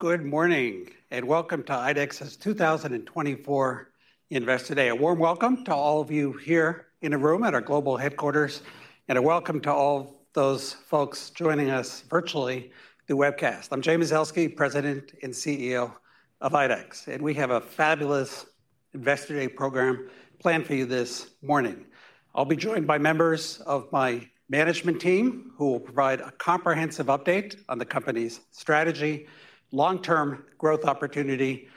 Good morning, and welcome to IDEXX's 2024 Investor Day. A warm welcome to all of you here in the room at our global headquarters, and a welcome to all those folks joining us virtually through webcast. I'm Jay Mazelsky, President and CEO of IDEXX, and we have a fabulous Investor Day program planned for you this morning. I'll be joined by members of my management team, who will provide a comprehensive update on the company's strategy, long-term growth opportunity,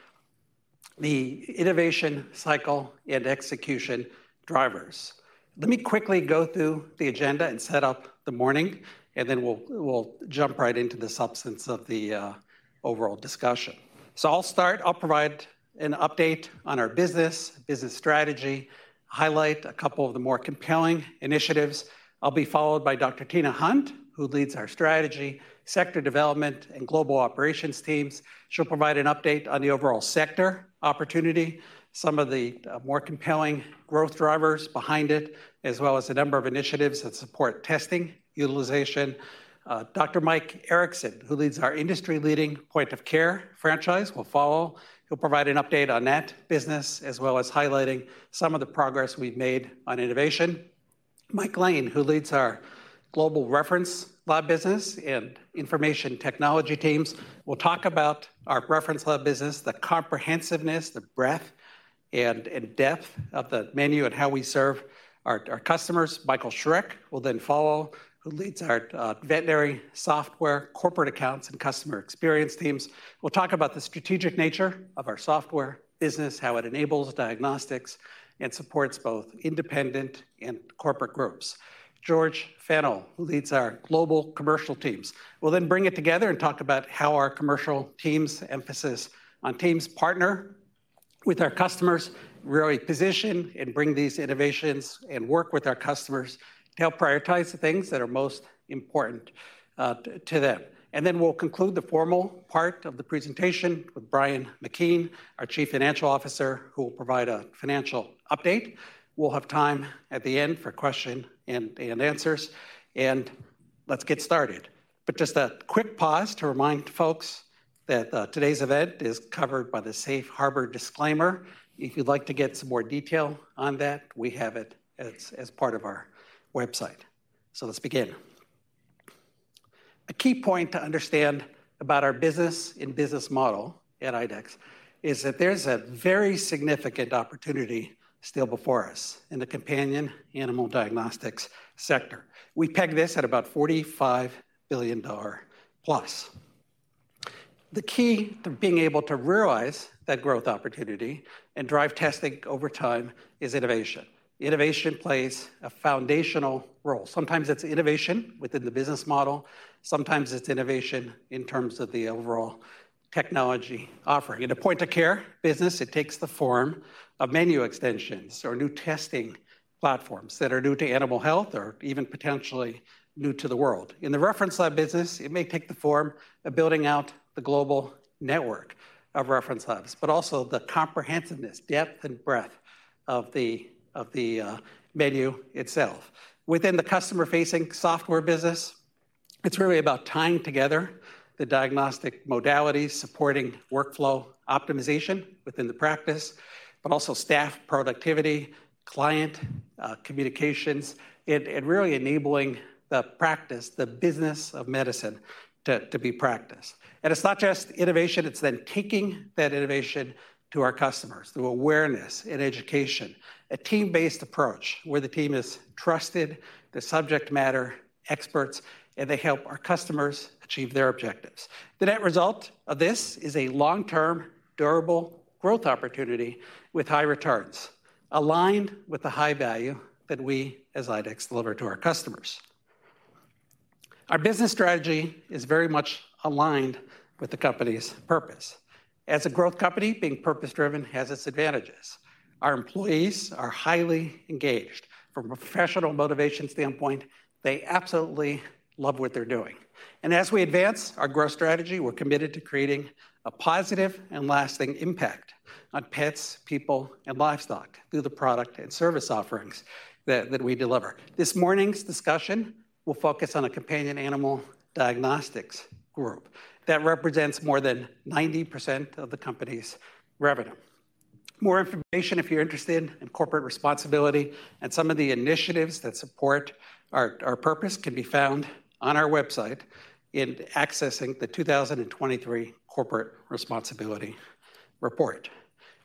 the innovation cycle, and execution drivers. Let me quickly go through the agenda and set up the morning, and then we'll jump right into the substance of the overall discussion. So I'll start. I'll provide an update on our business strategy, highlight a couple of the more compelling initiatives. I'll be followed by Dr. Tina Hunt, who leads our strategy, sector development, and global operations teams. She'll provide an update on the overall sector opportunity, some of the more compelling growth drivers behind it, as well as a number of initiatives that support testing, utilization. Dr. Mike Erickson, who leads our industry-leading point-of-care franchise, will follow. He'll provide an update on that business, as well as highlighting some of the progress we've made on innovation. Mike Lane, who leads our global reference lab business and information technology teams, will talk about our reference lab business, the comprehensiveness, the breadth and depth of the menu and how we serve our customers. Michael Schreck will then follow, who leads our veterinary software, corporate accounts, and customer experience teams. We'll talk about the strategic nature of our software business, how it enables diagnostics, and supports both independent and corporate groups. George Fennell, who leads our global commercial teams, will then bring it together and talk about how our commercial teams' emphasis on teams partner with our customers, really position and bring these innovations and work with our customers to help prioritize the things that are most important to them. And then we'll conclude the formal part of the presentation with Brian McKeon, our Chief Financial Officer, who will provide a financial update. We'll have time at the end for question and answers, and let's get started. But just a quick pause to remind folks that today's event is covered by the Safe Harbor disclaimer. If you'd like to get some more detail on that, we have it as part of our website. So let's begin. A key point to understand about our business and business model at IDEXX is that there's a very significant opportunity still before us in the companion animal diagnostics sector. We peg this at about $45 billion plus. The key to being able to realize that growth opportunity and drive testing over time is innovation. Innovation plays a foundational role. Sometimes it's innovation within the business model. Sometimes it's innovation in terms of the overall technology offering. In a point-of-care business, it takes the form of menu extensions or new testing platforms that are new to animal health or even potentially new to the world. In the reference lab business, it may take the form of building out the global network of reference labs, but also the comprehensiveness, depth, and breadth of the menu itself. Within the customer-facing software business, it's really about tying together the diagnostic modalities, supporting workflow optimization within the practice, but also staff productivity, client communications, and really enabling the practice, the business of medicine, to be practiced. It's not just innovation, it's then taking that innovation to our customers through awareness and education, a team-based approach, where the team is trusted, the subject matter experts, and they help our customers achieve their objectives. The net result of this is a long-term, durable growth opportunity with high returns, aligned with the high value that we, as IDEXX, deliver to our customers. Our business strategy is very much aligned with the company's purpose. As a growth company, being purpose-driven has its advantages. Our employees are highly engaged. From a professional motivation standpoint, they absolutely love what they're doing. As we advance our growth strategy, we're committed to creating a positive and lasting impact on pets, people, and livestock through the product and service offerings that we deliver. This morning's discussion will focus on a companion animal diagnostics group that represents more than 90% of the company's revenue. More information, if you're interested in corporate responsibility and some of the initiatives that support our purpose, can be found on our website in accessing the 2023 Corporate Responsibility Report.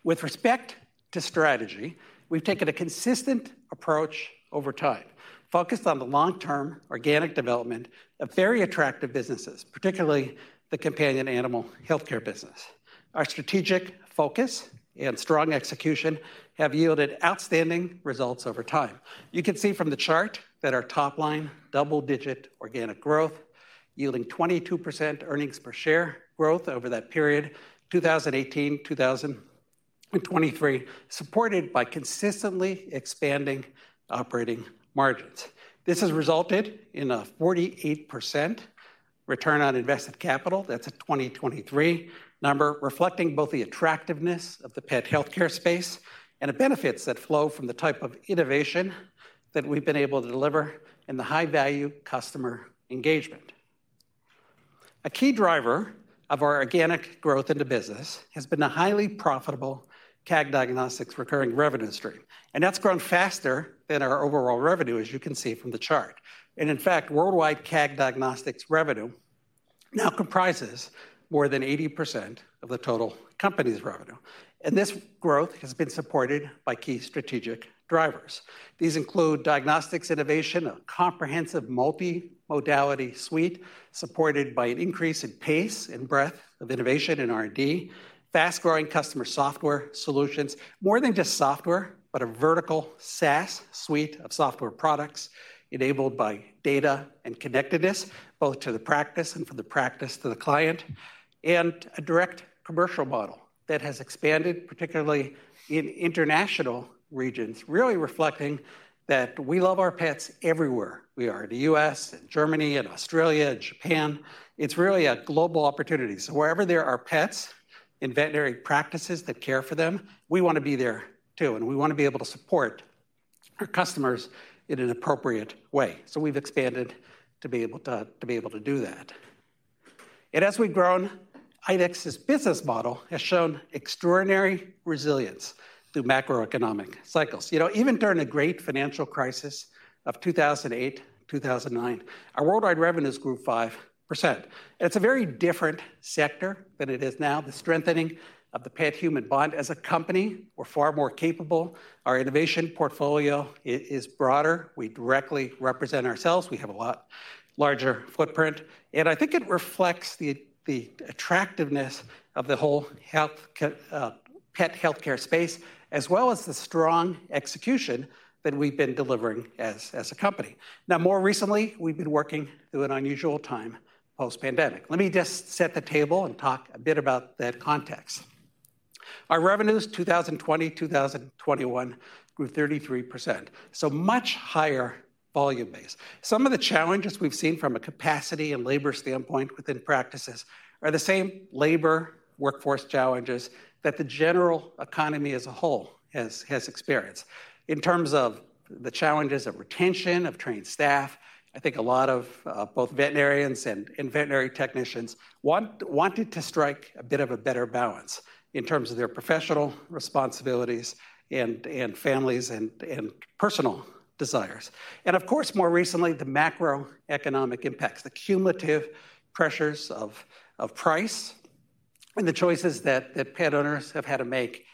With respect to strategy, we've taken a consistent approach over time, focused on the long-term organic development of very attractive businesses, particularly the companion animal healthcare business. Our strategic focus and strong execution have yielded outstanding results over time. You can see from the chart that our top line double-digit organic growth, yielding 22% earnings per share growth over that period, 2018, 2023, supported by consistently expanding operating margins. This has resulted in a 48% return on invested capital. That's a 2023 number, reflecting both the attractiveness of the pet healthcare space and the benefits that flow from the type of innovation that we've been able to deliver and the high-value customer engagement... A key driver of our organic growth in the business has been a highly profitable CAG Diagnostics recurring revenue stream, and that's grown faster than our overall revenue, as you can see from the chart. And in fact, worldwide CAG Diagnostics revenue now comprises more than 80% of the total company's revenue, and this growth has been supported by key strategic drivers. These include diagnostics innovation, a comprehensive multi-modality suite, supported by an increase in pace and breadth of innovation in R&D, fast-growing customer software solutions, more than just software, but a vertical SaaS suite of software products enabled by data and connectedness, both to the practice and from the practice to the client, and a direct commercial model that has expanded, particularly in international regions, really reflecting that we love our pets everywhere. We are in the U.S., and Germany, and Australia, and Japan. It's really a global opportunity. So wherever there are pets and veterinary practices that care for them, we want to be there too, and we want to be able to support our customers in an appropriate way. So we've expanded to be able to do that. As we've grown, IDEXX's business model has shown extraordinary resilience through macroeconomic cycles. You know, even during the great financial crisis of 2008, 2009, our worldwide revenues grew 5%. It's a very different sector than it is now, the strengthening of the pet-human bond. As a company, we're far more capable. Our innovation portfolio is broader. We directly represent ourselves. We have a lot larger footprint, and I think it reflects the attractiveness of the whole health pet healthcare space, as well as the strong execution that we've been delivering as a company. Now, more recently, we've been working through an unusual time post-pandemic. Let me just set the table and talk a bit about that context. Our revenues, 2020, 2021, grew 33%, so much higher volume base. Some of the challenges we've seen from a capacity and labor standpoint within practices are the same labor workforce challenges that the general economy as a whole has experienced. In terms of the challenges of retention of trained staff, I think a lot of both veterinarians and veterinary technicians wanted to strike a bit of a better balance in terms of their professional responsibilities and families and personal desires. And of course, more recently, the macroeconomic impacts, the cumulative pressures of price and the choices that pet owners have had to make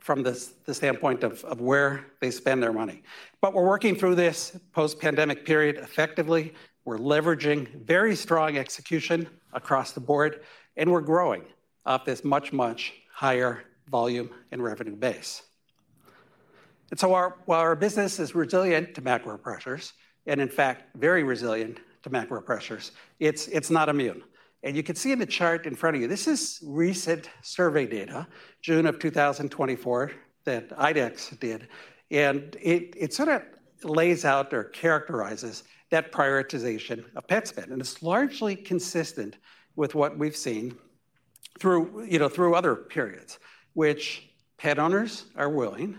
from the standpoint of where they spend their money. But we're working through this post-pandemic period effectively, we're leveraging very strong execution across the board, and we're growing off this much higher volume and revenue base. And so our... While our business is resilient to macro pressures, and in fact, very resilient to macro pressures, it's not immune. And you can see in the chart in front of you. This is recent survey data, June of 2024, that IDEXX did, and it sort of lays out or characterizes that prioritization of pet spend. And it's largely consistent with what we've seen through, you know, through other periods, which pet owners are willing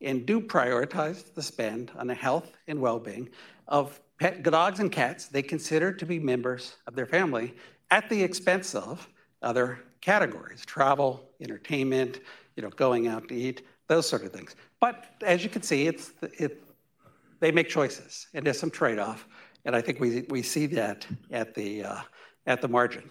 and do prioritize the spend on the health and well-being of pet, dogs and cats they consider to be members of their family, at the expense of other categories: travel, entertainment, you know, going out to eat, those sort of things. But as you can see, it's the, they make choices, and there's some trade-off, and I think we see that at the margin.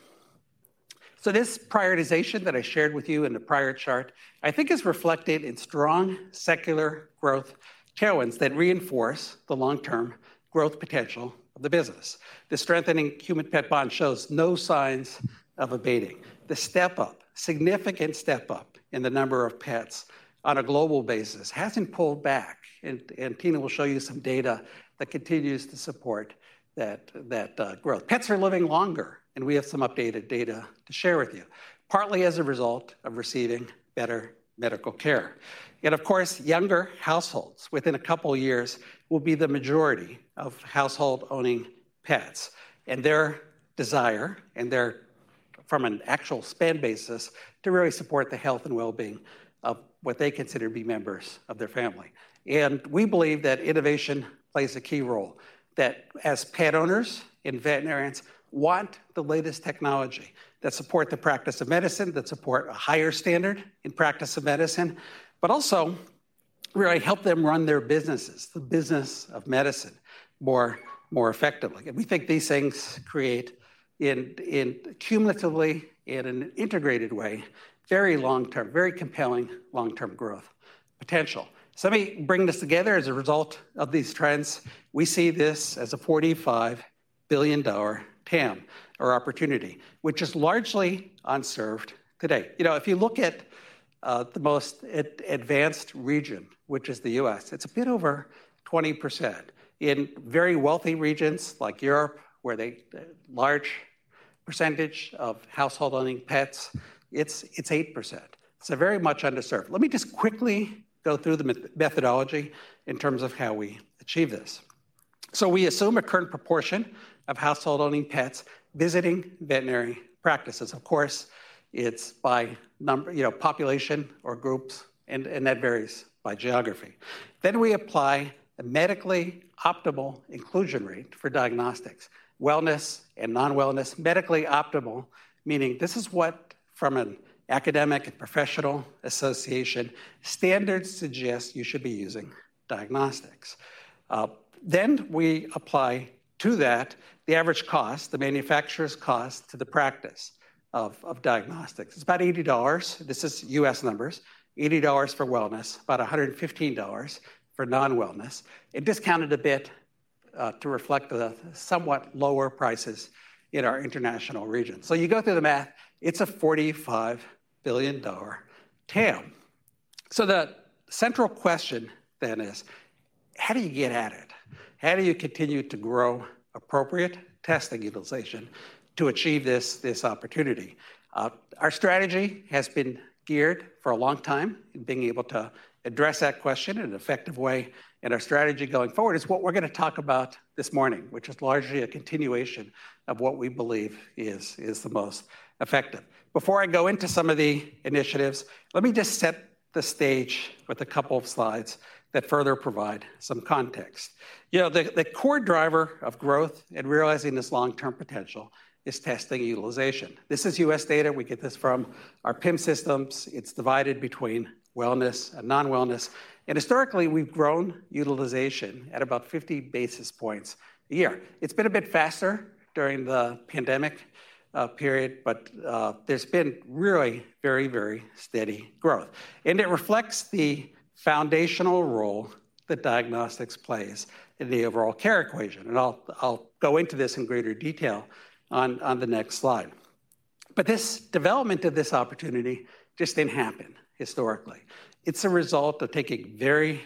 So this prioritization that I shared with you in the prior chart, I think is reflected in strong secular growth tailwinds that reinforce the long-term growth potential of the business. The strengthening human-pet bond shows no signs of abating. The step-up, significant step-up in the number of pets on a global basis hasn't pulled back, and Tina will show you some data that continues to support that growth. Pets are living longer, and we have some updated data to share with you, partly as a result of receiving better medical care. Yet, of course, younger households, within a couple of years, will be the majority of household-owning pets, and their desire, and their, from an actual spend basis, to really support the health and well-being of what they consider to be members of their family. We believe that innovation plays a key role, that as pet owners and veterinarians want the latest technology that support the practice of medicine, that support a higher standard in practice of medicine, but also really help them run their businesses, the business of medicine, more, more effectively. We think these things create, cumulatively, in an integrated way, very long-term, very compelling long-term growth potential. Let me bring this together. As a result of these trends, we see this as a $45 billion TAM or opportunity, which is largely unserved today. You know, if you look at the most advanced region, which is the U.S., it's a bit over 20%. In very wealthy regions like Europe, where they, a large percentage of household-owning pets, it's 8%. It's very much underserved. Let me just quickly go through the methodology in terms of how we achieve this. So we assume a current proportion of household-owning pets visiting veterinary practices. Of course, it's by number, you know, population or groups, and that varies by geography. Then we apply the medically optimal inclusion rate for diagnostics, wellness and non-wellness. Medically optimal, meaning this is what from an academic and professional association, standards suggest you should be using diagnostics. Then we apply to that the average cost, the manufacturer's cost, to the practice of, of diagnostics. It's about $80, this is U.S. numbers, $80 for wellness, about $115 for non-wellness. It discounted a bit, to reflect the somewhat lower prices in our international region. So you go through the math, it's a $45 billion TAM. So the central question then is: how do you get at it? How do you continue to grow appropriate testing utilization to achieve this, this opportunity? Our strategy has been geared for a long time in being able to address that question in an effective way, and our strategy going forward is what we're gonna talk about this morning, which is largely a continuation of what we believe is, is the most effective. Before I go into some of the initiatives, let me just set the stage with a couple of slides that further provide some context. You know, the core driver of growth and realizing this long-term potential is testing utilization. This is U.S. data. We get this from our PIM systems. It's divided between wellness and non-wellness, and historically, we've grown utilization at about 50 basis points a year. It's been a bit faster during the pandemic period, but there's been really very, very steady growth, and it reflects the foundational role that diagnostics plays in the overall care equation, and I'll, I'll go into this in greater detail on the next slide. But this development of this opportunity just didn't happen historically. It's a result of taking very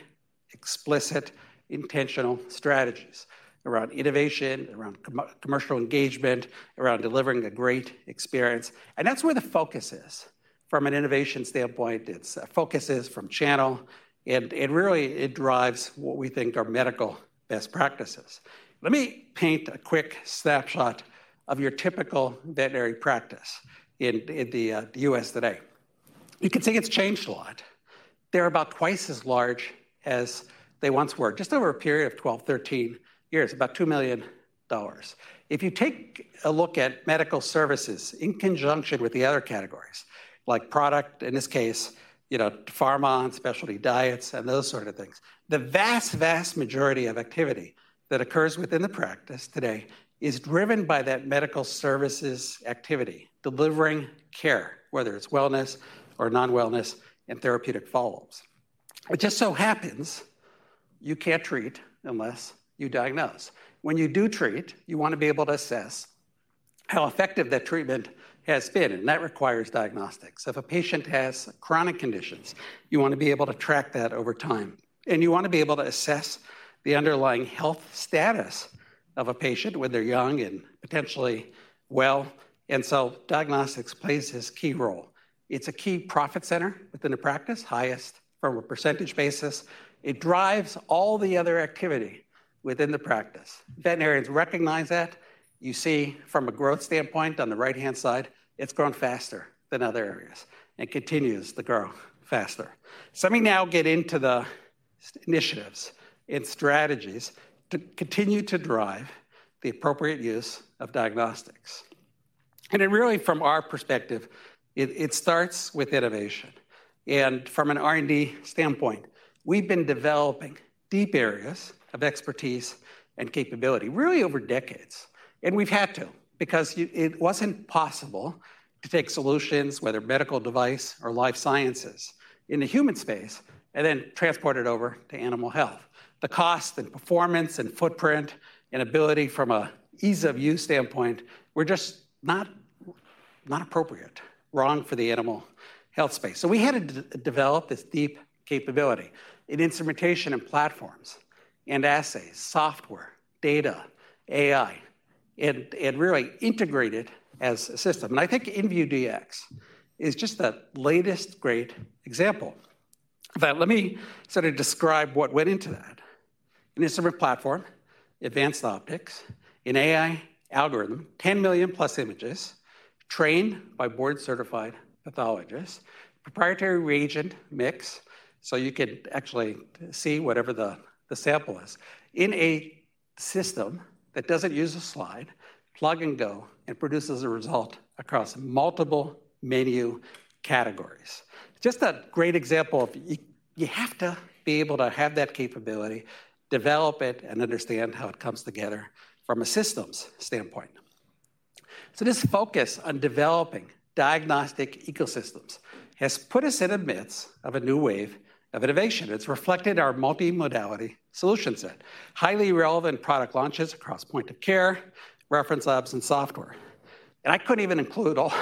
explicit, intentional strategies around innovation, around commercial engagement, around delivering a great experience, and that's where the focus is. From an innovation standpoint, its focus is from channel, and it really drives what we think are medical best practices. Let me paint a quick snapshot of your typical veterinary practice in the U.S. today. You can see it's changed a lot. They're about twice as large as they once were, just over a period of 12, 13 years, about $2 million. If you take a look at medical services in conjunction with the other categories, like product, in this case, you know, pharma and specialty diets and those sort of things, the vast, vast majority of activity that occurs within the practice today is driven by that medical services activity, delivering care, whether it's wellness or non-wellness, and therapeutic follow-ups. It just so happens you can't treat unless you diagnose. When you do treat, you want to be able to assess how effective that treatment has been, and that requires diagnostics. If a patient has chronic conditions, you want to be able to track that over time, and you want to be able to assess the underlying health status of a patient when they're young and potentially well, and so diagnostics plays this key role. It's a key profit center within a practice, highest from a percentage basis. It drives all the other activity within the practice. Veterinarians recognize that. You see from a growth standpoint on the right-hand side, it's grown faster than other areas and continues to grow faster. So let me now get into the strategic initiatives and strategies to continue to drive the appropriate use of diagnostics. And it really, from our perspective, it starts with innovation, and from an R&D standpoint, we've been developing deep areas of expertise and capability, really over decades. And we've had to, because you... It wasn't possible to take solutions, whether medical device or life sciences, in the human space and then transport it over to animal health. The cost and performance and footprint and ability from a ease-of-use standpoint were just not, not appropriate, wrong for the animal health space. So we had to develop this deep capability in instrumentation and platforms and assays, software, data, AI, and, and really integrate it as a system. And I think InVue Dx is just the latest great example. But let me sort of describe what went into that. An instrument platform, advanced optics, an AI algorithm, 10 million+ images trained by board-certified pathologists, proprietary reagent mix, so you can actually see whatever the, the sample is, in a system that doesn't use a slide, plug and go, and produces a result across multiple menu categories. Just a great example of you have to be able to have that capability, develop it, and understand how it comes together from a systems standpoint. So this focus on developing diagnostic ecosystems has put us in the midst of a new wave of innovation. It's reflected in our multimodality solution set, highly relevant product launches across point-of-care, reference labs, and software. And I couldn't even include all,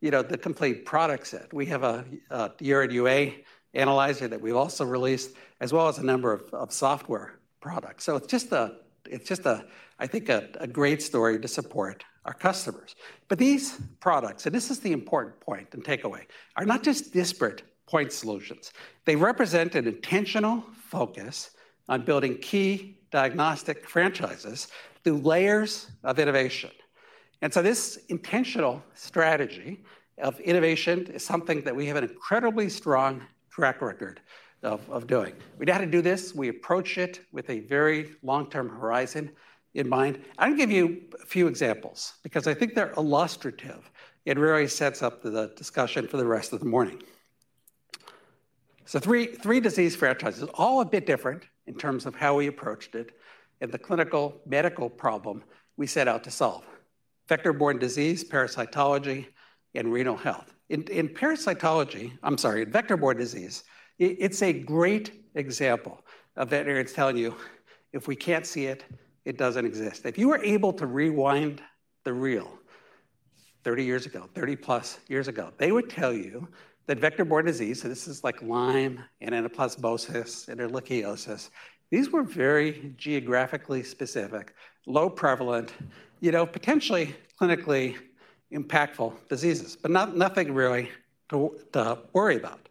you know, the complete product set. We have a urine UA analyzer that we've also released, as well as a number of software products. So it's just a, I think, a great story to support our customers. But these products, and this is the important point and takeaway, are not just disparate point solutions. They represent an intentional focus on building key diagnostic franchises through layers of innovation. And so this intentional strategy of innovation is something that we have an incredibly strong track record of, of doing. We know how to do this. We approach it with a very long-term horizon in mind. I can give you a few examples because I think they're illustrative. It really sets up the discussion for the rest of the morning. So 3, 3 disease franchises, all a bit different in terms of how we approached it and the clinical medical problem we set out to solve: vector-borne disease, parasitology, and renal health. In parasitology, I'm sorry, in vector-borne disease, it's a great example of veterinarians telling you, "If we can't see it, it doesn't exist." If you were able to rewind the reel 30 years ago, 30-plus years ago, they would tell you that vector-borne disease, so this is like Lyme and anaplasmosis and ehrlichiosis, these were very geographically specific, low prevalent, you know, potentially clinically impactful diseases, but nothing really to worry about.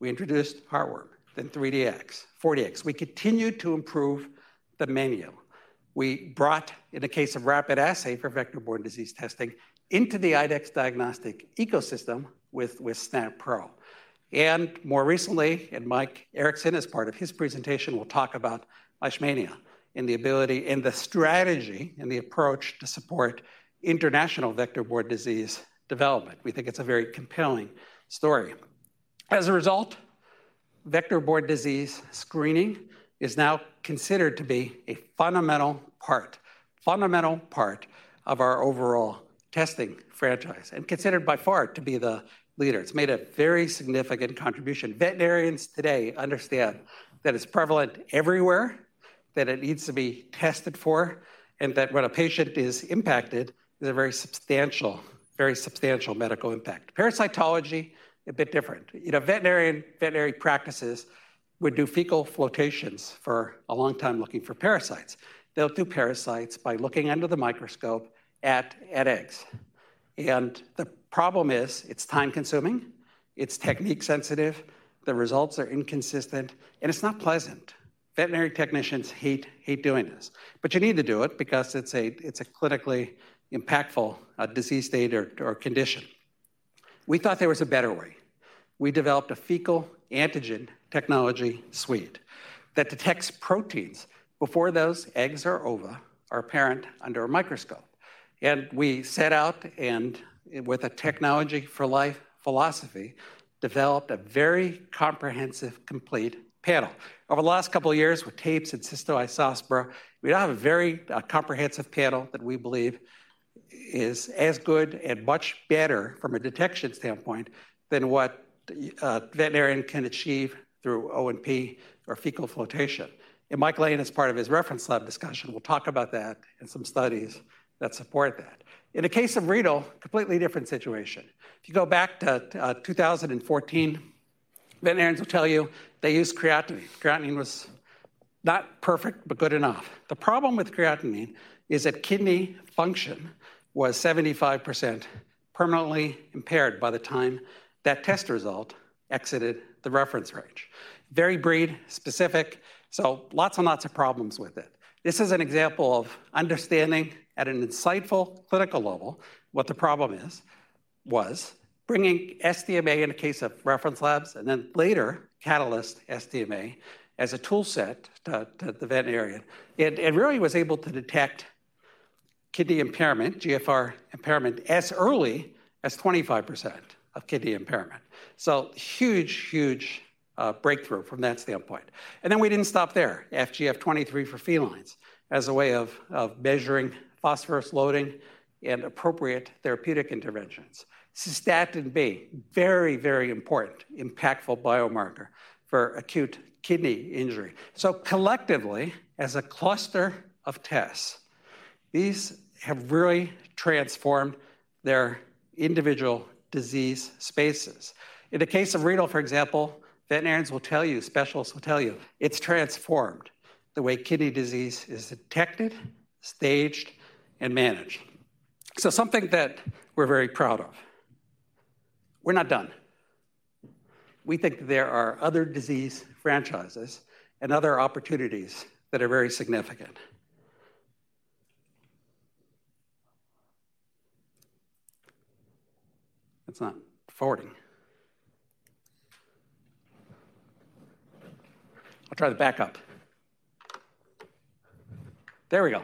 We introduced Heartworm, then 3Dx, 4Dx. We continued to improve the menu. We brought, in the case of rapid assay for vector-borne disease testing, into the IDEXX diagnostic ecosystem with SNAP Pro. And more recently, Mike Erickson, as part of his presentation, will talk about Leishmania and the ability and the strategy and the approach to support international vector-borne disease development. We think it's a very compelling story. As a result, vector-borne disease screening is now considered to be a fundamental part, fundamental part of our overall testing franchise and considered by far to be the leader. It's made a very significant contribution. Veterinarians today understand that it's prevalent everywhere, that it needs to be tested for, and that when a patient is impacted, there's a very substantial, very substantial medical impact. Parasitology, a bit different. You know, veterinary practices would do fecal flotations for a long time looking for parasites. They'll do parasites by looking under the microscope at eggs, and the problem is it's time-consuming, it's technique-sensitive, the results are inconsistent, and it's not pleasant. Veterinary technicians hate, hate doing this, but you need to do it because it's a clinically impactful disease state or condition. We thought there was a better way. We developed a fecal antigen technology suite that detects proteins before those eggs or ova are apparent under a microscope. And we set out, and with a technology for life philosophy, developed a very comprehensive, complete panel. Over the last couple of years with tapes and Cystoisospora, we now have a very comprehensive panel that we believe is as good and much better from a detection standpoint than what a veterinarian can achieve through O&P or fecal flotation. And Mike Lane, as part of his reference lab discussion, will talk about that and some studies that support that. In the case of renal, completely different situation. If you go back to 2014, veterinarians will tell you they used creatinine. Creatinine was not perfect, but good enough. The problem with creatinine is that kidney function was 75% permanently impaired by the time that test result exited the reference range. Very breed specific, so lots and lots of problems with it. This is an example of understanding at an insightful clinical level what the problem is, was, bringing SDMA in the case of reference labs, and then later, Catalyst SDMA, as a tool set to, to the veterinarian, and, and really was able to detect kidney impairment, GFR impairment, as early as 25% of kidney impairment. So huge, huge, breakthrough from that standpoint. And then we didn't stop there, FGF23 for felines as a way of, of measuring phosphorus loading and appropriate therapeutic interventions. Cystatin B, very, very important, impactful biomarker for acute kidney injury. So collectively, as a cluster of tests, these have really transformed their individual disease spaces. In the case of renal, for example, veterinarians will tell you, specialists will tell you, it's transformed the way kidney disease is detected, staged, and managed. So something that we're very proud of. We're not done. We think there are other disease franchises and other opportunities that are very significant. It's not forwarding. I'll try the backup. There we go.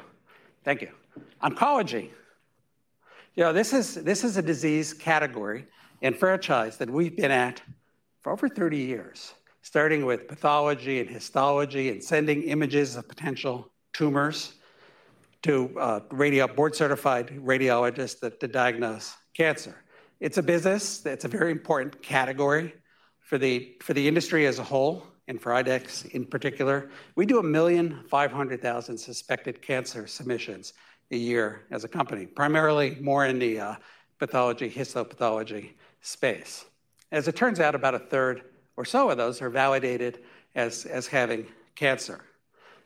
Thank you. Oncology. You know, this is a disease category and franchise that we've been at for over 30 years, starting with pathology and histology and sending images of potential tumors to board-certified radiologists to diagnose cancer. It's a business that's a very important category for the industry as a whole and for IDEXX in particular. We do 1.5 million suspected cancer submissions a year as a company, primarily more in the pathology, histopathology space. As it turns out, about a third or so of those are validated as, as having cancer.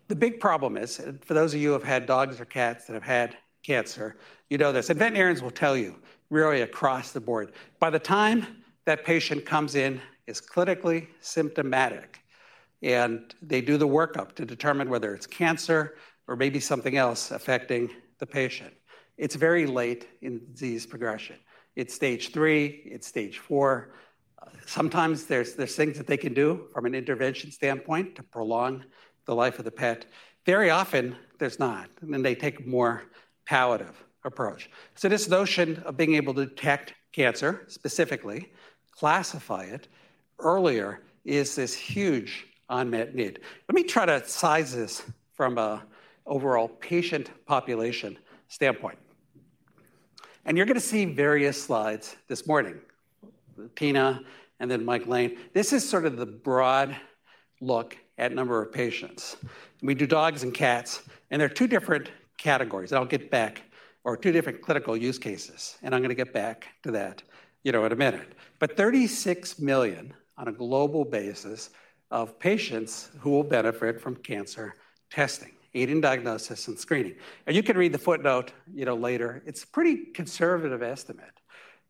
The big problem is, for those of you who have had dogs or cats that have had cancer, you know this, and veterinarians will tell you, really across the board, by the time that patient comes in, it's clinically symptomatic, and they do the workup to determine whether it's cancer or maybe something else affecting the patient. It's very late in the disease progression. It's stage 3, it's stage 4... sometimes there's, there's things that they can do from an intervention standpoint to prolong the life of the pet. Very often, there's not, and then they take a more palliative approach. So this notion of being able to detect cancer, specifically, classify it earlier, is this huge unmet need. Let me try to size this from a overall patient population standpoint. You're gonna see various slides this morning, with Tina and then Mike Lane. This is sort of the broad look at number of patients. We do dogs and cats, and they're two different categories, and I'll get back- or two different clinical use cases, and I'm gonna get back to that, you know, in a minute. But 36 million, on a global basis, of patients who will benefit from cancer testing, aiding diagnosis and screening. You can read the footnote, you know, later. It's a pretty conservative estimate,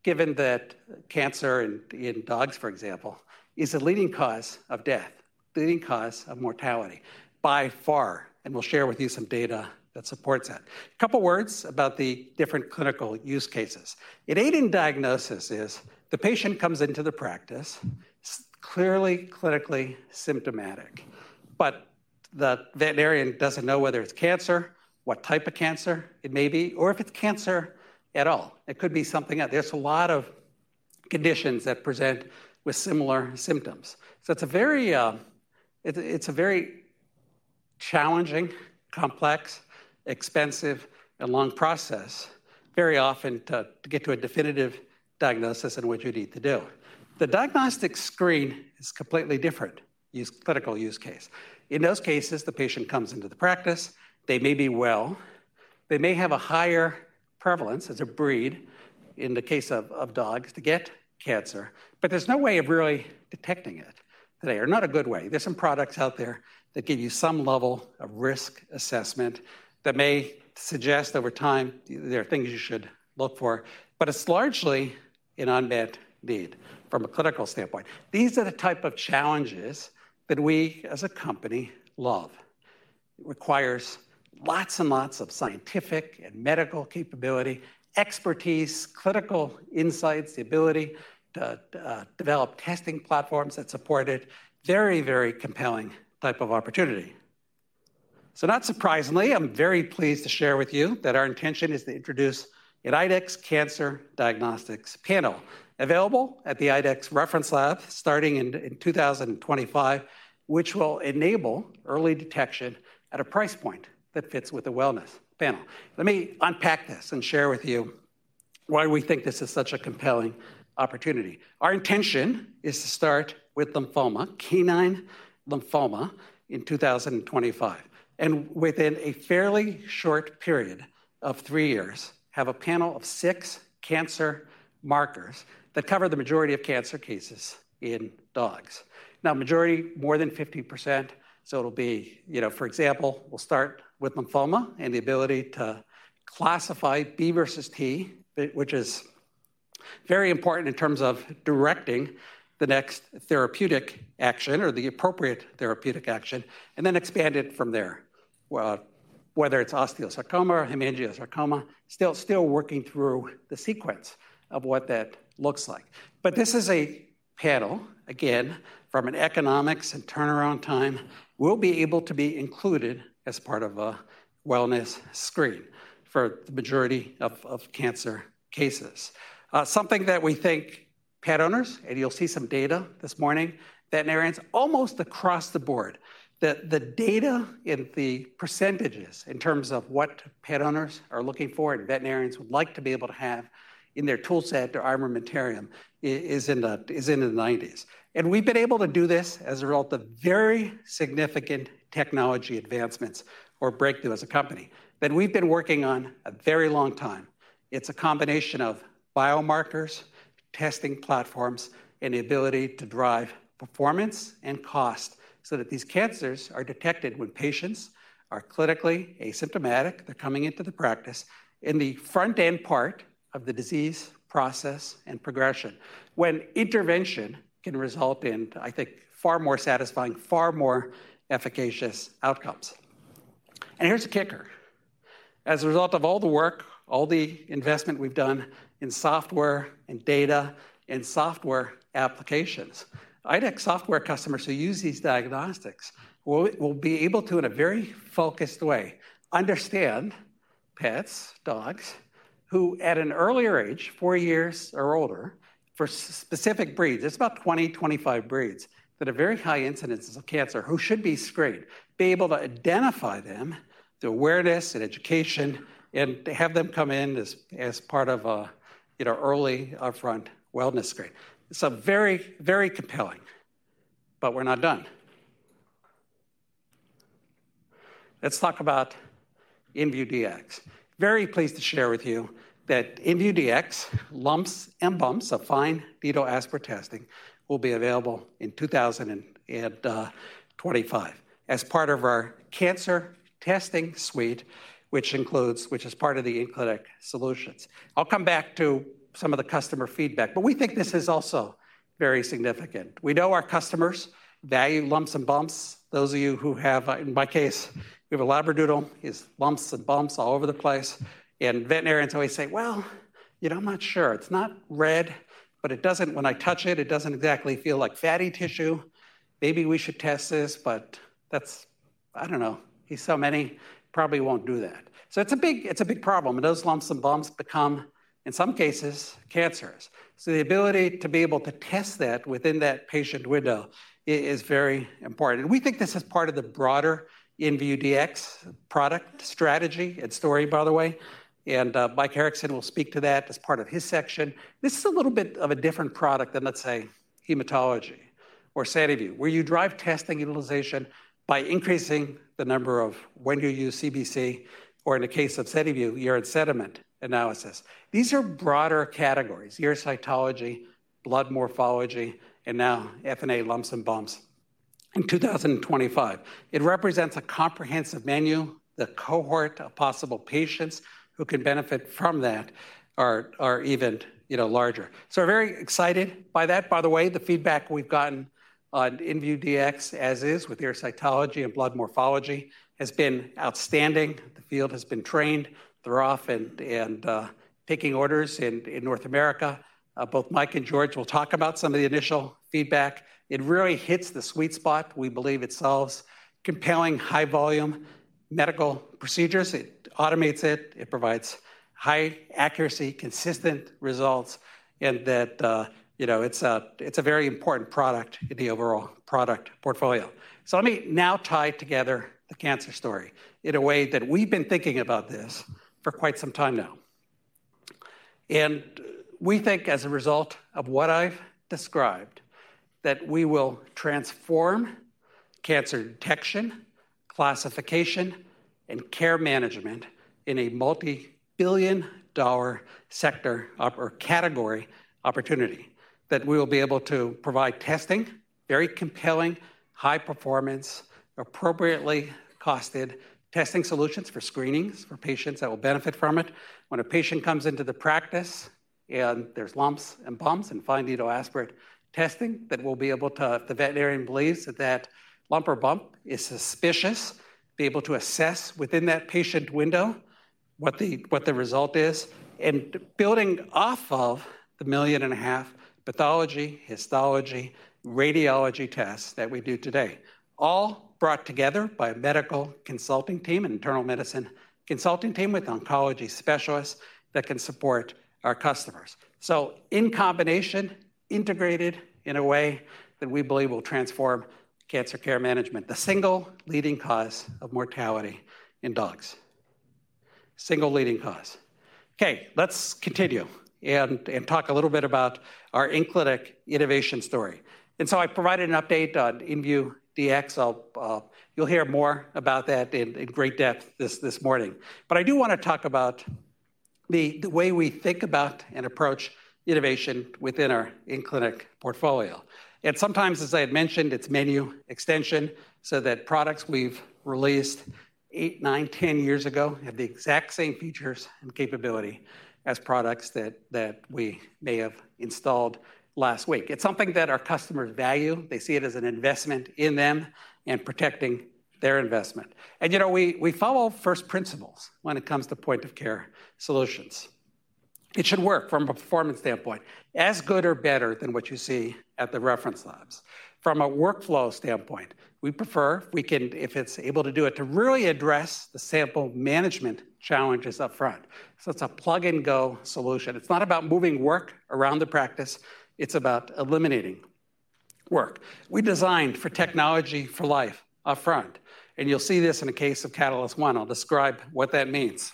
given that cancer in, in dogs, for example, is the leading cause of death, the leading cause of mortality, by far, and we'll share with you some data that supports that. A couple words about the different clinical use cases. In aiding diagnosis, the patient comes into the practice, clearly clinically symptomatic, but the veterinarian doesn't know whether it's cancer, what type of cancer it may be, or if it's cancer at all. It could be something else. There's a lot of conditions that present with similar symptoms. So it's a very challenging, complex, expensive, and long process, very often, to get to a definitive diagnosis and what you need to do. The diagnostic screen is a completely different use, clinical use case. In those cases, the patient comes into the practice. They may be well. They may have a higher prevalence, as a breed, in the case of dogs, to get cancer, but there's no way of really detecting it. They are not a good way. There's some products out there that give you some level of risk assessment that may suggest, over time, there are things you should look for, but it's largely an unmet need from a clinical standpoint. These are the type of challenges that we, as a company, love. It requires lots and lots of scientific and medical capability, expertise, clinical insights, the ability to, develop testing platforms that support it. Very, very compelling type of opportunity. So not surprisingly, I'm very pleased to share with you that our intention is to introduce an IDEXX Cancer Diagnostics panel, available at the IDEXX Reference Lab, starting in 2025, which will enable early detection at a price point that fits with the wellness panel. Let me unpack this and share with you why we think this is such a compelling opportunity. Our intention is to start with lymphoma, canine lymphoma, in 2025, and within a fairly short period of 3 years, have a panel of 6 cancer markers that cover the majority of cancer cases in dogs. Now, majority, more than 50%, so it'll be, you know, for example, we'll start with lymphoma and the ability to classify B versus T, which is very important in terms of directing the next therapeutic action or the appropriate therapeutic action, and then expand it from there. Well, whether it's osteosarcoma or hemangiosarcoma, still working through the sequence of what that looks like. But this is a panel, again, from an economics and turnaround time, will be able to be included as part of a wellness screen for the majority of cancer cases. Something that we think pet owners, and you'll see some data this morning, veterinarians, almost across the board, that the data and the percentages in terms of what pet owners are looking for and veterinarians would like to be able to have in their toolset, their armamentarium, is in the nineties. And we've been able to do this as a result of very significant technology advancements or breakthroughs as a company, that we've been working on a very long time. It's a combination of biomarkers, testing platforms, and the ability to drive performance and cost so that these cancers are detected when patients are clinically asymptomatic. They're coming into the practice in the front-end part of the disease process and progression, when intervention can result in, I think, far more satisfying, far more efficacious outcomes. And here's the kicker: As a result of all the work, all the investment we've done in software and data and software applications, IDEXX software customers who use these diagnostics will, will be able to, in a very focused way, understand pets, dogs, who at an earlier age, 4 years or older, for specific breeds, it's about 20, 25 breeds, that have very high incidences of cancer, who should be screened, be able to identify them, the awareness and education, and to have them come in as, as part of a, you know, early upfront wellness screen. So very, very compelling, but we're not done. Let's talk about InVue Dx. Very pleased to share with you that InVue Dx lumps and bumps of fine-needle aspirate testing will be available in 2025 as part of our cancer testing suite, which is part of the in-clinic solutions. I'll come back to some of the customer feedback, but we think this is also very significant. We know our customers value lumps and bumps. Those of you who have... In my case, we have a Labradoodle. He has lumps and bumps all over the place, and veterinarians always say, "Well, you know, I'm not sure. It's not red, but it doesn't-- When I touch it, it doesn't exactly feel like fatty tissue. Maybe we should test this, but that's-"... I don't know. He's so many, probably won't do that. So it's a big, it's a big problem, and those lumps and bumps become, in some cases, cancerous. So the ability to be able to test that within that patient window is very important, and we think this is part of the broader InVue Dx product strategy and story, by the way, and, Mike Erickson will speak to that as part of his section. This is a little bit of a different product than, let's say, hematology or SediVue Dx, where you drive testing utilization by increasing the number of when you use CBC, or in the case of SediVue Dx, urine sediment analysis. These are broader categories, urocytology, blood morphology, and now FNA lumps and bumps. In 2025, it represents a comprehensive menu. The cohort of possible patients who can benefit from that are even, you know, larger. So we're very excited by that. By the way, the feedback we've gotten on InVue Dx, as is, with urocytology and blood morphology, has been outstanding. The field has been trained. They're off and taking orders in North America. Both Mike and George will talk about some of the initial feedback. It really hits the sweet spot. We believe it solves compelling, high-volume medical procedures. It automates it, it provides high accuracy, consistent results, and that you know, it's a very important product in the overall product portfolio. So let me now tie together the cancer story in a way that we've been thinking about this for quite some time now. And we think, as a result of what I've described, that we will transform cancer detection, classification, and care management in a multi-billion-dollar sector or category opportunity, that we will be able to provide testing, very compelling, high performance, appropriately costed testing solutions for screenings for patients that will benefit from it. When a patient comes into the practice and there's lumps and bumps and fine needle aspirate testing, that we'll be able to, if the veterinarian believes that that lump or bump is suspicious, be able to assess within that patient window what the result is, and building off of the 1.5 million pathology, histology, radiology tests that we do today, all brought together by a medical consulting team, an internal medicine consulting team with oncology specialists that can support our customers. So in combination, integrated in a way that we believe will transform cancer care management, the single leading cause of mortality in dogs. Single leading cause. Okay, let's continue and talk a little bit about our in-clinic innovation story. And so I provided an update on InVue Dx. I'll... You'll hear more about that in great depth this morning. But I do want to talk about the way we think about and approach innovation within our in-clinic portfolio. And sometimes, as I had mentioned, it's menu extension, so that products we've released 8, 9, 10 years ago have the exact same features and capability as products that we may have installed last week. It's something that our customers value. They see it as an investment in them and protecting their investment. And, you know, we follow first principles when it comes to point-of-care solutions. It should work from a performance standpoint, as good or better than what you see at the reference labs. From a workflow standpoint, we prefer, we can, if it's able to do it, to really address the sample management challenges up front. So it's a plug-and-go solution. It's not about moving work around the practice. It's about eliminating work. We designed for technology for life up front, and you'll see this in the case of Catalyst One. I'll describe what that means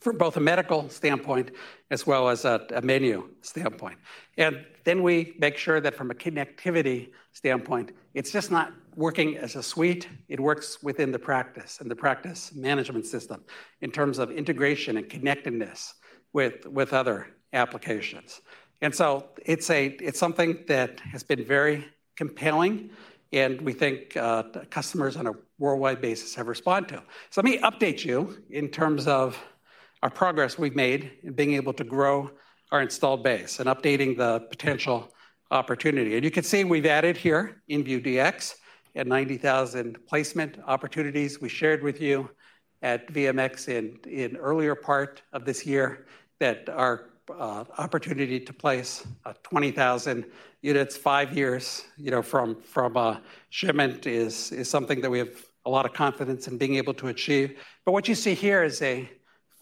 from both a medical standpoint as well as a menu standpoint. And then we make sure that from a connectivity standpoint, it's just not working as a suite. It works within the practice and the practice management system in terms of integration and connectedness with other applications. And so it's something that has been very compelling, and we think customers on a worldwide basis have responded to. So let me update you in terms of our progress we've made in being able to grow our installed base and updating the potential opportunity. And you can see we've added here, InVue Dx, and 90,000 placement opportunities. We shared with you at VMX in earlier part of this year that our opportunity to place 20,000 units five years, you know, from shipment is something that we have a lot of confidence in being able to achieve. But what you see here is a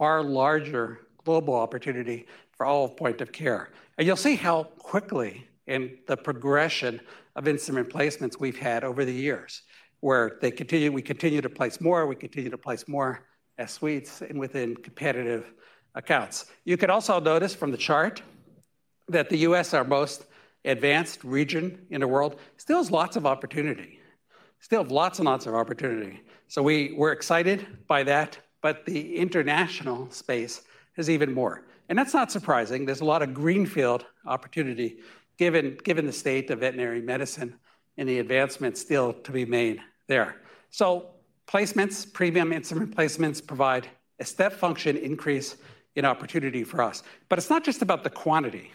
far larger global opportunity for all of point of care. And you'll see how quickly in the progression of instrument placements we've had over the years, where they continue—we continue to place more, we continue to place more suites and within competitive accounts. You can also notice from the chart that the U.S., our most advanced region in the world, still has lots of opportunity, still have lots and lots of opportunity. So we're excited by that, but the international space is even more, and that's not surprising. There's a lot of greenfield opportunity, given the state of veterinary medicine and the advancements still to be made there. So placements, premium instrument placements, provide a step function increase in opportunity for us. But it's not just about the quantity.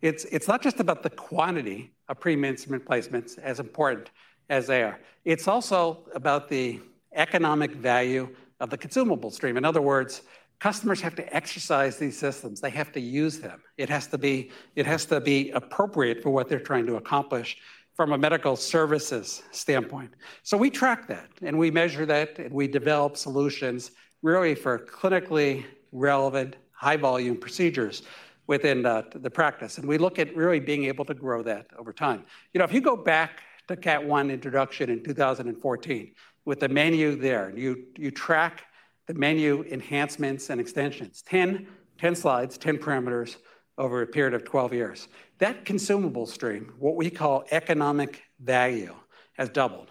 It's not just about the quantity of premium instrument placements, as important as they are. It's also about the economic value of the consumable stream. In other words, customers have to exercise these systems. They have to use them. It has to be appropriate for what they're trying to accomplish from a medical services standpoint. So we track that, and we measure that, and we develop solutions really for clinically relevant, high-volume procedures within the practice. We look at really being able to grow that over time. You know, if you go back to Cat One introduction in 2014, with the menu there, and you, you track the menu enhancements and extensions, 10, 10 slides, 10 parameters over a period of 12 years. That consumable stream, what we call economic value, has doubled.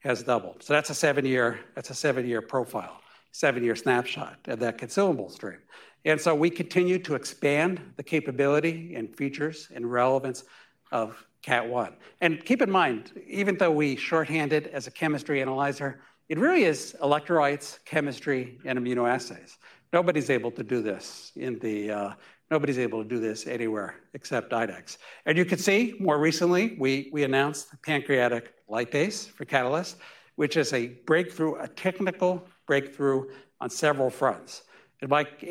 Has doubled. So that's a 7-year, that's a 7-year profile, 7-year snapshot of that consumable stream. And so we continue to expand the capability and features and relevance of Cat One. And keep in mind, even though we shorthanded as a chemistry analyzer, it really is electrolytes, chemistry, and immunoassays. Nobody's able to do this in the... Nobody's able to do this anywhere except IDEXX. And you can see, more recently, we, we announced pancreatic lipase for Catalyst, which is a breakthrough, a technical breakthrough on several fronts. Mike,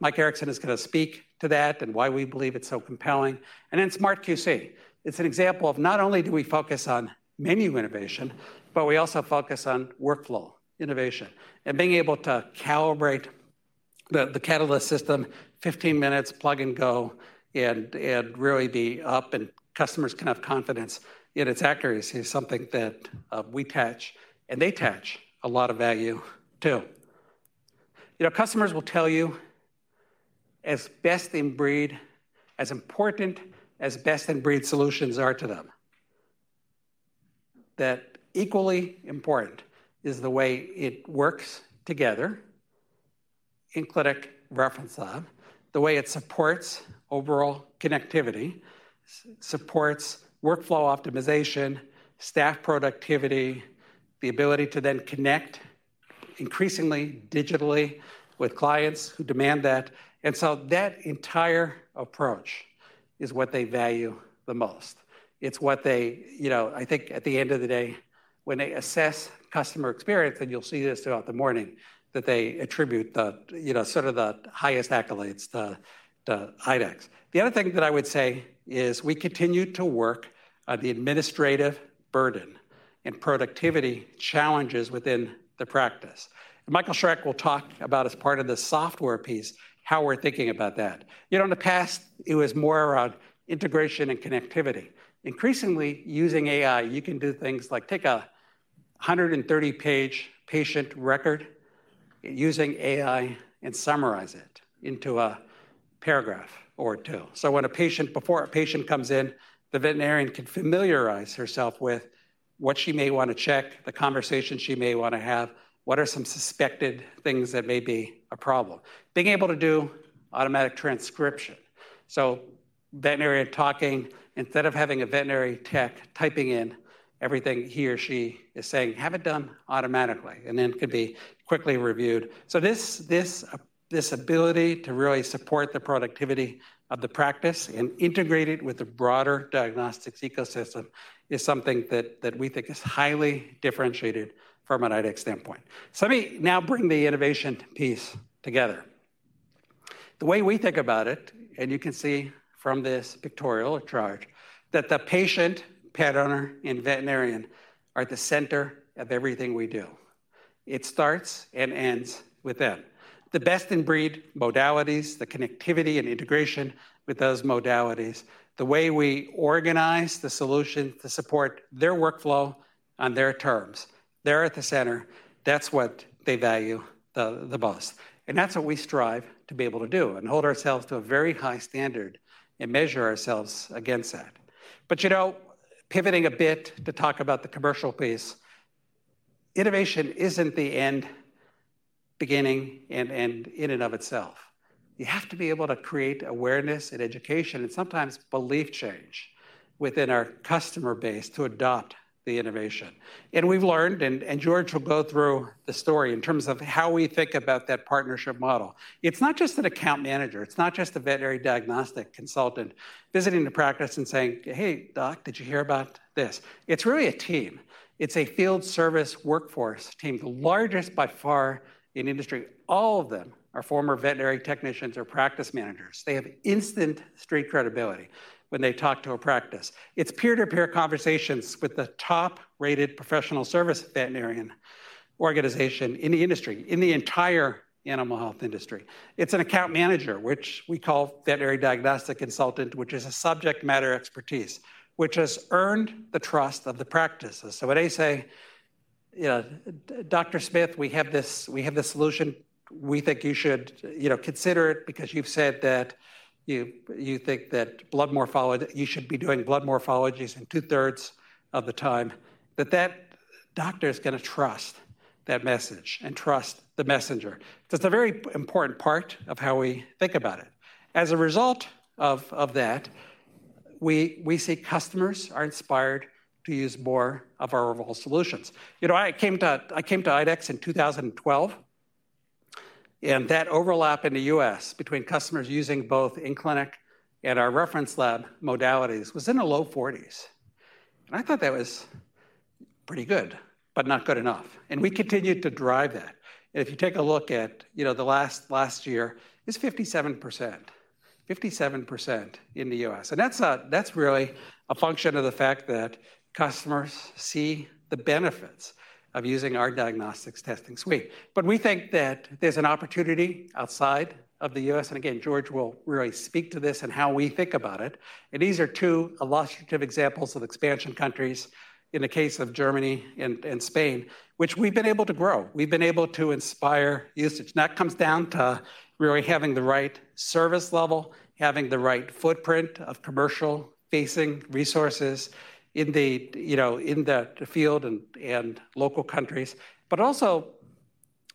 Mike Erickson is going to speak to that and why we believe it's so compelling. And then SmartQC. It's an example of not only do we focus on menu innovation, but we also focus on workflow innovation and being able to calibrate the Catalyst system, 15 minutes, plug and go, and really be up, and customers can have confidence in its accuracy, is something that we attach, and they attach a lot of value to. You know, customers will tell you, as best-in-breed, as important as best-in-breed solutions are to them, that equally important is the way it works together in clinic reference lab, the way it supports overall connectivity, supports workflow optimization, staff productivity, the ability to then connect increasingly digitally with clients who demand that. And so that entire approach is what they value the most. It's what they. You know, I think at the end of the day, when they assess customer experience, and you'll see this throughout the morning, that they attribute the, you know, sort of the highest accolades to, to IDEXX. The other thing that I would say is we continue to work on the administrative burden and productivity challenges within the practice. And Michael Schreck will talk about, as part of the software piece, how we're thinking about that. You know, in the past, it was more around integration and connectivity. Increasingly, using AI, you can do things like take a 130-page patient record using AI and summarize it into a paragraph or two. So when a patient - before a patient comes in, the veterinarian can familiarize herself with what she may want to check, the conversation she may want to have, what are some suspected things that may be a problem. Being able to do automatic transcription. So veterinarian talking, instead of having a veterinary tech typing in everything he or she is saying, have it done automatically, and then it could be quickly reviewed. So this, this, this ability to really support the productivity of the practice and integrate it with the broader diagnostics ecosystem is something that, that we think is highly differentiated from an IDEXX standpoint. So let me now bring the innovation piece together. The way we think about it, and you can see from this pictorial chart, that the patient, pet owner, and veterinarian are at the center of everything we do. It starts and ends with them. The best-in-breed modalities, the connectivity and integration with those modalities, the way we organize the solution to support their workflow on their terms. They're at the center. That's what they value the, the most. That's what we strive to be able to do and hold ourselves to a very high standard and measure ourselves against that. But, you know, pivoting a bit to talk about the commercial piece, innovation isn't the end, beginning, and, and in and of itself. You have to be able to create awareness and education and sometimes belief change within our customer base to adopt the innovation. And we've learned, and, and George will go through the story in terms of how we think about that partnership model. It's not just an account manager, it's not just a veterinary diagnostic consultant visiting the practice and saying, "Hey, Doc, did you hear about this?" It's really a team. It's a field service workforce team, the largest, by far, in industry. All of them are former veterinary technicians or practice managers. They have instant street credibility when they talk to a practice. It's peer-to-peer conversations with the top-rated professional service veterinarian organization in the industry, in the entire animal health industry. It's an account manager, which we call veterinary diagnostic consultant, which is a subject matter expertise, which has earned the trust of the practices. So when they say, "You know, Dr. Smith, we have this, we have this solution. We think you should, you know, consider it because you've said that you think you should be doing blood morphologies in two-thirds of the time," that doctor is going to trust that message and trust the messenger. That's a very important part of how we think about it. As a result of that, we see customers are inspired to use more of our overall solutions. You know, I came to IDEXX in 2012.... and that overlap in the U.S. between customers using both in-clinic and our reference lab modalities was in the low forties. And I thought that was pretty good, but not good enough, and we continued to drive that. And if you take a look at, you know, the last, last year, it's 57%. 57% in the U.S., and that's not-- that's really a function of the fact that customers see the benefits of using our diagnostics testing suite. But we think that there's an opportunity outside of the U.S., and again, George will really speak to this and how we think about it. And these are two illustrative examples of expansion countries, in the case of Germany and Spain, which we've been able to grow. We've been able to inspire usage, and that comes down to really having the right service level, having the right footprint of commercial-facing resources in the, you know, in the field and, and local countries, but also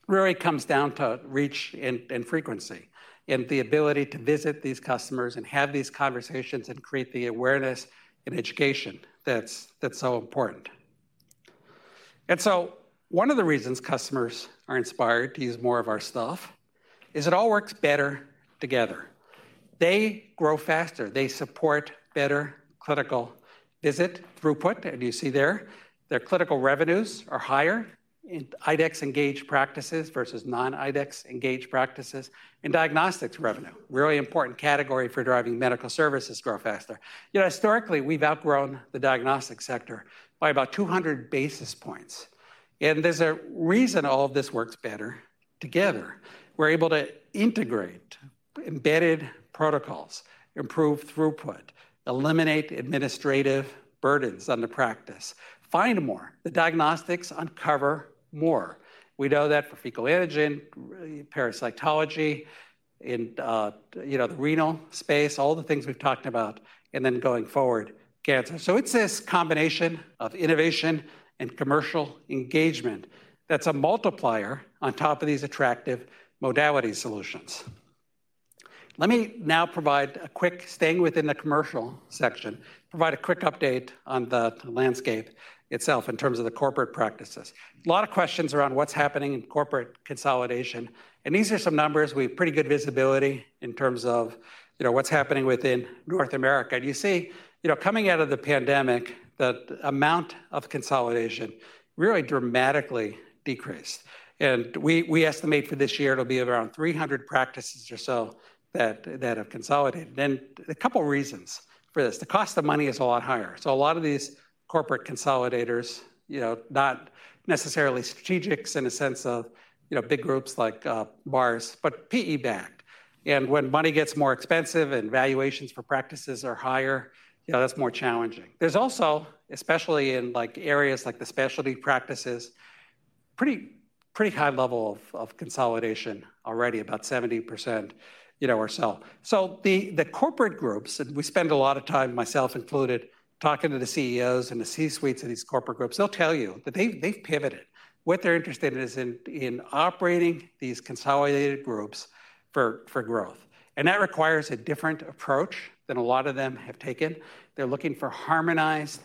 really comes down to reach and, and frequency, and the ability to visit these customers and have these conversations and create the awareness and education that's, that's so important. And so one of the reasons customers are inspired to use more of our stuff is it all works better together. They grow faster. They support better clinical visit throughput, and you see there. Their clinical revenues are higher in IDEXX engaged practices versus non-IDEXX engaged practices. And diagnostics revenue, really important category for driving medical services to grow faster. You know, historically, we've outgrown the diagnostics sector by about 200 basis points, and there's a reason all of this works better together. We're able to integrate embedded protocols, improve throughput, eliminate administrative burdens on the practice, find more. The diagnostics uncover more. We know that for fecal antigen, parasitology, in, you know, the renal space, all the things we've talked about, and then going forward, cancer. So it's this combination of innovation and commercial engagement that's a multiplier on top of these attractive modality solutions. Let me now provide a quick... staying within the commercial section, provide a quick update on the landscape itself in terms of the corporate practices. A lot of questions around what's happening in corporate consolidation, and these are some numbers. We have pretty good visibility in terms of, you know, what's happening within North America. And you see, you know, coming out of the pandemic, the amount of consolidation really dramatically decreased, and we estimate for this year it'll be around 300 practices or so that have consolidated. Then, a couple reasons for this. The cost of money is a lot higher. So a lot of these corporate consolidators, you know, not necessarily strategics in a sense of, you know, big groups like Mars, but PE backed. And when money gets more expensive and valuations for practices are higher, you know, that's more challenging. There's also, especially in, like, areas like the specialty practices, pretty high level of consolidation already, about 70%, you know, or so. So the corporate groups, and we spend a lot of time, myself included, talking to the CEOs and the C-suites of these corporate groups. They'll tell you that they've pivoted. What they're interested in is operating these consolidated groups for growth, and that requires a different approach than a lot of them have taken. They're looking for harmonized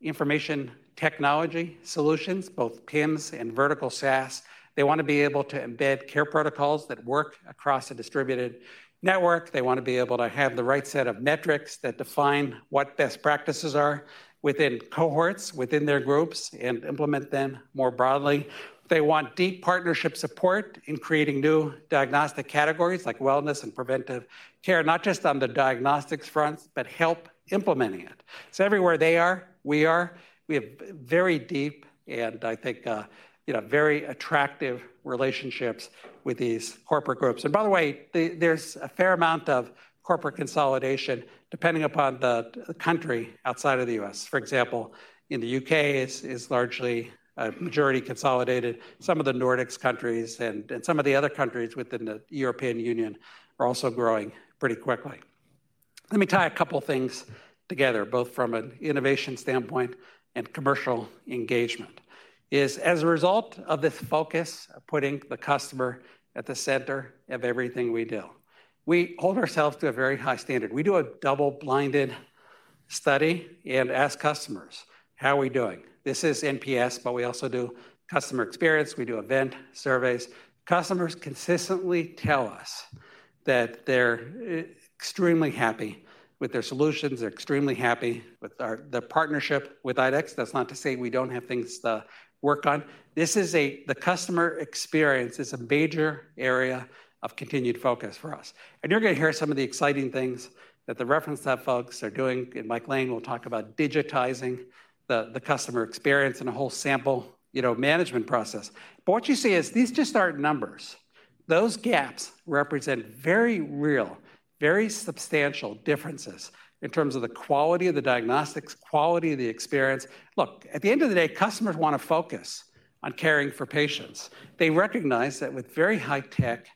information technology solutions, both PIMS and vertical SaaS. They want to be able to embed care protocols that work across a distributed network. They want to be able to have the right set of metrics that define what best practices are within cohorts, within their groups, and implement them more broadly. They want deep partnership support in creating new diagnostic categories, like wellness and preventive care, not just on the diagnostics fronts, but help implementing it. So everywhere they are, we are. We have very deep, and I think, you know, very attractive relationships with these corporate groups. And by the way, there's a fair amount of corporate consolidation, depending upon the country outside of the U.S. For example, in the UK, it's, it's largely majority consolidated. Some of the Nordic countries and some of the other countries within the European Union are also growing pretty quickly. Let me tie a couple things together, both from an innovation standpoint and commercial engagement. As a result of this focus of putting the customer at the center of everything we do, we hold ourselves to a very high standard. We do a double-blind study and ask customers: How are we doing? This is NPS, but we also do customer experience, we do event surveys. Customers consistently tell us that they're extremely happy with their solutions, they're extremely happy with the partnership with IDEXX. That's not to say we don't have things to work on. The customer experience is a major area of continued focus for us. You're going to hear some of the exciting things that the reference lab folks are doing, and Mike Lane will talk about digitizing the customer experience and a whole sample, you know, management process. But what you see is these just aren't numbers. Those gaps represent very real, very substantial differences in terms of the quality of the diagnostics, quality of the experience. Look, at the end of the day, customers want to focus on caring for patients. They recognize that with very high-tech,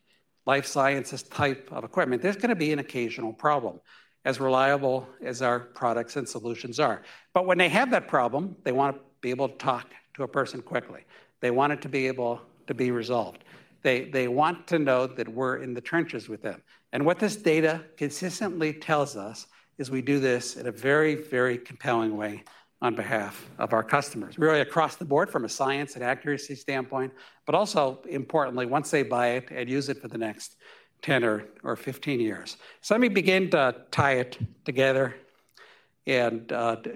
life sciences type of equipment, there's going to be an occasional problem, as reliable as our products and solutions are. But when they have that problem, they want to be able to talk to a person quickly. They want it to be able to be resolved. They want to know that we're in the trenches with them. And what this data consistently tells us is we do this in a very, very compelling way on behalf of our customers, really across the board from a science and accuracy standpoint, but also, importantly, once they buy it and use it for the next 10 or 15 years. So let me begin to tie it together and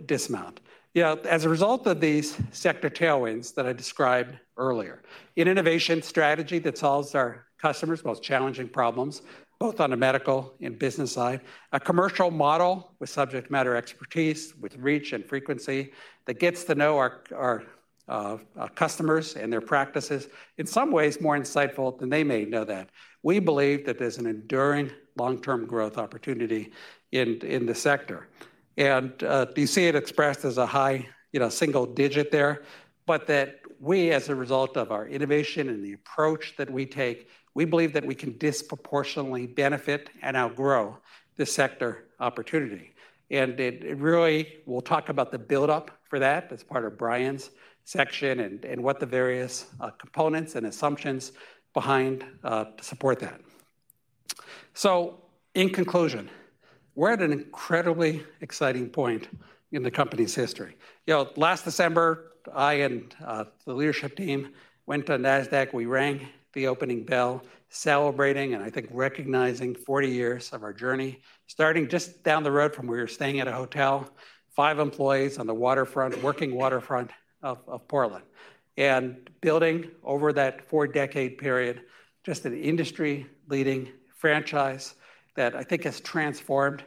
dismount. Yeah, as a result of these sector tailwinds that I described earlier, an innovation strategy that solves our customers' most challenging problems, both on a medical and business side, a commercial model with subject matter expertise, with reach and frequency, that gets to know our customers and their practices, in some ways more insightful than they may know that. We believe that there's an enduring long-term growth opportunity in the sector. Do you see it expressed as a high, you know, single digit there, but that we, as a result of our innovation and the approach that we take, we believe that we can disproportionately benefit and outgrow this sector opportunity. And it really... We'll talk about the build-up for that as part of Brian's section and what the various components and assumptions behind to support that. So in conclusion, we're at an incredibly exciting point in the company's history. You know, last December, I and the leadership team went to Nasdaq. We rang the opening bell, celebrating, and I think recognizing 40 years of our journey, starting just down the road from where we were staying at a hotel, 5 employees on the waterfront, working waterfront of Portland. Building over that 4-decade period, just an industry-leading franchise that I think has transformed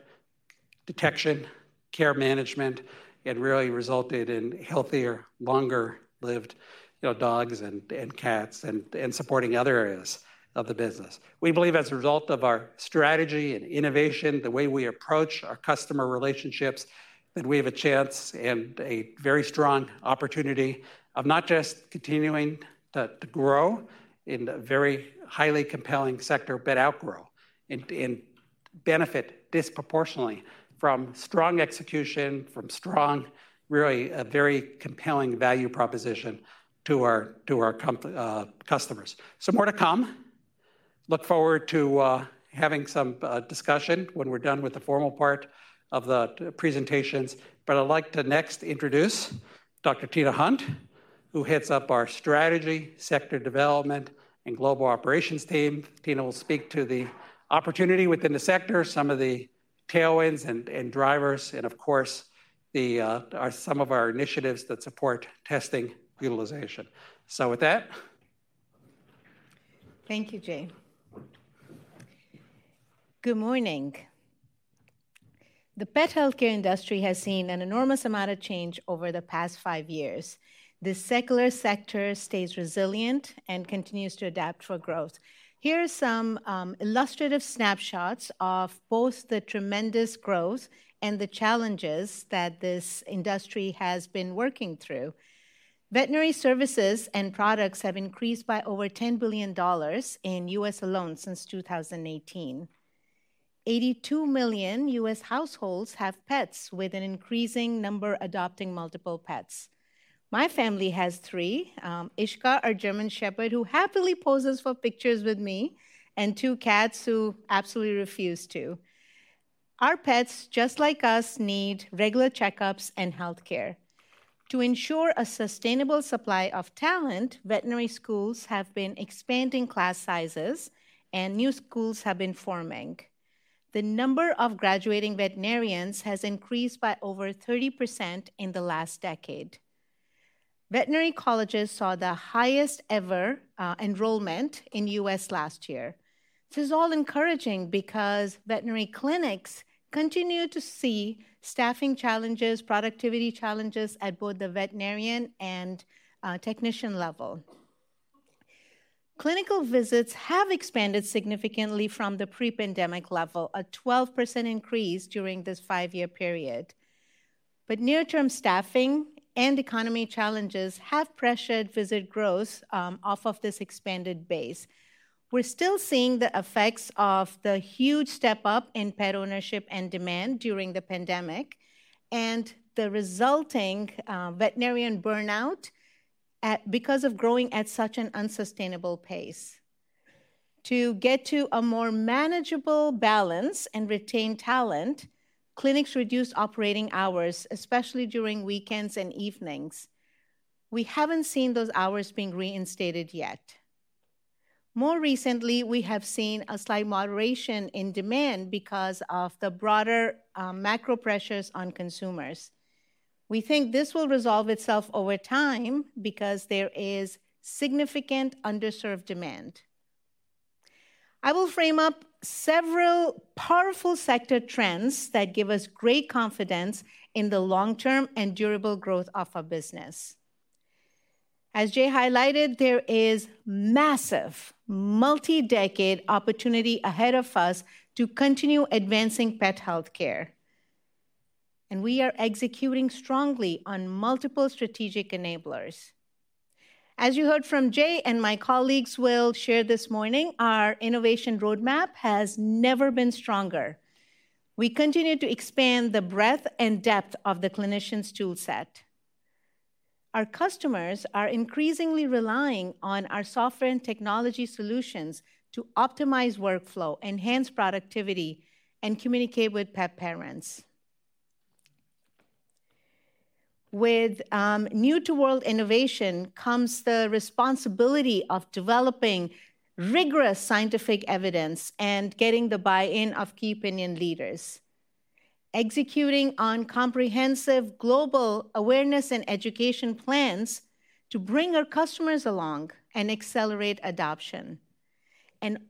detection, care management, and really resulted in healthier, longer-lived, you know, dogs and cats, and supporting other areas of the business. We believe, as a result of our strategy and innovation, the way we approach our customer relationships, that we have a chance and a very strong opportunity of not just continuing to grow in a very highly compelling sector, but outgrow and benefit disproportionately from strong execution, from strong, really a very compelling value proposition to our customers. So more to come. Look forward to having some discussion when we're done with the formal part of the presentations. But I'd like to next introduce Dr. Tina Hunt, who heads up our Strategy, Sector Development, and Global Operations team. Tina will speak to the opportunity within the sector, some of the tailwinds and drivers, and of course, some of our initiatives that support testing utilization. So with that... Thank you, Jay. Good morning. The pet healthcare industry has seen an enormous amount of change over the past five years. This secular sector stays resilient and continues to adapt for growth. Here are some illustrative snapshots of both the tremendous growth and the challenges that this industry has been working through. Veterinary services and products have increased by over $10 billion in U.S. alone since 2018. 82 million U.S. households have pets, with an increasing number adopting multiple pets. My family has three, Ishka, our German Shepherd, who happily poses for pictures with me, and two cats who absolutely refuse to. Our pets, just like us, need regular checkups and healthcare. To ensure a sustainable supply of talent, veterinary schools have been expanding class sizes, and new schools have been forming. The number of graduating veterinarians has increased by over 30% in the last decade. Veterinary colleges saw the highest ever enrollment in U.S. last year. This is all encouraging because veterinary clinics continue to see staffing challenges, productivity challenges at both the veterinarian and technician level. Clinical visits have expanded significantly from the pre-pandemic level, a 12% increase during this five-year period. But near-term staffing and economy challenges have pressured visit growth off of this expanded base. We're still seeing the effects of the huge step up in pet ownership and demand during the pandemic, and the resulting veterinarian burnout because of growing at such an unsustainable pace. To get to a more manageable balance and retain talent, clinics reduced operating hours, especially during weekends and evenings. We haven't seen those hours being reinstated yet. More recently, we have seen a slight moderation in demand because of the broader, macro pressures on consumers. We think this will resolve itself over time because there is significant underserved demand. I will frame up several powerful sector trends that give us great confidence in the long-term and durable growth of our business. As Jay highlighted, there is massive, multi-decade opportunity ahead of us to continue advancing pet healthcare, and we are executing strongly on multiple strategic enablers. As you heard from Jay, and my colleagues will share this morning, our innovation roadmap has never been stronger. We continue to expand the breadth and depth of the clinician's tool set. Our customers are increasingly relying on our software and technology solutions to optimize workflow, enhance productivity, and communicate with pet parents.... With new-to-world innovation comes the responsibility of developing rigorous scientific evidence and getting the buy-in of key opinion leaders, executing on comprehensive global awareness and education plans to bring our customers along and accelerate adoption.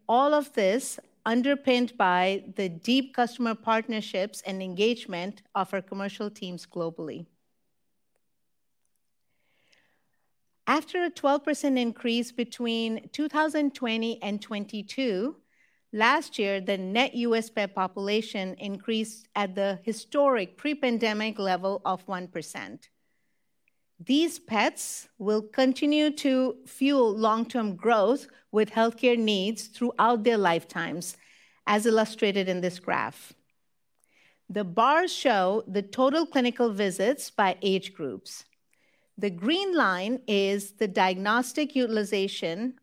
All of this underpinned by the deep customer partnerships and engagement of our commercial teams globally. After a 12% increase between 2020 and 2022, last year, the net U.S. pet population increased at the historic pre-pandemic level of 1%. These pets will continue to fuel long-term growth with healthcare needs throughout their lifetimes, as illustrated in this graph. The bars show the total clinical visits by age groups. The green line is the diagnostic utilization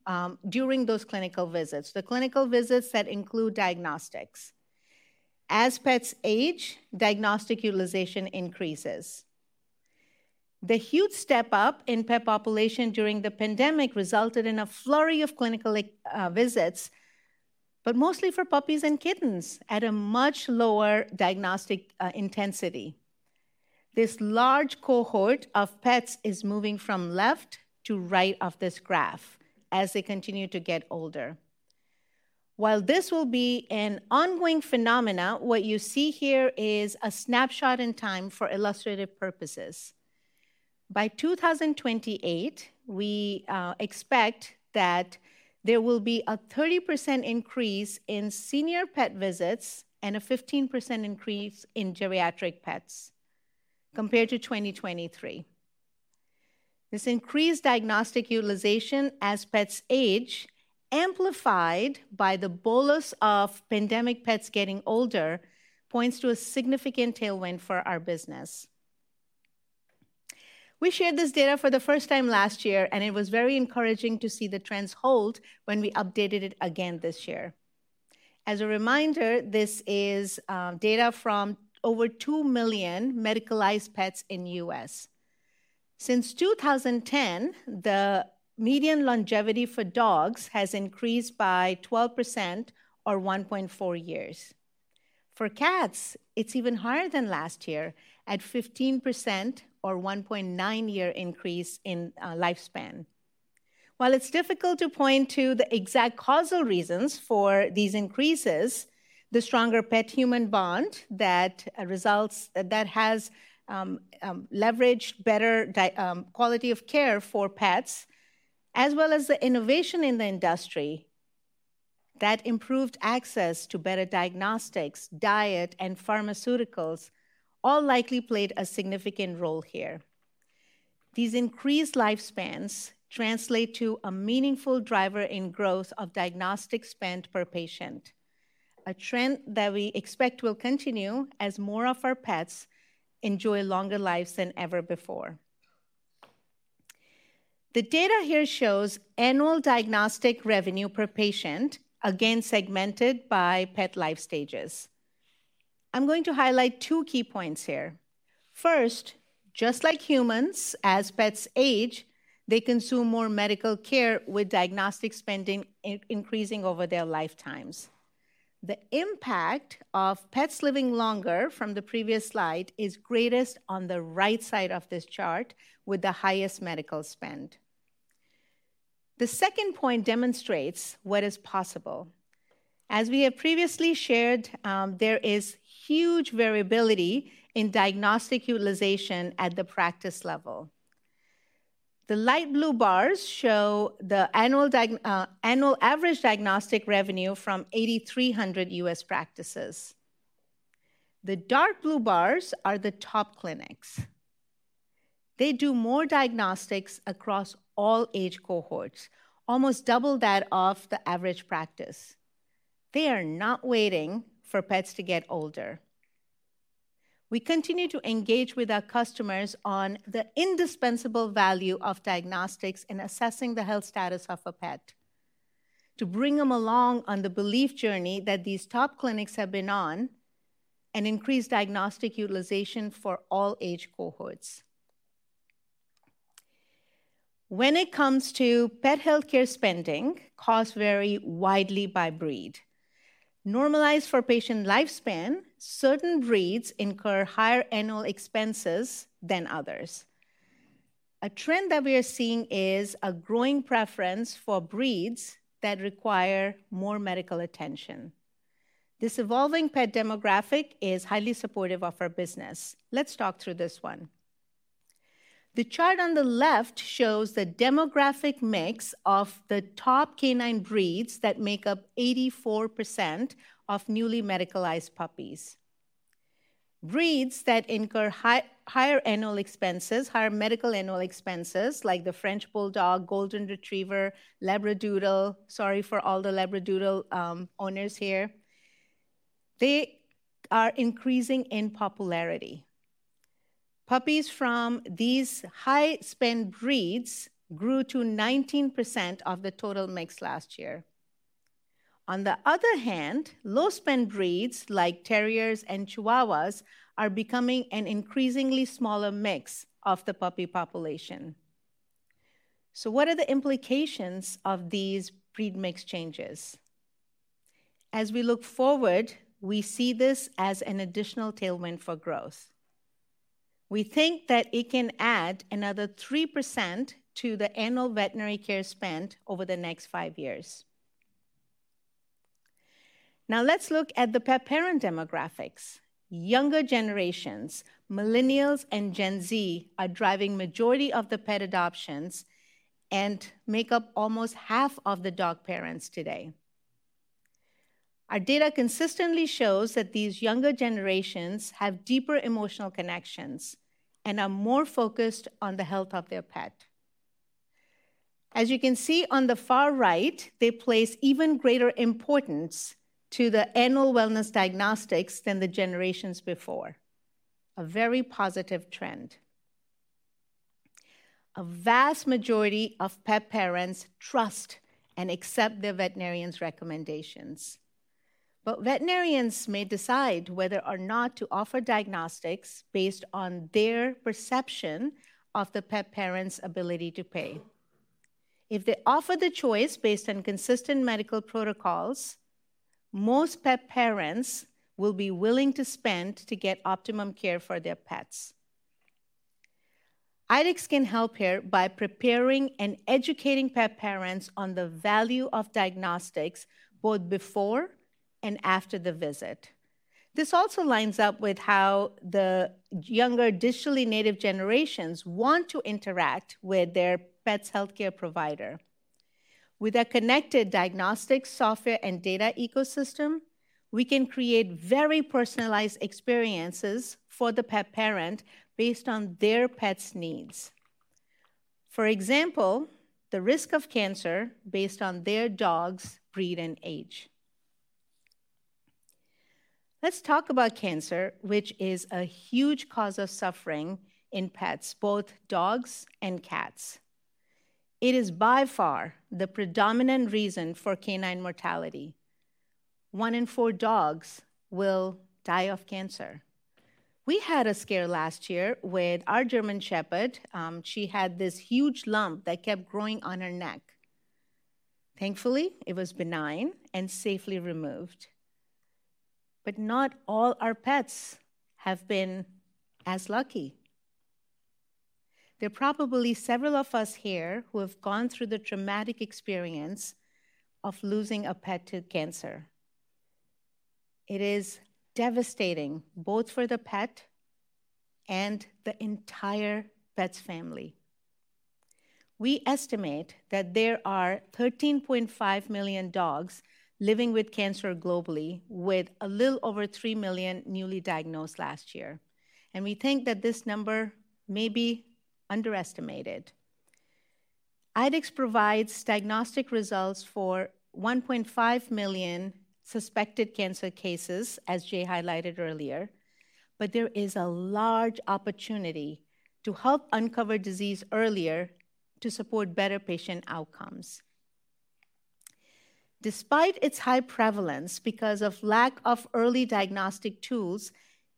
during those clinical visits, the clinical visits that include diagnostics. As pets age, diagnostic utilization increases. The huge step up in pet population during the pandemic resulted in a flurry of clinical visits, but mostly for puppies and kittens at a much lower diagnostic intensity. This large cohort of pets is moving from left to right of this graph as they continue to get older. While this will be an ongoing phenomena, what you see here is a snapshot in time for illustrative purposes. By 2028, we expect that there will be a 30% increase in senior pet visits and a 15% increase in geriatric pets compared to 2023. This increased diagnostic utilization as pets age, amplified by the bolus of pandemic pets getting older, points to a significant tailwind for our business. We shared this data for the first time last year, and it was very encouraging to see the trends hold when we updated it again this year. As a reminder, this is data from over 2 million medicalized pets in U.S. Since 2010, the median longevity for dogs has increased by 12% or 1.4 years. For cats, it's even higher than last year, at 15% or 1.9-year increase in lifespan. While it's difficult to point to the exact causal reasons for these increases, the stronger pet-human bond that has leveraged better quality of care for pets, as well as the innovation in the industry that improved access to better diagnostics, diet, and pharmaceuticals, all likely played a significant role here. These increased lifespans translate to a meaningful driver in growth of diagnostic spend per patient, a trend that we expect will continue as more of our pets enjoy longer lives than ever before. The data here shows annual diagnostic revenue per patient, again, segmented by pet life stages. I'm going to highlight two key points here. First, just like humans, as pets age, they consume more medical care, with diagnostic spending increasing over their lifetimes. The impact of pets living longer from the previous slide is greatest on the right side of this chart, with the highest medical spend. The second point demonstrates what is possible. As we have previously shared, there is huge variability in diagnostic utilization at the practice level. The light blue bars show the annual average diagnostic revenue from 8,300 US practices. The dark blue bars are the top clinics. They do more diagnostics across all age cohorts, almost double that of the average practice. They are not waiting for pets to get older. We continue to engage with our customers on the indispensable value of diagnostics in assessing the health status of a pet, to bring them along on the belief journey that these top clinics have been on, and increase diagnostic utilization for all age cohorts. When it comes to pet healthcare spending, costs vary widely by breed. Normalized for patient lifespan, certain breeds incur higher annual expenses than others. A trend that we are seeing is a growing preference for breeds that require more medical attention. This evolving pet demographic is highly supportive of our business. Let's talk through this one. The chart on the left shows the demographic mix of the top canine breeds that make up 84% of newly medicalized puppies. Breeds that incur higher annual expenses, higher medical annual expenses, like the French Bulldog, Golden Retriever, Labradoodle, sorry for all the Labradoodle owners here, they are increasing in popularity. Puppies from these high-spend breeds grew to 19% of the total mix last year. On the other hand, low-spend breeds, like terriers and Chihuahuas, are becoming an increasingly smaller mix of the puppy population. So what are the implications of these breed mix changes? As we look forward, we see this as an additional tailwind for growth. We think that it can add another 3% to the annual veterinary care spend over the next 5 years. Now, let's look at the pet parent demographics. Younger generations, Millennials and Gen Z, are driving majority of the pet adoptions and make up almost half of the dog parents today. Our data consistently shows that these younger generations have deeper emotional connections and are more focused on the health of their pet. As you can see on the far right, they place even greater importance to the annual wellness diagnostics than the generations before, a very positive trend. A vast majority of pet parents trust and accept their veterinarian's recommendations, but veterinarians may decide whether or not to offer diagnostics based on their perception of the pet parent's ability to pay. If they offer the choice based on consistent medical protocols, most pet parents will be willing to spend to get optimum care for their pets. IDEXX can help here by preparing and educating pet parents on the value of diagnostics, both before and after the visit. This also lines up with how the younger digitally native generations want to interact with their pet's healthcare provider. With a connected diagnostic software and data ecosystem, we can create very personalized experiences for the pet parent based on their pet's needs. For example, the risk of cancer based on their dog's breed and age. Let's talk about cancer, which is a huge cause of suffering in pets, both dogs and cats. It is by far the predominant reason for canine mortality. One in four dogs will die of cancer. We had a scare last year with our German Shepherd. She had this huge lump that kept growing on her neck. Thankfully, it was benign and safely removed. But not all our pets have been as lucky. There are probably several of us here who have gone through the traumatic experience of losing a pet to cancer. It is devastating, both for the pet and the entire pet's family. We estimate that there are 13.5 million dogs living with cancer globally, with a little over 3 million newly diagnosed last year, and we think that this number may be underestimated. IDEXX provides diagnostic results for 1.5 million suspected cancer cases, as Jay highlighted earlier, but there is a large opportunity to help uncover disease earlier to support better patient outcomes. Despite its high prevalence, because of lack of early diagnostic tools,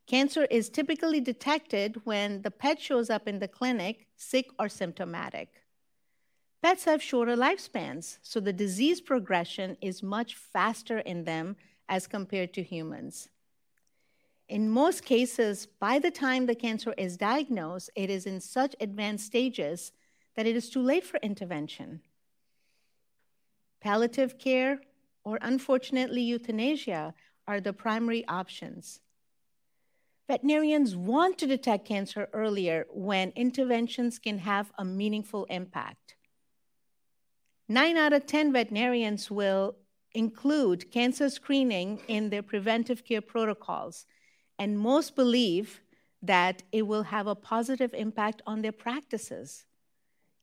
cancer is typically detected when the pet shows up in the clinic sick or symptomatic. Pets have shorter lifespans, so the disease progression is much faster in them as compared to humans. In most cases, by the time the cancer is diagnosed, it is in such advanced stages that it is too late for intervention. Palliative care or, unfortunately, euthanasia are the primary options. Veterinarians want to detect cancer earlier when interventions can have a meaningful impact. Nine out of ten veterinarians will include cancer screening in their preventive care protocols, and most believe that it will have a positive impact on their practices.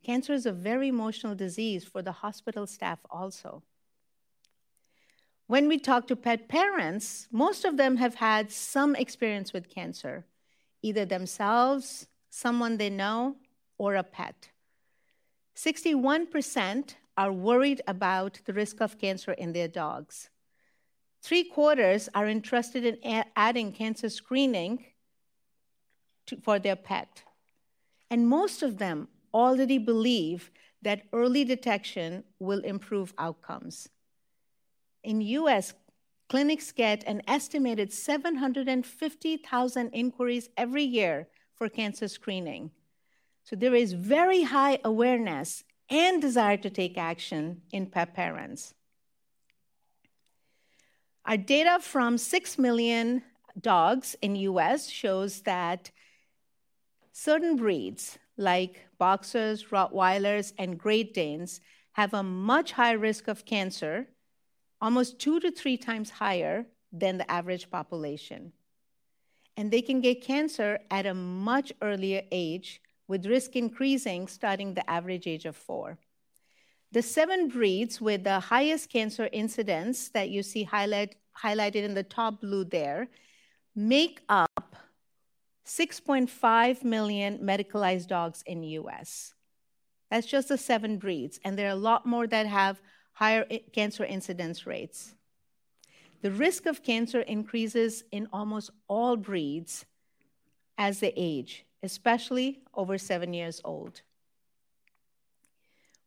Cancer is a very emotional disease for the hospital staff also. When we talk to pet parents, most of them have had some experience with cancer, either themselves, someone they know, or a pet. 61% are worried about the risk of cancer in their dogs. Three-quarters are interested in adding cancer screening for their pet, and most of them already believe that early detection will improve outcomes. In the U.S., clinics get an estimated 750,000 inquiries every year for cancer screening, so there is very high awareness and desire to take action in pet parents. Our data from 6 million dogs in the U.S. shows that certain breeds, like Boxers, Rottweilers, and Great Danes, have a much higher risk of cancer, almost 2-3 times higher than the average population, and they can get cancer at a much earlier age, with risk increasing starting the average age of 4. The 7 breeds with the highest cancer incidence that you see highlighted in the top blue there make up 6.5 million medicalized dogs in the U.S. That's just the 7 breeds, and there are a lot more that have higher cancer incidence rates. The risk of cancer increases in almost all breeds as they age, especially over 7 years old.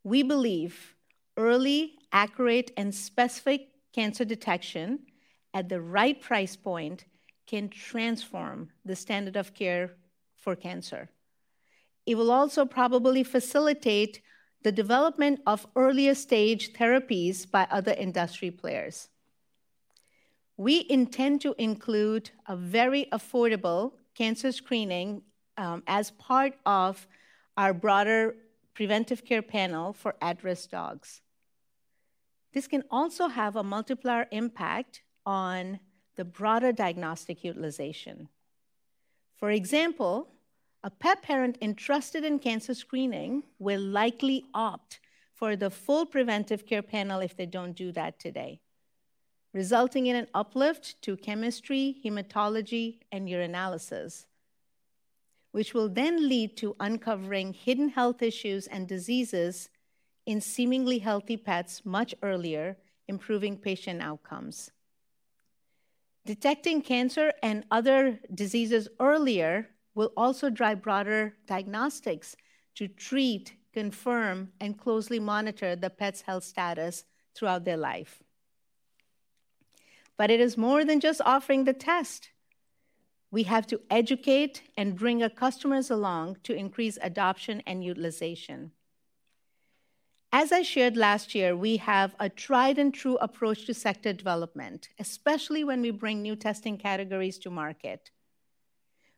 We believe early, accurate, and specific cancer detection at the right price point can transform the standard of care for cancer. It will also probably facilitate the development of earlier stage therapies by other industry players. We intend to include a very affordable cancer screening as part of our broader preventive care panel for at-risk dogs. This can also have a multiplier impact on the broader diagnostic utilization. For example, a pet parent entrusted in cancer screening will likely opt for the full preventive care panel if they don't do that today, resulting in an uplift to chemistry, hematology, and urinalysis, which will then lead to uncovering hidden health issues and diseases in seemingly healthy pets much earlier, improving patient outcomes. Detecting cancer and other diseases earlier will also drive broader diagnostics to treat, confirm, and closely monitor the pet's health status throughout their life. But it is more than just offering the test. We have to educate and bring our customers along to increase adoption and utilization. As I shared last year, we have a tried-and-true approach to sector development, especially when we bring new testing categories to market.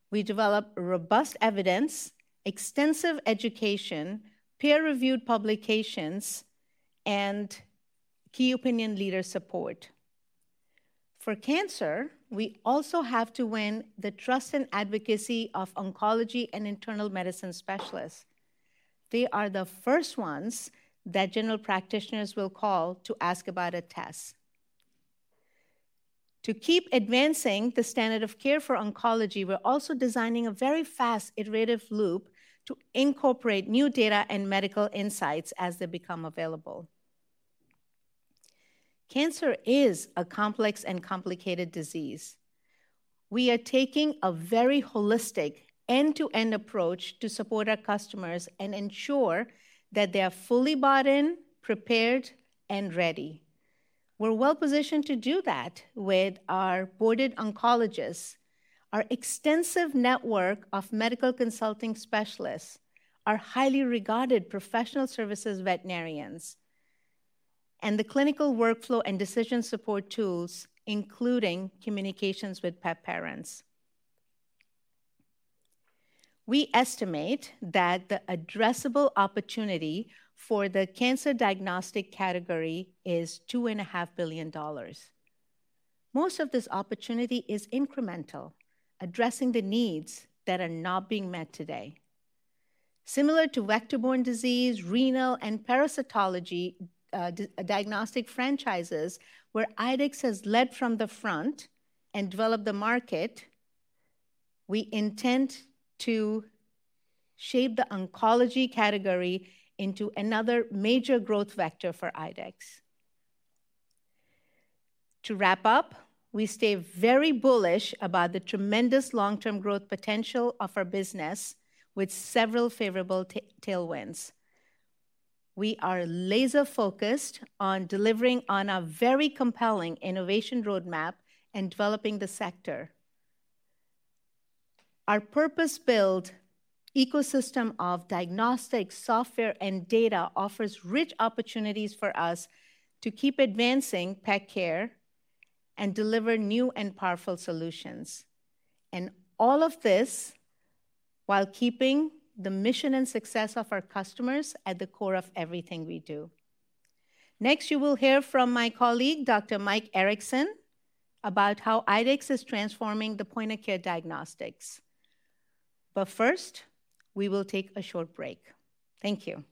We develop robust evidence, extensive education, peer-reviewed publications, and key opinion leader support. For cancer, we also have to win the trust and advocacy of oncology and internal medicine specialists. They are the first ones that general practitioners will call to ask about a test. To keep advancing the standard of care for oncology, we're also designing a very fast iterative loop to incorporate new data and medical insights as they become available. Cancer is a complex and complicated disease. We are taking a very holistic end-to-end approach to support our customers and ensure that they are fully bought in, prepared, and ready. We're well-positioned to do that with our boarded oncologists, our extensive network of medical consulting specialists, our highly regarded professional services veterinarians, and the clinical workflow and decision support tools, including communications with pet parents. We estimate that the addressable opportunity for the cancer diagnostic category is $2.5 billion. Most of this opportunity is incremental, addressing the needs that are not being met today. Similar to vector-borne disease, renal, and parasitology diagnostic franchises, where IDEXX has led from the front and developed the market, we intend to shape the oncology category into another major growth vector for IDEXX. To wrap up, we stay very bullish about the tremendous long-term growth potential of our business, with several favorable tailwinds. We are laser-focused on delivering on a very compelling innovation roadmap and developing the sector. Our purpose-built ecosystem of diagnostic software and data offers rich opportunities for us to keep advancing pet care and deliver new and powerful solutions, and all of this, while keeping the mission and success of our customers at the core of everything we do. Next, you will hear from my colleague, Dr. Mike Erickson, about how IDEXX is transforming the point-of-care diagnostics. But first, we will take a short break. Thank you.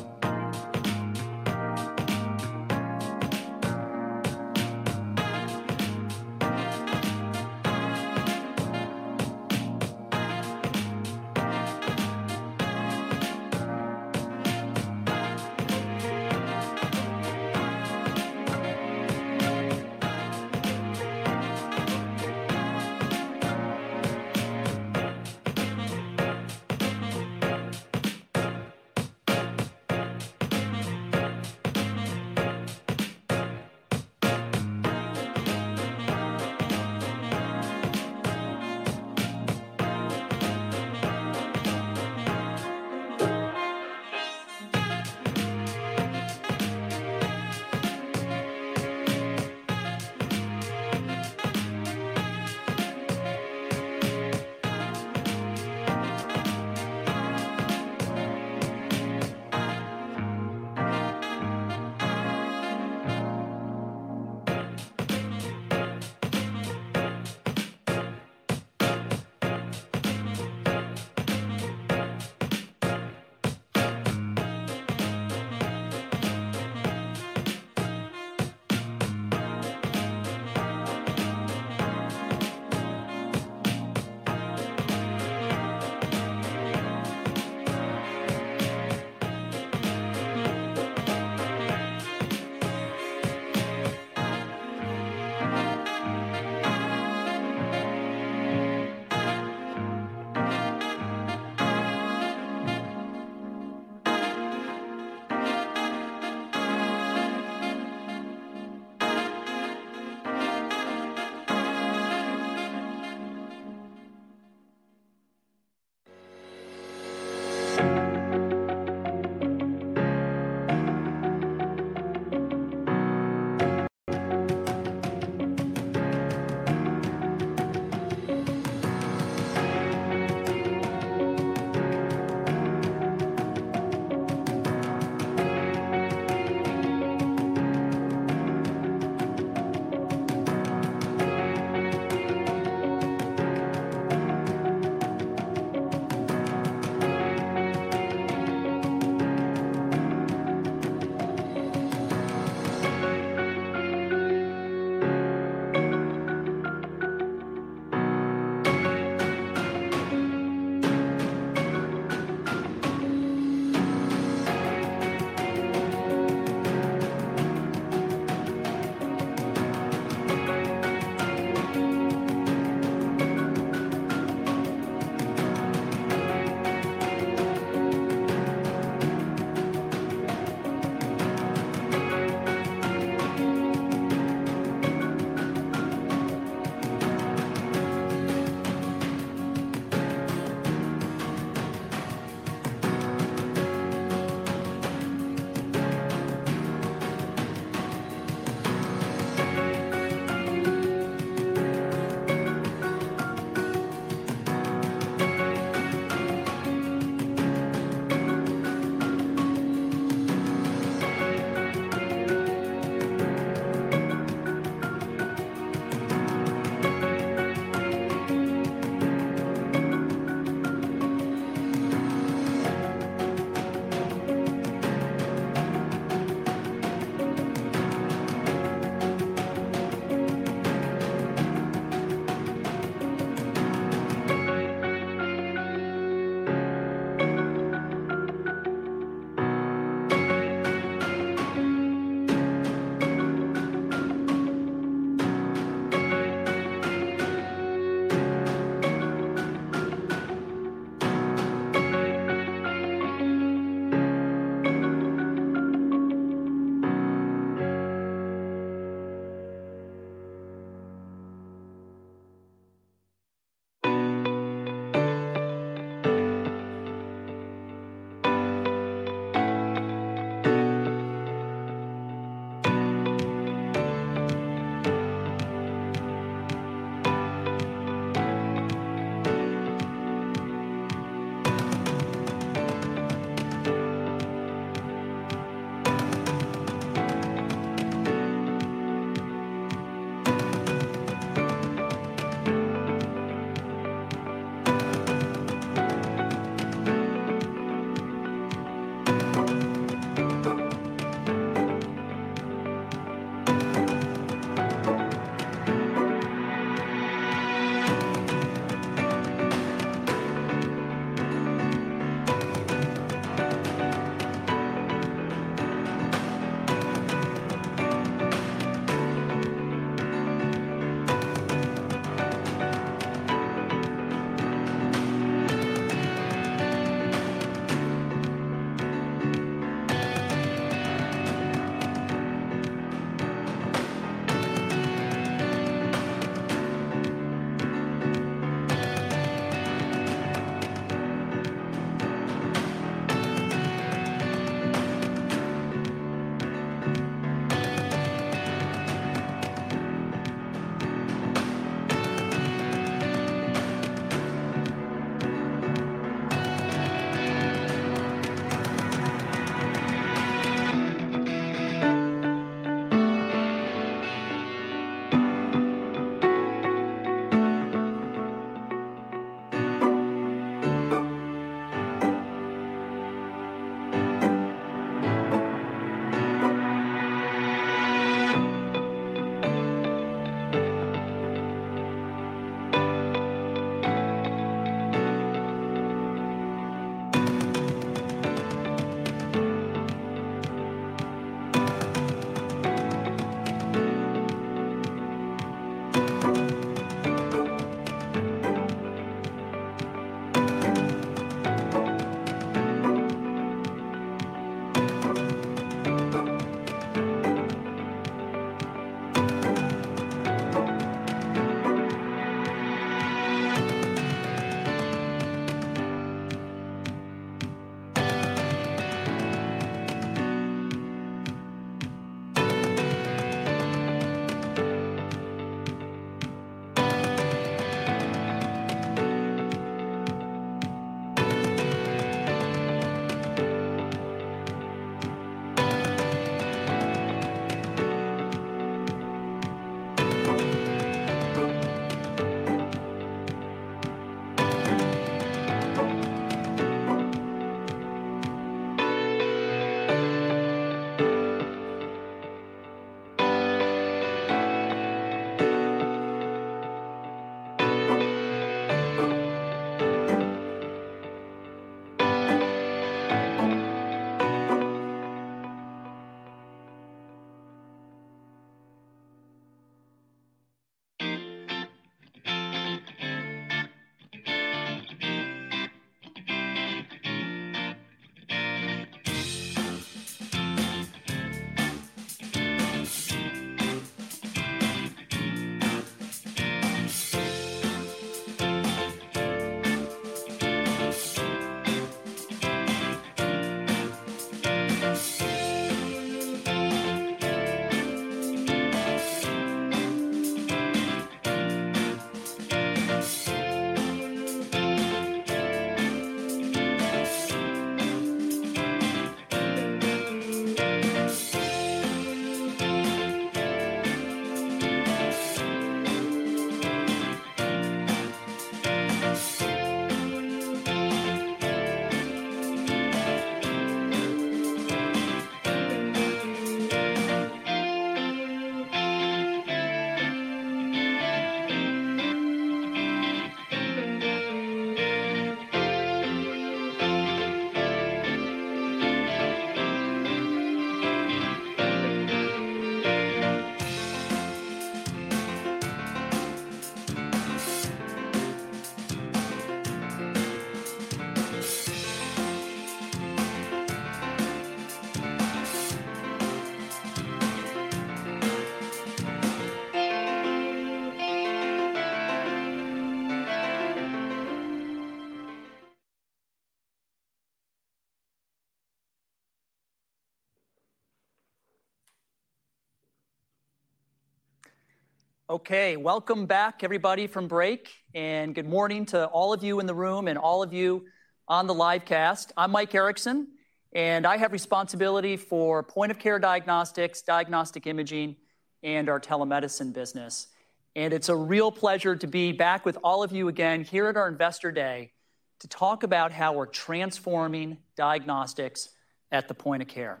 Okay, welcome back everybody from break, and good morning to all of you in the room and all of you on the live cast. I'm Mike Erickson, and I have responsibility for point of care diagnostics, diagnostic imaging, and our telemedicine business. It's a real pleasure to be back with all of you again here at our Investor Day to talk about how we're transforming diagnostics at the point of care.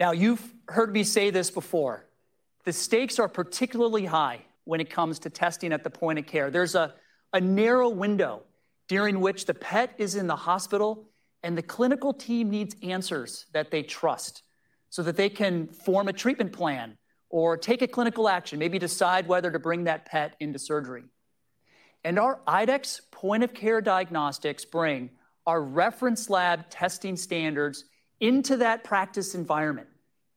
Now, you've heard me say this before, the stakes are particularly high when it comes to testing at the point of care. There's a narrow window during which the pet is in the hospital and the clinical team needs answers that they trust, so that they can form a treatment plan or take a clinical action, maybe decide whether to bring that pet into surgery. Our IDEXX point of care diagnostics bring our reference lab testing standards into that practice environment,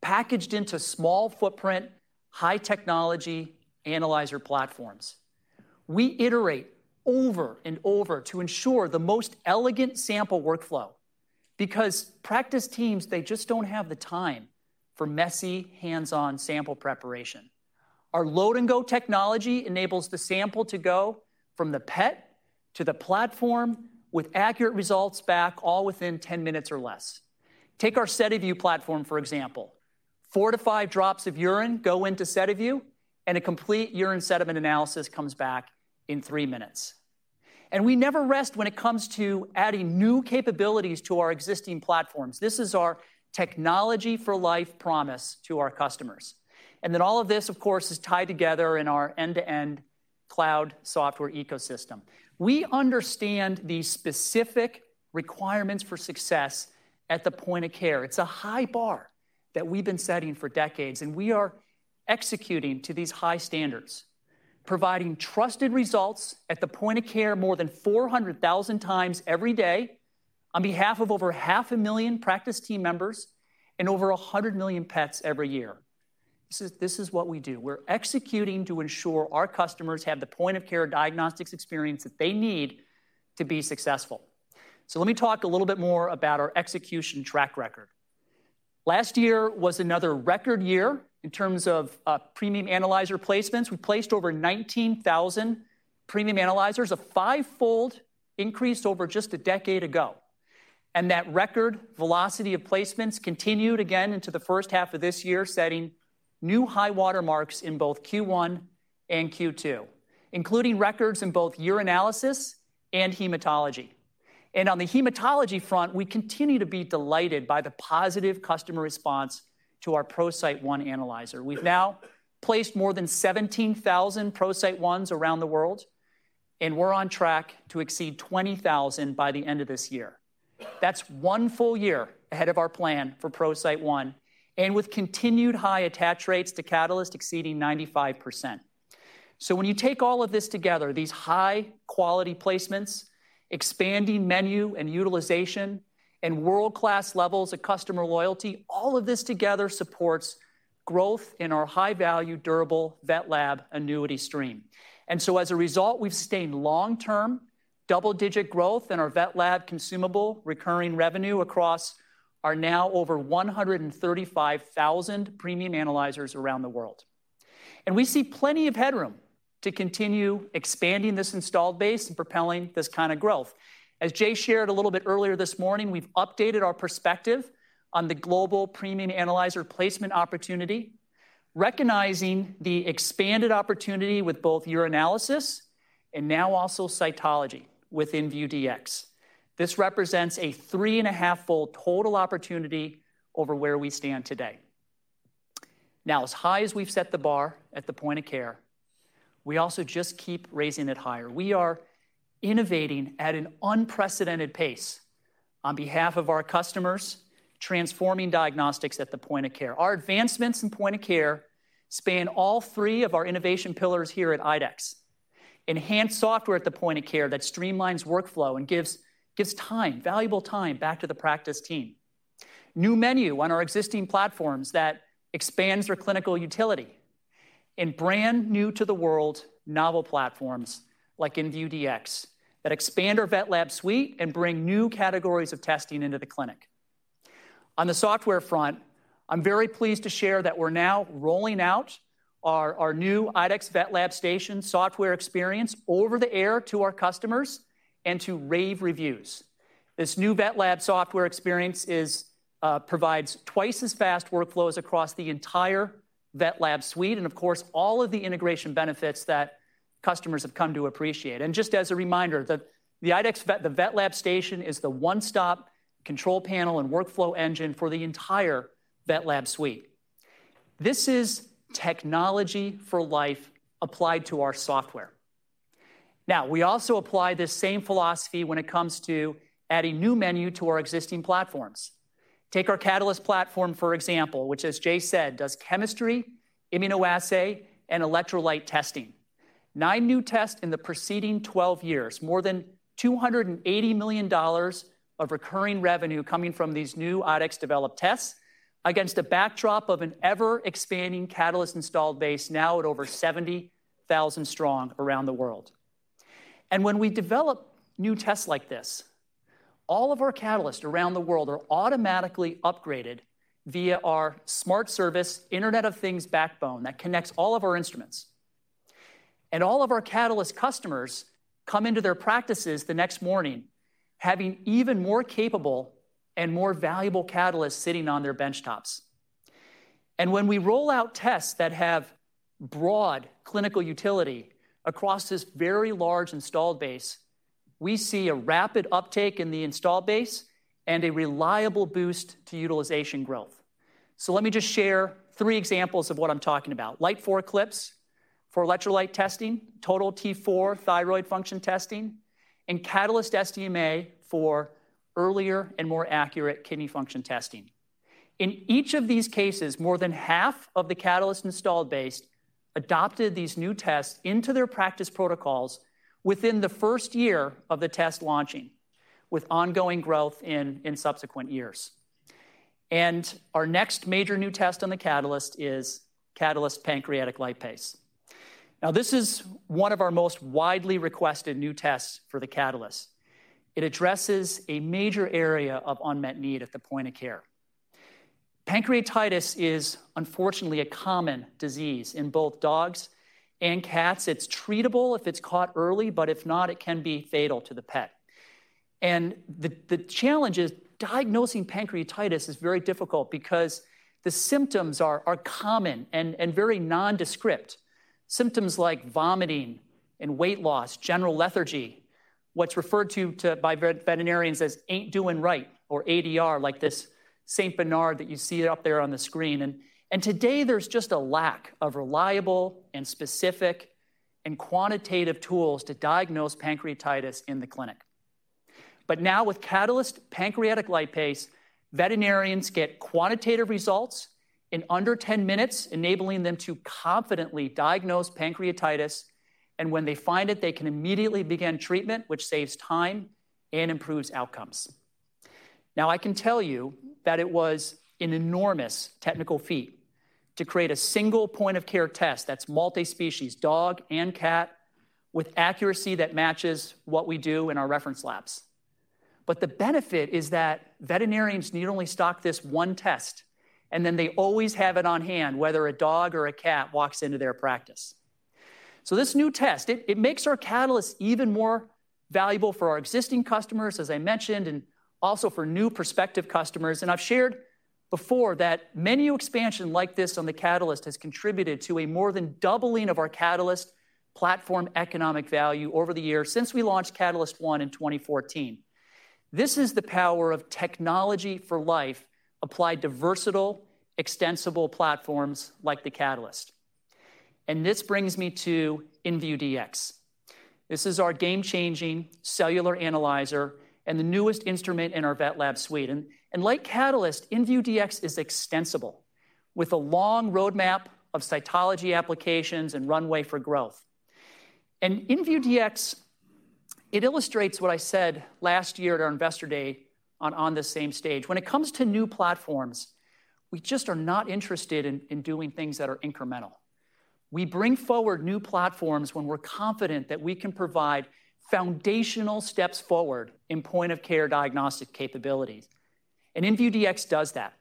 packaged into small footprint, high technology analyzer platforms. We iterate over and over to ensure the most elegant sample workflow, because practice teams, they just don't have the time for messy, hands-on sample preparation. Our Load and Go technology enables the sample to go from the pet to the platform with accurate results back, all within 10 minutes or less. Take our SediVue platform, for example. Four to five drops of urine go into SediVue, and a complete urine sediment analysis comes back in three minutes. And we never rest when it comes to adding new capabilities to our existing platforms. This is our technology for life promise to our customers. And then all of this, of course, is tied together in our end-to-end cloud software ecosystem. We understand the specific requirements for success at the point of care. It's a high bar that we've been setting for decades, and we are executing to these high standards, providing trusted results at the point of care more than 400,000 times every day on behalf of over 500,000 practice team members and over 100 million pets every year. This is, this is what we do. We're executing to ensure our customers have the point-of-care diagnostics experience that they need to be successful. So let me talk a little bit more about our execution track record. Last year was another record year in terms of premium analyzer placements. We placed over 19,000 premium analyzers, a 5-fold increase over just a decade ago. That record velocity of placements continued again into the first half of this year, setting new high water marks in both Q1 and Q2, including records in both urinalysis and hematology. On the hematology front, we continue to be delighted by the positive customer response to our ProCyte One analyzer. We've now placed more than 17,000 ProCyte Ones around the world, and we're on track to exceed 20,000 by the end of this year. That's one full year ahead of our plan for ProCyte One, and with continued high attach rates to Catalyst exceeding 95%. So when you take all of this together, these high-quality placements, expanding menu and utilization, and world-class levels of customer loyalty, all of this together supports growth in our high-value, durable VetLab annuity stream. So, as a result, we've sustained long-term-... Double-digit growth in our vet lab consumable recurring revenue across our now over 135,000 premium analyzers around the world. We see plenty of headroom to continue expanding this installed base and propelling this kind of growth. As Jay shared a little bit earlier this morning, we've updated our perspective on the global premium analyzer placement opportunity, recognizing the expanded opportunity with both urinalysis and now also cytology within InVue Dx. This represents a 3.5-fold total opportunity over where we stand today. Now, as high as we've set the bar at the point of care, we also just keep raising it higher. We are innovating at an unprecedented pace on behalf of our customers, transforming diagnostics at the point of care. Our advancements in point of care span all three of our innovation pillars here at IDEXX. Enhanced software at the point of care that streamlines workflow and gives valuable time back to the practice team. New menu on our existing platforms that expands their clinical utility, and brand new to the world novel platforms, like InVue Dx, that expand our VetLab suite and bring new categories of testing into the clinic. On the software front, I'm very pleased to share that we're now rolling out our new IDEXX VetLab Station software experience over the air to our customers, and to rave reviews. This new VetLab software experience provides twice as fast workflows across the entire VetLab suite, and of course, all of the integration benefits that customers have come to appreciate. Just as a reminder, the VetLab Station is the one-stop control panel and workflow engine for the entire VetLab suite. This is technology for life applied to our software. Now, we also apply this same philosophy when it comes to adding new menu to our existing platforms. Take our Catalyst platform, for example, which, as Jay said, does chemistry, immunoassay, and electrolyte testing. 9 new tests in the preceding 12 years, more than $280 million of recurring revenue coming from these new IDEXX-developed tests, against a backdrop of an ever-expanding Catalyst installed base, now at over 70,000 strong around the world. And when we develop new tests like this, all of our Catalysts around the world are automatically upgraded via our SmartService, Internet of Things backbone that connects all of our instruments. And all of our Catalyst customers come into their practices the next morning having even more capable and more valuable Catalysts sitting on their benchtops. When we roll out tests that have broad clinical utility across this very large installed base, we see a rapid uptake in the installed base and a reliable boost to utilization growth. Let me just share three examples of what I'm talking about: Lyte 4 CLIP for electrolyte testing, Total T4 thyroid function testing, and Catalyst SDMA for earlier and more accurate kidney function testing. In each of these cases, more than half of the Catalyst installed base adopted these new tests into their practice protocols within the first year of the test launching, with ongoing growth in subsequent years. Our next major new test on the Catalyst is Catalyst Pancreatic Lipase. Now, this is one of our most widely requested new tests for the Catalyst. It addresses a major area of unmet need at the point-of-care. Pancreatitis is unfortunately a common disease in both dogs and cats. It's treatable if it's caught early, but if not, it can be fatal to the pet. The challenge is diagnosing pancreatitis is very difficult because the symptoms are common and very nondescript. Symptoms like vomiting and weight loss, general lethargy, what's referred to by veterinarians as "ain't doing right," or ADR, like this Saint Bernard that you see up there on the screen. Today, there's just a lack of reliable and specific and quantitative tools to diagnose pancreatitis in the clinic. But now, with Catalyst Pancreatic Lipase, veterinarians get quantitative results in under 10 minutes, enabling them to confidently diagnose pancreatitis, and when they find it, they can immediately begin treatment, which saves time and improves outcomes. Now, I can tell you that it was an enormous technical feat to create a single point-of-care test that's multi-species, dog and cat, with accuracy that matches what we do in our reference labs. But the benefit is that veterinarians need only stock this one test, and then they always have it on hand, whether a dog or a cat walks into their practice. So this new test, it makes our Catalyst even more valuable for our existing customers, as I mentioned, and also for new prospective customers. And I've shared before that menu expansion like this on the Catalyst has contributed to a more than doubling of our Catalyst platform economic value over the years since we launched Catalyst One in 2014. This is the power of technology for life applied to versatile, extensible platforms like the Catalyst. And this brings me to InVue Dx. This is our game-changing cellular analyzer and the newest instrument in our Vet Lab suite. And like Catalyst, InVue Dx is extensible, with a long roadmap of cytology applications and runway for growth. And InVue Dx, it illustrates what I said last year at our Investor Day on this same stage. When it comes to new platforms, we just are not interested in doing things that are incremental.... We bring forward new platforms when we're confident that we can provide foundational steps forward in point-of-care diagnostic capabilities, and InVue Dx does that.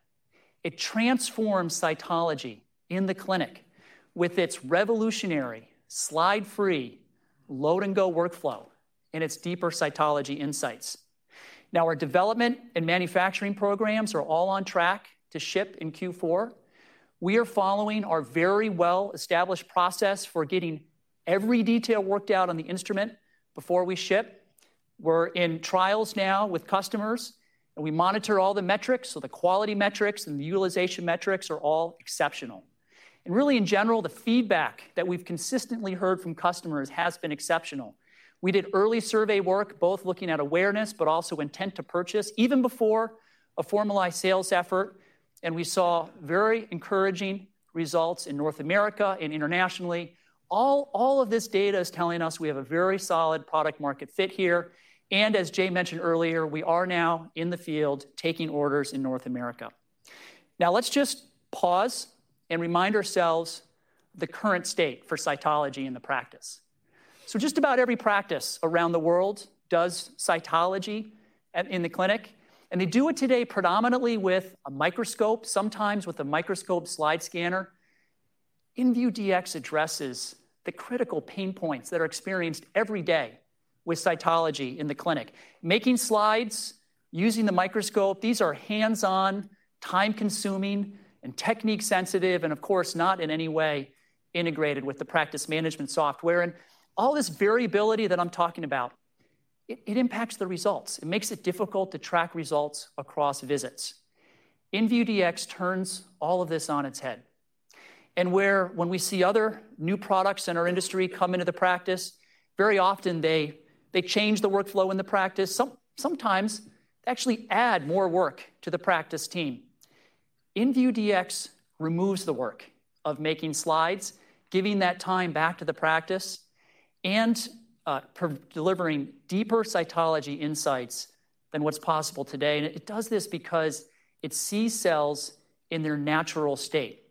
It transforms cytology in the clinic with its revolutionary slide-free, load-and-go workflow and its deeper cytology insights. Now, our development and manufacturing programs are all on track to ship in Q4. We are following our very well-established process for getting every detail worked out on the instrument before we ship. We're in trials now with customers, and we monitor all the metrics, so the quality metrics and the utilization metrics are all exceptional. And really, in general, the feedback that we've consistently heard from customers has been exceptional. We did early survey work, both looking at awareness, but also intent to purchase, even before a formalized sales effort, and we saw very encouraging results in North America and internationally. All, all of this data is telling us we have a very solid product market fit here, and as Jay mentioned earlier, we are now in the field taking orders in North America. Now, let's just pause and remind ourselves the current state for cytology in the practice. So just about every practice around the world does cytology at, in the clinic, and they do it today predominantly with a microscope, sometimes with a microscope slide scanner. Dx addresses the critical pain points that are experienced every day with cytology in the clinic. Making slides, using the microscope, these are hands-on, time-consuming, and technique-sensitive, and of course, not in any way integrated with the practice management software. All this variability that I'm talking about, it impacts the results. It makes it difficult to track results across visits. InVue Dx turns all of this on its head. When we see other new products in our industry come into the practice, very often they change the workflow in the practice, sometimes actually add more work to the practice team. InVue Dx removes the work of making slides, giving that time back to the practice, and delivering deeper cytology insights than what's possible today. It does this because it sees cells in their natural state.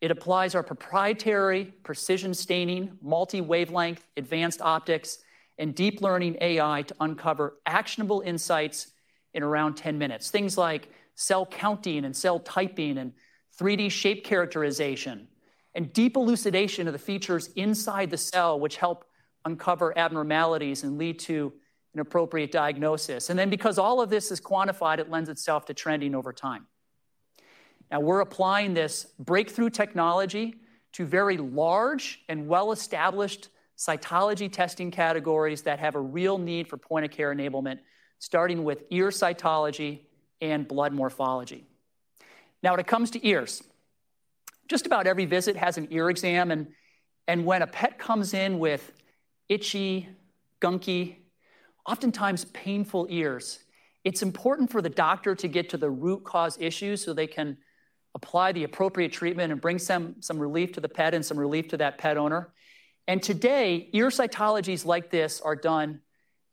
It applies our proprietary precision staining, multi-wavelength, advanced optics, and deep learning AI to uncover actionable insights in around 10 minutes. Things like cell counting and cell typing and 3D shape characterization and deep elucidation of the features inside the cell, which help uncover abnormalities and lead to an appropriate diagnosis. And then, because all of this is quantified, it lends itself to trending over time. Now, we're applying this breakthrough technology to very large and well-established cytology testing categories that have a real need for point-of-care enablement, starting with ear cytology and blood morphology. Now, when it comes to ears, just about every visit has an ear exam, and when a pet comes in with itchy, gunky, oftentimes painful ears, it's important for the doctor to get to the root cause issue so they can apply the appropriate treatment and bring some relief to the pet and some relief to that pet owner. And today, ear cytologies like this are done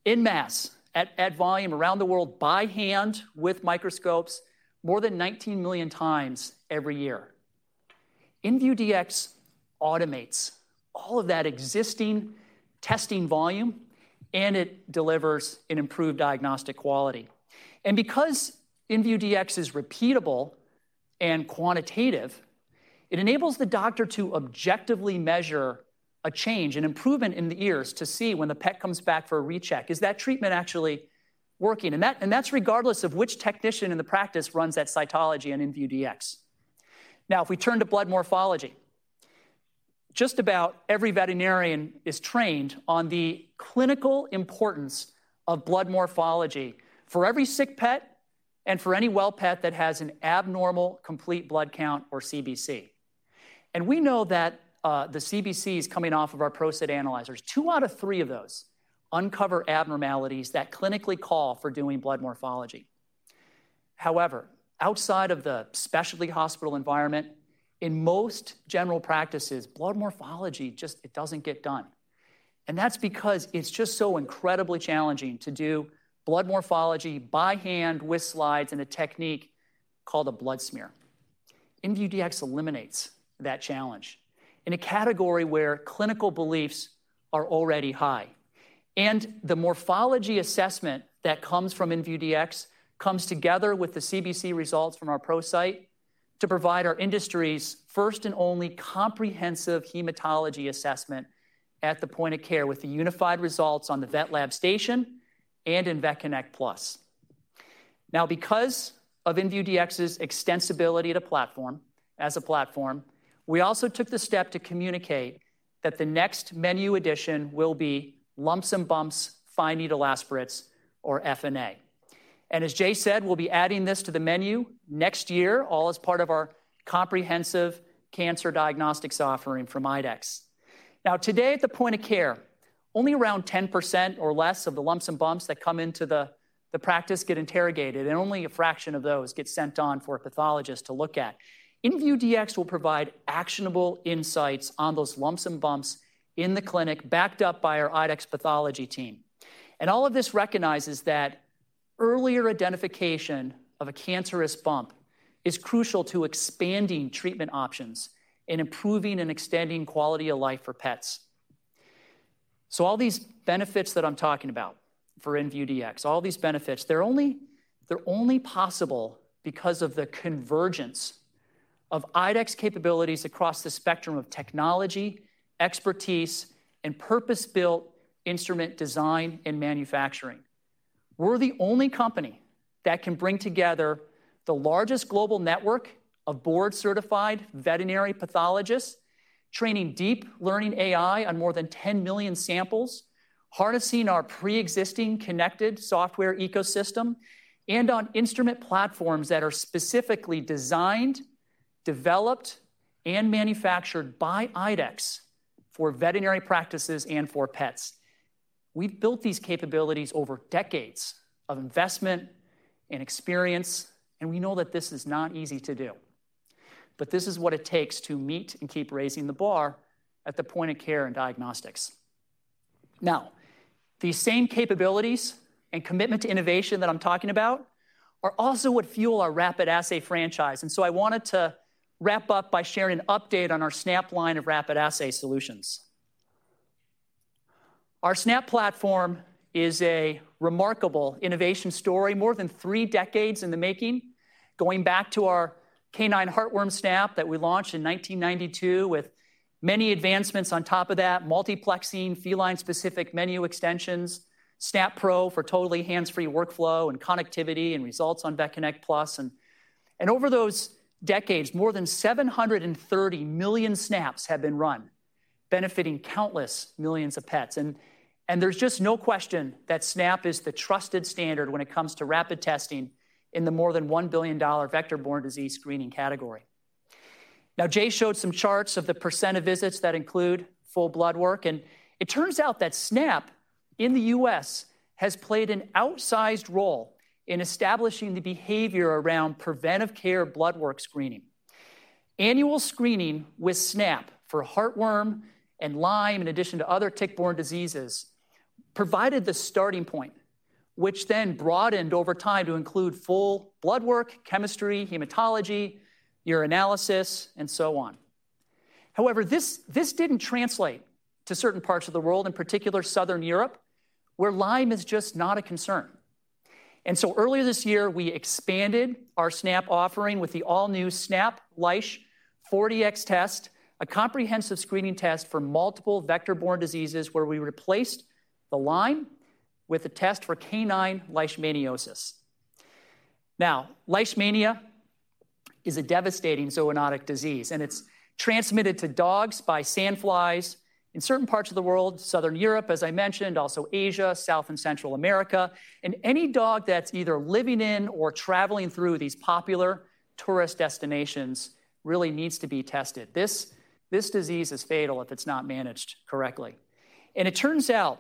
en masse, at volume around the world, by hand with microscopes, more than 19 million times every year. InVue Dx automates all of that existing testing volume, and it delivers an improved diagnostic quality. And because InVue Dx is repeatable and quantitative, it enables the doctor to objectively measure a change, an improvement in the ears, to see when the pet comes back for a recheck, is that treatment actually working? That's regardless of which technician in the practice runs that cytology on InVue Dx. Now, if we turn to blood morphology, just about every veterinarian is trained on the clinical importance of blood morphology for every sick pet and for any well pet that has an abnormal complete blood count or CBC. And we know that, the CBCs coming off of our ProCyte analyzers, 2 out of 3 of those uncover abnormalities that clinically call for doing blood morphology. However, outside of the specialty hospital environment, in most general practices, blood morphology just... it doesn't get done, and that's because it's just so incredibly challenging to do blood morphology by hand with slides and a technique called a blood smear. InVue Dx eliminates that challenge in a category where clinical beliefs are already high. The morphology assessment that comes from InVue Dx comes together with the CBC results from our ProCyte to provide our industry's first and only comprehensive hematology assessment at the point of care, with the unified results on the VetLab Station and in VetConnect PLUS. Now, because of InVue Dx's extensibility to platform, as a platform, we also took the step to communicate that the next menu addition will be lumps and bumps, fine needle aspirates, or FNA. And as Jay said, we'll be adding this to the menu next year, all as part of our comprehensive cancer diagnostics offering from IDEXX. Now, today, at the point of care, only around 10% or less of the lumps and bumps that come into the practice get interrogated, and only a fraction of those get sent on for a pathologist to look at. Dx will provide actionable insights on those lumps and bumps in the clinic, backed up by our IDEXX pathology team. And all of this recognizes that earlier identification of a cancerous bump is crucial to expanding treatment options and improving and extending quality of life for pets. So all these benefits that I'm talking about for InVue Dx, all these benefits, they're only, they're only possible because of the convergence of IDEXX capabilities across the spectrum of technology, expertise, and purpose-built instrument design and manufacturing. We're the only company that can bring together the largest global network of board-certified veterinary pathologists, training deep learning AI on more than 10 million samples, harnessing our pre-existing connected software ecosystem, and on instrument platforms that are specifically designed, developed, and manufactured by IDEXX for veterinary practices and for pets. We've built these capabilities over decades of investment and experience, and we know that this is not easy to do. But this is what it takes to meet and keep raising the bar at the point of care and diagnostics. Now, these same capabilities and commitment to innovation that I'm talking about are also what fuel our rapid assay franchise, and so I wanted to wrap up by sharing an update on our SNAP line of rapid assay solutions. Our SNAP platform is a remarkable innovation story, more than three decades in the making, going back to our canine heartworm SNAP that we launched in 1992, with many advancements on top of that, multiplexing feline-specific menu extensions, SNAP Pro for totally hands-free workflow and connectivity and results on VetConnect PLUS. Over those decades, more than 730 million SNAPs have been run, benefiting countless millions of pets. There's just no question that SNAP is the trusted standard when it comes to rapid testing in the more than $1 billion vector-borne disease screening category. Now, Jay showed some charts of the % of visits that include full blood work, and it turns out that SNAP, in the U.S., has played an outsized role in establishing the behavior around preventive care blood work screening. Annual screening with SNAP for heartworm and Lyme, in addition to other tick-borne diseases, provided the starting point, which then broadened over time to include full blood work, chemistry, hematology, urinalysis, and so on. However, this didn't translate to certain parts of the world, in particular Southern Europe, where Lyme is just not a concern. Earlier this year, we expanded our SNAP offering with the all-new SNAP Leish, 4Dx Test, a comprehensive screening test for multiple vector-borne diseases where we replaced the Lyme with a test for canine leishmaniasis. Now, leishmaniasis is a devastating zoonotic disease, and it's transmitted to dogs by sandflies in certain parts of the world, Southern Europe, as I mentioned, also Asia, South and Central America. Any dog that's either living in or traveling through these popular tourist destinations really needs to be tested. This, this disease is fatal if it's not managed correctly. It turns out,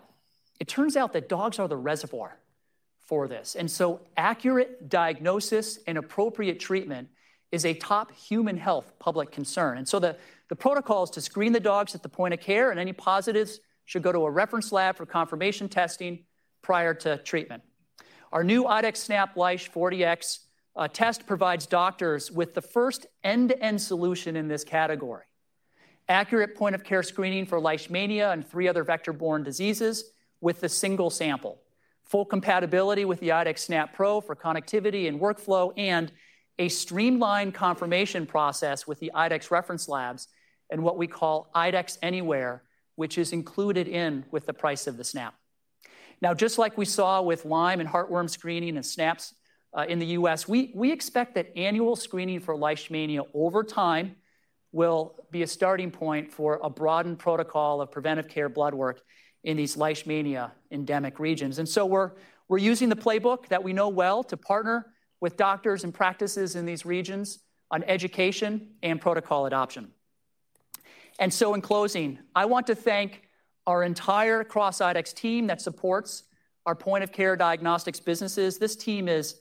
it turns out that dogs are the reservoir for this, and so accurate diagnosis and appropriate treatment is a top human health public concern. The protocol is to screen the dogs at the point of care, and any positives should go to a reference lab for confirmation testing prior to treatment. Our new IDEXX SNAP Leish 4Dx test provides doctors with the first end-to-end solution in this category. Accurate point-of-care screening for Leishmania and three other vector-borne diseases with a single sample. Full compatibility with the IDEXX SNAP Pro for connectivity and workflow, and a streamlined confirmation process with the IDEXX reference labs and what we call IDEXX Anywhere, which is included in with the price of the SNAP. Now, just like we saw with Lyme and heartworm screening and SNAPs in the U.S., we expect that annual screening for Leishmania over time will be a starting point for a broadened protocol of preventive care blood work in these Leishmania-endemic regions. And so we're using the playbook that we know well to partner with doctors and practices in these regions on education and protocol adoption. And so, in closing, I want to thank our entire cross IDEXX team that supports our point-of-care diagnostics businesses. This team is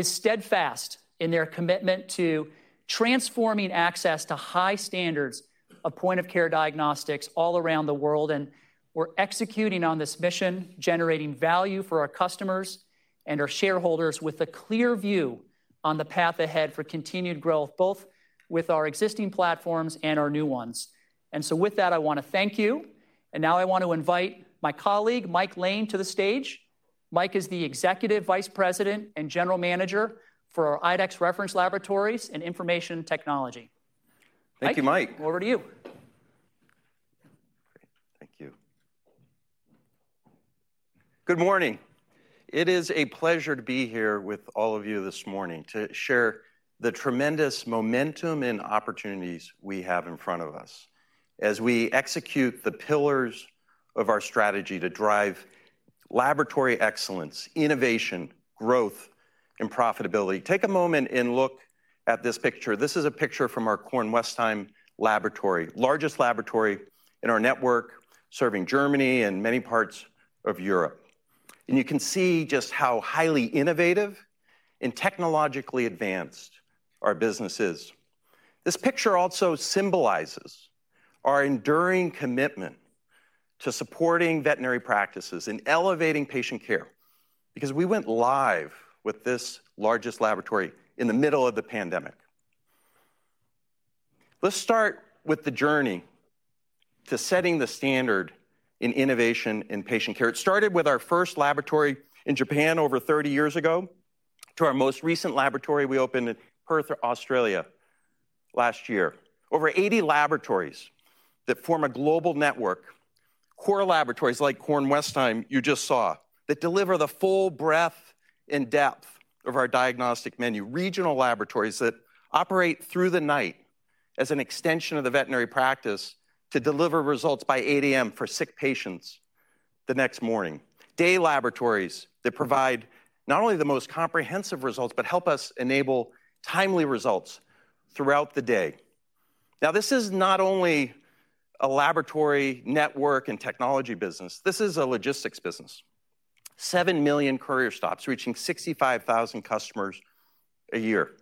steadfast in their commitment to transforming access to high standards of point-of-care diagnostics all around the world, and we're executing on this mission, generating value for our customers and our shareholders with a clear view on the path ahead for continued growth, both with our existing platforms and our new ones. And so with that, I want to thank you, and now I want to invite my colleague, Mike Lane, to the stage. Mike is the Executive Vice President and General Manager for IDEXX Reference Laboratories and Information Technology. Thank you, Mike. Over to you. Great. Thank you. Good morning. It is a pleasure to be here with all of you this morning to share the tremendous momentum and opportunities we have in front of us as we execute the pillars of our strategy to drive laboratory excellence, innovation, growth, and profitability. Take a moment and look at this picture. This is a picture from our Kornwestheim laboratory, largest laboratory in our network, serving Germany and many parts of Europe. And you can see just how highly innovative and technologically advanced our business is. This picture also symbolizes our enduring commitment to supporting veterinary practices and elevating patient care, because we went live with this largest laboratory in the middle of the pandemic. Let's start with the journey to setting the standard in innovation and patient care. It started with our first laboratory in Japan over 30 years ago, to our most recent laboratory we opened in Perth, Australia, last year. Over 80 laboratories that form a global network. Core laboratories like Kornwestheim, you just saw, that deliver the full breadth and depth of our diagnostic menu. Regional laboratories that operate through the night as an extension of the veterinary practice to deliver results by 8:00 A.M. for sick patients the next morning. Day laboratories that provide not only the most comprehensive results, but help us enable timely results throughout the day. Now, this is not only a laboratory network and technology business, this is a logistics business. 7 million courier stops, reaching 65,000 customers a year.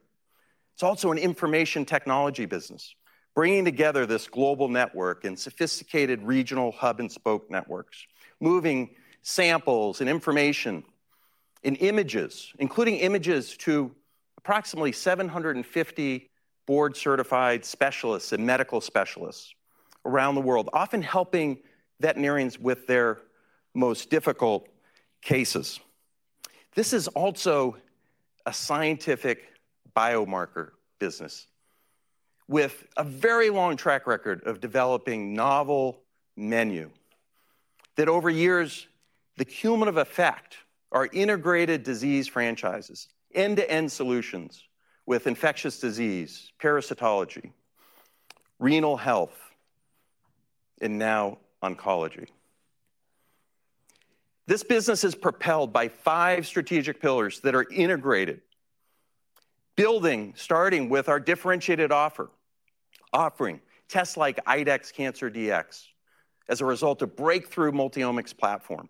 It's also an information technology business, bringing together this global network and sophisticated regional hub and spoke networks, moving samples and information and images, including images to approximately 750 board-certified specialists and medical specialists around the world, often helping veterinarians with their most difficult cases. This is also a scientific biomarker business, with a very long track record of developing novel menu, that over years, the cumulative effect, our integrated disease franchises, end-to-end solutions with infectious disease, parasitology, renal health, and now oncology. This business is propelled by five strategic pillars that are integrated. Building, starting with our differentiated offer, offering tests like IDEXX Cancer DX, as a result of breakthrough multi-omics platform.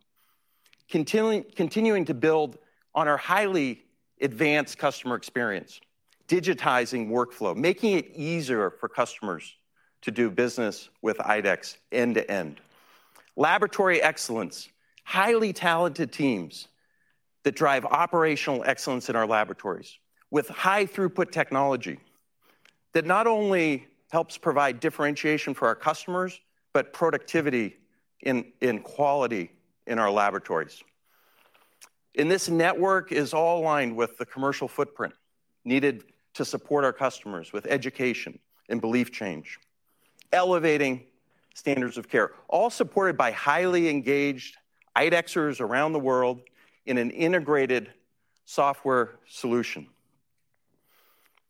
Continuing to build on our highly advanced customer experience, digitizing workflow, making it easier for customers to do business with IDEXX end to end. Laboratory excellence, highly talented teams that drive operational excellence in our laboratories, with high throughput technology that not only helps provide differentiation for our customers, but productivity in quality in our laboratories. And this network is all aligned with the commercial footprint needed to support our customers with education and belief change, elevating standards of care, all supported by highly engaged IDEXXers around the world in an integrated software solution.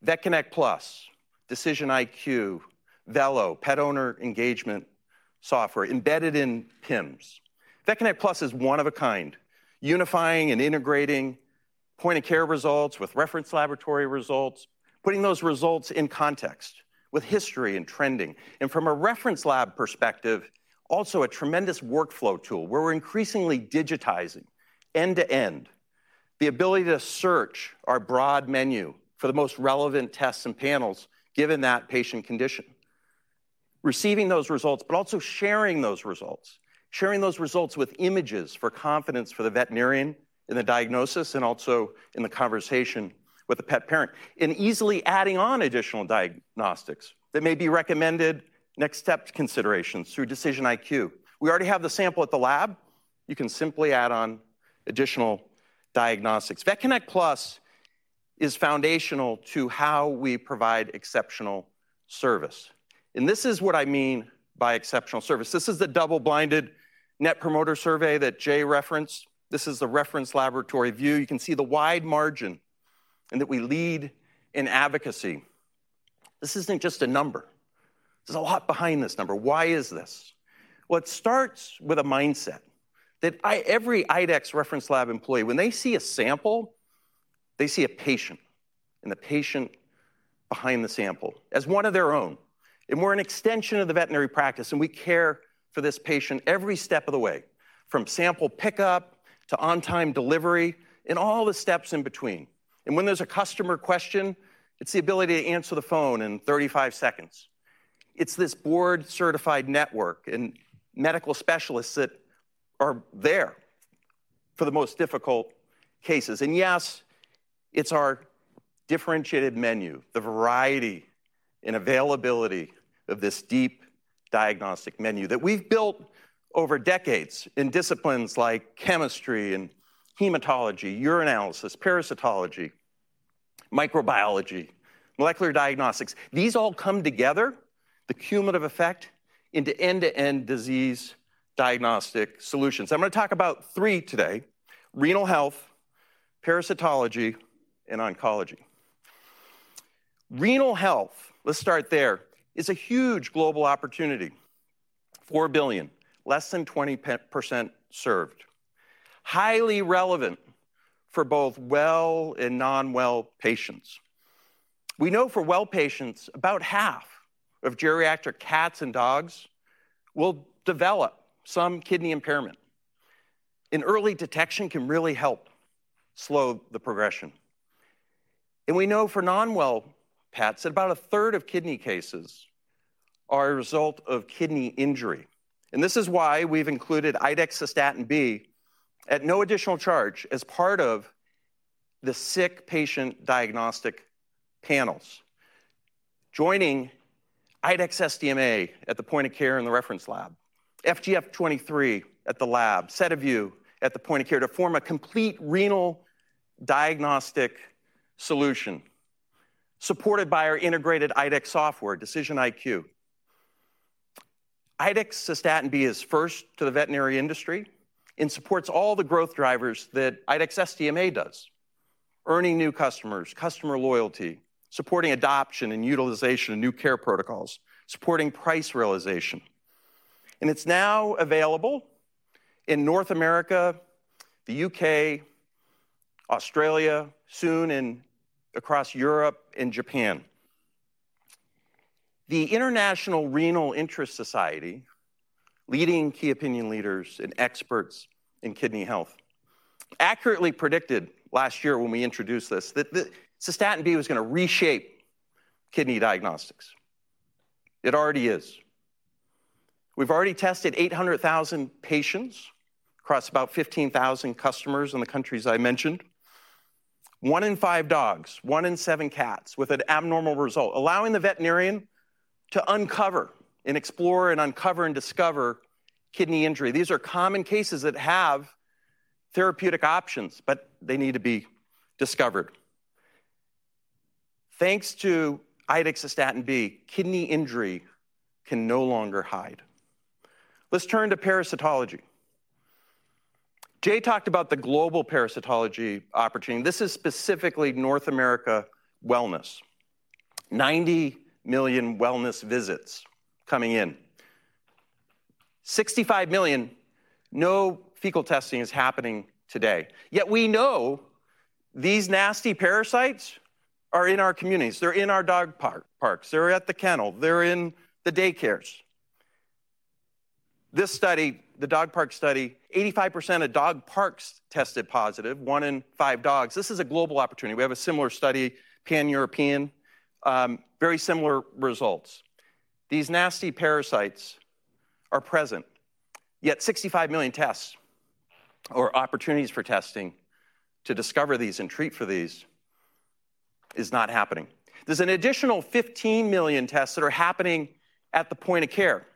VetConnect PLUS, DecisionIQ, Vello, pet owner engagement software embedded in PIMS. VetConnect PLUS is one of a kind, unifying and integrating point-of-care results with reference laboratory results, putting those results in context with history and trending. And from a reference lab perspective, also a tremendous workflow tool, where we're increasingly digitizing end to end, the ability to search our broad menu for the most relevant tests and panels, given that patient condition. Receiving those results, but also sharing those results, sharing those results with images for confidence for the veterinarian in the diagnosis and also in the conversation with the pet parent, and easily adding on additional diagnostics that may be recommended next step considerations through DecisionIQ. We already have the sample at the lab, you can simply add on additional diagnostics. VetConnect PLUS is foundational to how we provide exceptional service, and this is what I mean by exceptional service. This is the double-blinded Net Promoter survey that Jay referenced. This is the reference laboratory view. You can see the wide margin and that we lead in advocacy. This isn't just a number. There's a lot behind this number. Why is this? Well, it starts with a mindset that every IDEXX reference lab employee, when they see a sample, they see a patient, and the patient behind the sample as one of their own. We're an extension of the veterinary practice, and we care for this patient every step of the way, from sample pickup to on-time delivery, and all the steps in between. When there's a customer question, it's the ability to answer the phone in 35 seconds. It's this board-certified network and medical specialists that are there for the most difficult cases. Yes, it's our differentiated menu, the variety and availability of this deep diagnostic menu that we've built over decades in disciplines like chemistry and hematology, urinalysis, parasitology, microbiology, molecular diagnostics. These all come together, the cumulative effect, into end-to-end disease diagnostic solutions. I'm gonna talk about three today: renal health, parasitology, and oncology. Renal health, let's start there, is a huge global opportunity. 4 billion, less than 20% served. Highly relevant for both well and non-well patients. We know for well patients, about half of geriatric cats and dogs will develop some kidney impairment, and early detection can really help slow the progression. We know for non-well pets, that about a third of kidney cases are a result of kidney injury. And this is why we've included IDEXX Cystatin B at no additional charge as part of the sick patient diagnostic panels. Joining IDEXX SDMA at the point of care in the reference lab, FGF-23 at the lab, SediVue at the point of care, to form a complete renal diagnostic solution, supported by our integrated IDEXX software, DecisionIQ. IDEXX Cystatin B is first to the veterinary industry, and supports all the growth drivers that IDEXX SDMA does: earning new customers, customer loyalty, supporting adoption and utilization of new care protocols, supporting price realization. And it's now available in North America, the U.K., Australia, soon in across Europe and Japan. The International Renal Interest Society, leading key opinion leaders and experts in kidney health, accurately predicted last year when we introduced this, that the Cystatin B was going to reshape kidney diagnostics. It already is. We've already tested 800,000 patients across about 15,000 customers in the countries I mentioned. 1 in 5 dogs, 1 in 7 cats, with an abnormal result, allowing the veterinarian to uncover and explore, and uncover and discover kidney injury. These are common cases that have therapeutic options, but they need to be discovered. Thanks to IDEXX Cystatin B, kidney injury can no longer hide. Let's turn to parasitology. Jay talked about the global parasitology opportunity. This is specifically North America wellness. 90 million wellness visits coming in. 65 million, no fecal testing is happening today. Yet we know these nasty parasites are in our communities. They're in our dog park, parks, they're at the kennel, they're in the daycares. This study, the dog park study, 85% of dog parks tested positive, 1 in 5 dogs. This is a global opportunity. We have a similar study, Pan-European, very similar results. These nasty parasites are present, yet 65 million tests or opportunities for testing to discover these and treat for these is not happening. There's an additional 15 million tests that are happening at the point of care.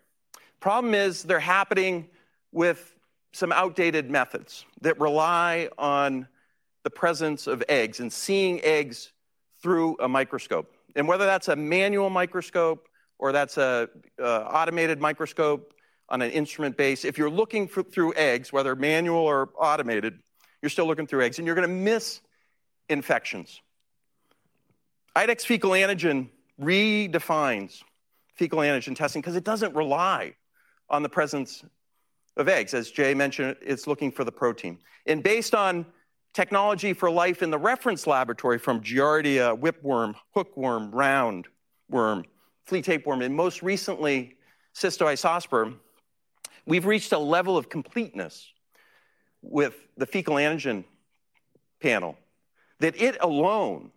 Problem is, they're happening with some outdated methods that rely on the presence of eggs and seeing eggs through a microscope. Whether that's a manual microscope or that's an automated microscope on an instrument base, if you're looking through eggs, whether manual or automated, you're still looking through eggs, and you're gonna miss infections. IDEXX Fecal Antigen redefines fecal antigen testing 'cause it doesn't rely on the presence of eggs. As Jay mentioned, it's looking for the protein. Based on technology for life in the reference laboratory from Giardia, whipworm, hookworm, roundworm, flea tapeworm, and most recently, Cystoisospora, we've reached a level of completeness with the Fecal Antigen panel, that it alone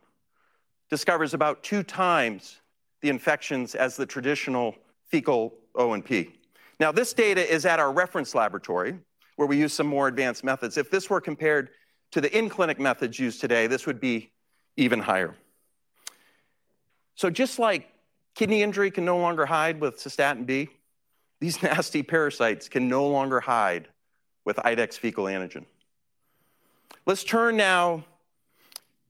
discovers about two times the infections as the traditional fecal O&P. Now, this data is at our reference laboratory, where we use some more advanced methods. If this were compared to the in-clinic methods used today, this would be even higher. So just like kidney injury can no longer hide with Cystatin B, these nasty parasites can no longer hide with IDEXX Fecal Antigen. Let's turn now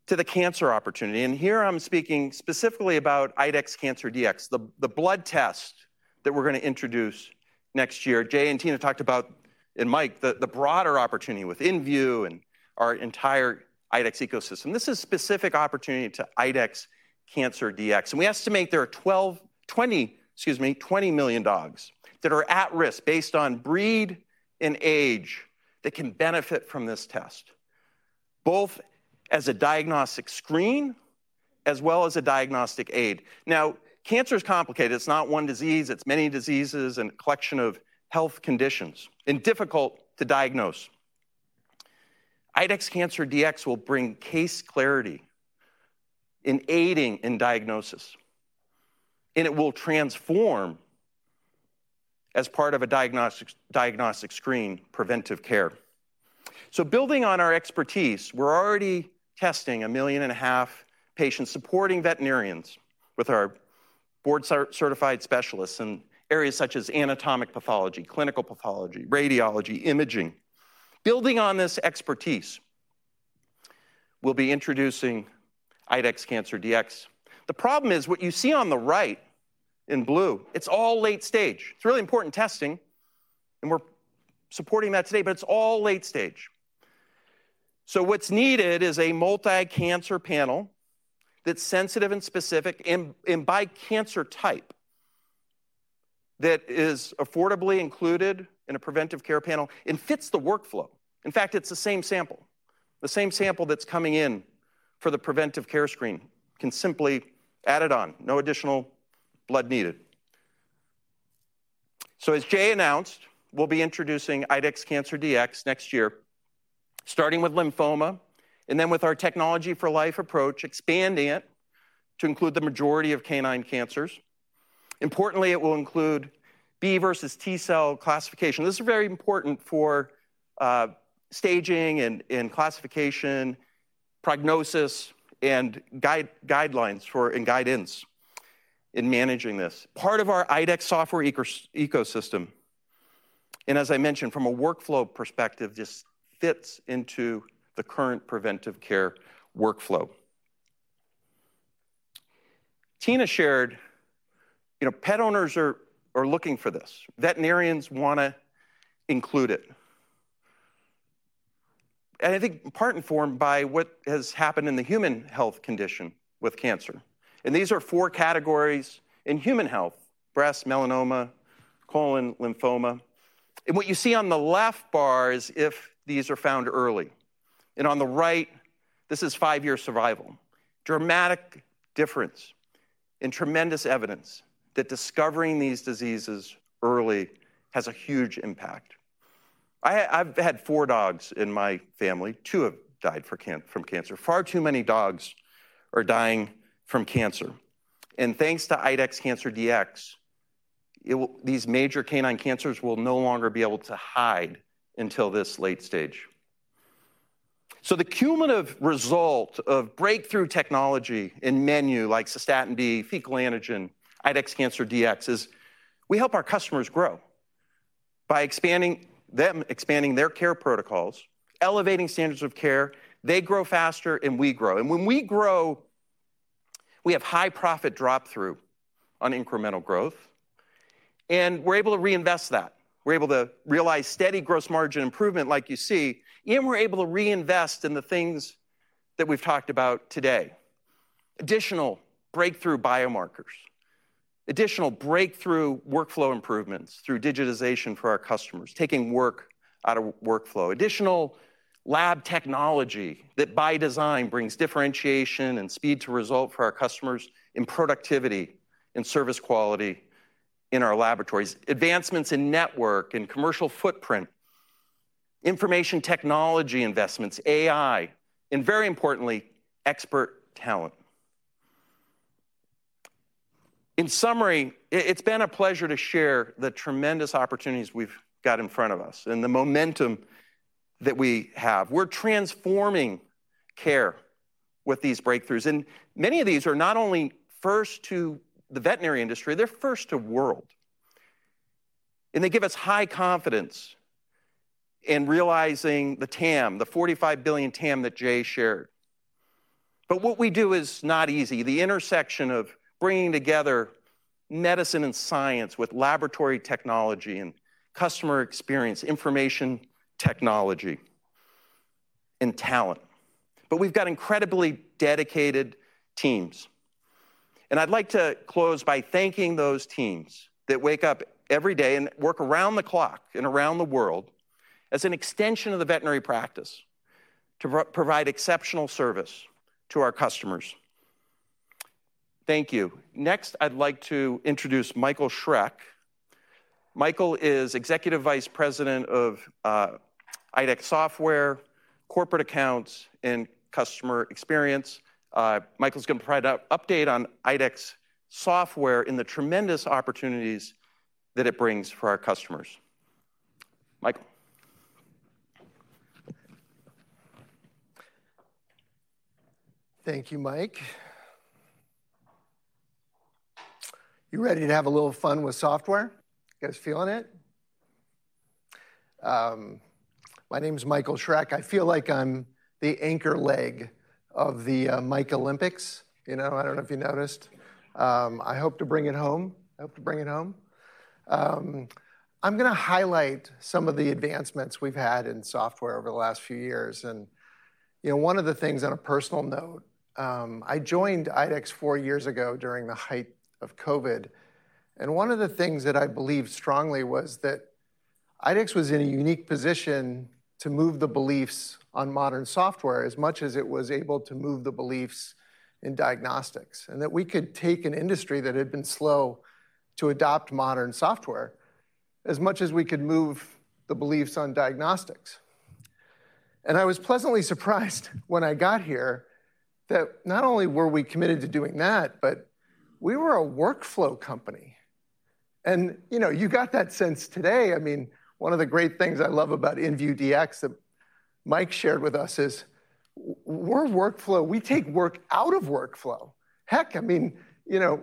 to the cancer opportunity, and here I'm speaking specifically about IDEXX Cancer Dx, the blood test that we're going to introduce next year. Jay and Tina talked about... and Mike, the broader opportunity with InVue and our entire IDEXX ecosystem. This is specific opportunity to IDEXX Cancer Dx, and we estimate there are 20 million dogs that are at risk, based on breed and age, that can benefit from this test, both as a diagnostic screen as well as a diagnostic aid. Now, cancer is complicated. It's not one disease, it's many diseases and a collection of health conditions, and difficult to diagnose. IDEXX Cancer Dx will bring case clarity in aiding in diagnosis, and it will transform as part of a diagnostics, diagnostic screen, preventive care. So building on our expertise, we're already testing 1.5 million patients, supporting veterinarians with our board-certified specialists in areas such as anatomic pathology, clinical pathology, radiology, imaging. Building on this expertise, we'll be introducing IDEXX Cancer Dx. The problem is, what you see on the right in blue, it's all late stage. It's really important testing, and we're supporting that today, but it's all late stage. So what's needed is a multi-cancer panel that's sensitive and specific, and, and by cancer type, that is affordably included in a preventive care panel and fits the workflow. In fact, it's the same sample. The same sample that's coming in for the preventive care screen can simply add it on, no additional blood needed.... So as Jay announced, we'll be introducing IDEXX Cancer Dx next year, starting with lymphoma, and then with our technology for life approach, expanding it to include the majority of canine cancers. Importantly, it will include B versus T cell classification. This is very important for staging and classification, prognosis, and guidelines for guidance in managing this. Part of our IDEXX software ecosystem, and as I mentioned, from a workflow perspective, just fits into the current preventive care workflow. Tina shared, you know, pet owners are looking for this. Veterinarians want to include it. And I think in part informed by what has happened in the human health condition with cancer, and these are four categories in human health: breast, melanoma, colon, lymphoma. And what you see on the left bar is if these are found early, and on the right, this is five-year survival. Dramatic difference and tremendous evidence that discovering these diseases early has a huge impact. I've had four dogs in my family. Two have died from cancer. Far too many dogs are dying from cancer, and thanks to IDEXX Cancer Dx, these major canine cancers will no longer be able to hide until this late stage. So the cumulative result of breakthrough technology in menu, like Cystatin B, fecal antigen, IDEXX Cancer Dx, is we help our customers grow by expanding them, expanding their care protocols, elevating standards of care. They grow faster, and we grow. And when we grow, we have high profit flow-through on incremental growth, and we're able to reinvest that. We're able to realize steady gross margin improvement like you see, and we're able to reinvest in the things that we've talked about today. Additional breakthrough biomarkers, additional breakthrough workflow improvements through digitization for our customers, taking work out of workflow. Additional lab technology that, by design, brings differentiation and speed to result for our customers in productivity and service quality in our laboratories. Advancements in network and commercial footprint, information technology investments, AI, and very importantly, expert talent. In summary, it's been a pleasure to share the tremendous opportunities we've got in front of us and the momentum that we have. We're transforming care with these breakthroughs, and many of these are not only first to the veterinary industry, they're first to world. And they give us high confidence in realizing the TAM, the $45 billion TAM that Jay shared. But what we do is not easy, the intersection of bringing together medicine and science with laboratory technology and customer experience, information technology, and talent. But we've got incredibly dedicated teams, and I'd like to close by thanking those teams that wake up every day and work around the clock and around the world as an extension of the veterinary practice to provide exceptional service to our customers. Thank you. Next, I'd like to introduce Michael Schreck. Michael is Executive Vice President of IDEXX Software, Corporate Accounts, and Customer Experience. Michael's going to provide an update on IDEXX Software and the tremendous opportunities that it brings for our customers. Michael. Thank you, Mike. You ready to have a little fun with software? You guys feeling it? My name is Michael Schreck. I feel like I'm the anchor leg of the Mike Olympics. You know, I don't know if you noticed. I hope to bring it home. I hope to bring it home. I'm gonna highlight some of the advancements we've had in software over the last few years. And, you know, one of the things on a personal note, I joined IDEXX four years ago during the height of COVID, and one of the things that I believed strongly was that IDEXX was in a unique position to move the beliefs on modern software as much as it was able to move the beliefs in diagnostics. That we could take an industry that had been slow to adopt modern software as much as we could move the beliefs on diagnostics. I was pleasantly surprised when I got here that not only were we committed to doing that, but we were a workflow company. You know, you got that sense today. I mean, one of the great things I love about InVue Dx that Mike shared with us is we're workflow. We take work out of workflow. Heck, I mean, you know,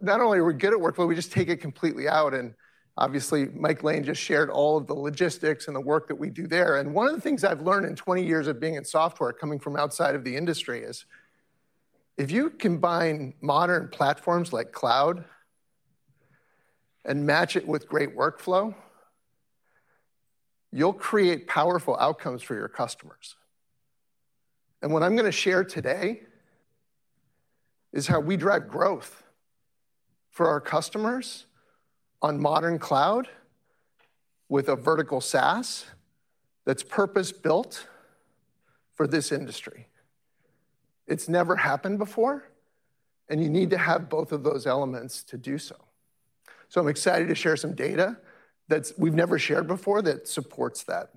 not only are we good at workflow, we just take it completely out, and obviously, Mike Lane just shared all of the logistics and the work that we do there. And one of the things I've learned in 20 years of being in software, coming from outside of the industry, is if you combine modern platforms like cloud and match it with great workflow, you'll create powerful outcomes for your customers. And what I'm gonna share today is how we drive growth for our customers on modern cloud with a vertical SaaS that's purpose-built for this industry... it's never happened before, and you need to have both of those elements to do so. So I'm excited to share some data that we've never shared before that supports that.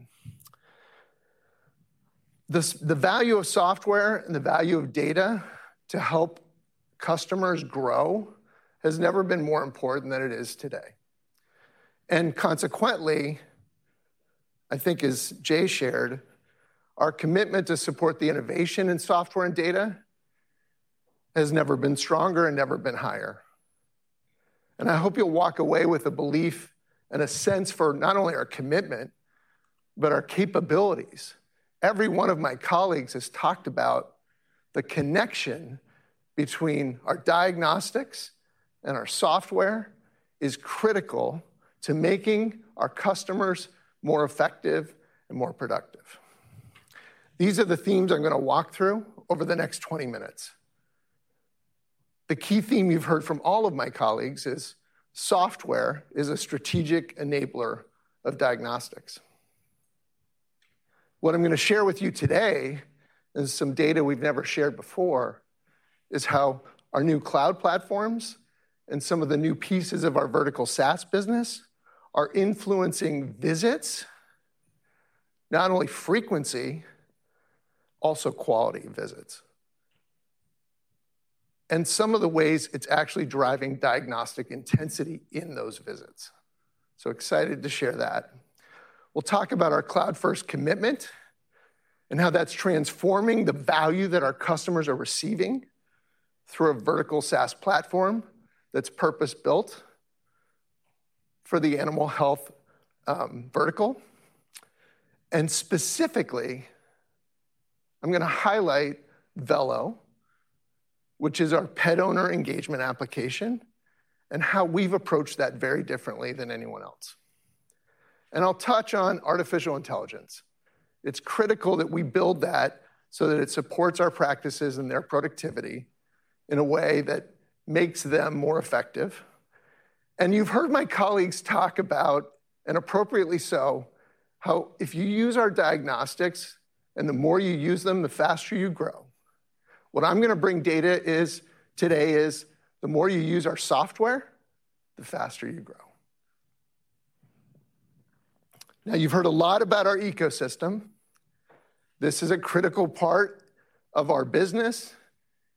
The value of software and the value of data to help customers grow has never been more important than it is today. And consequently, I think as Jay shared, our commitment to support the innovation in software and data has never been stronger and never been higher. I hope you'll walk away with a belief and a sense for not only our commitment, but our capabilities. Every one of my colleagues has talked about the connection between our diagnostics and our software is critical to making our customers more effective and more productive. These are the themes I'm gonna walk through over the next 20 minutes. The key theme you've heard from all of my colleagues is: software is a strategic enabler of diagnostics. What I'm gonna share with you today is some data we've never shared before, is how our new cloud platforms and some of the new pieces of our Vertical SaaS business are influencing visits, not only frequency, also quality visits. And some of the ways it's actually driving diagnostic intensity in those visits. So excited to share that. We'll talk about our cloud first commitment, and how that's transforming the value that our customers are receiving through a vertical SaaS platform that's purpose-built for the animal health vertical. And specifically, I'm gonna highlight Vello, which is our pet owner engagement application, and how we've approached that very differently than anyone else. And I'll touch on artificial intelligence. It's critical that we build that so that it supports our practices and their productivity in a way that makes them more effective. And you've heard my colleagues talk about, and appropriately so, how if you use our diagnostics and the more you use them, the faster you grow. What I'm gonna bring today is, the more you use our software, the faster you grow. Now, you've heard a lot about our ecosystem. This is a critical part of our business.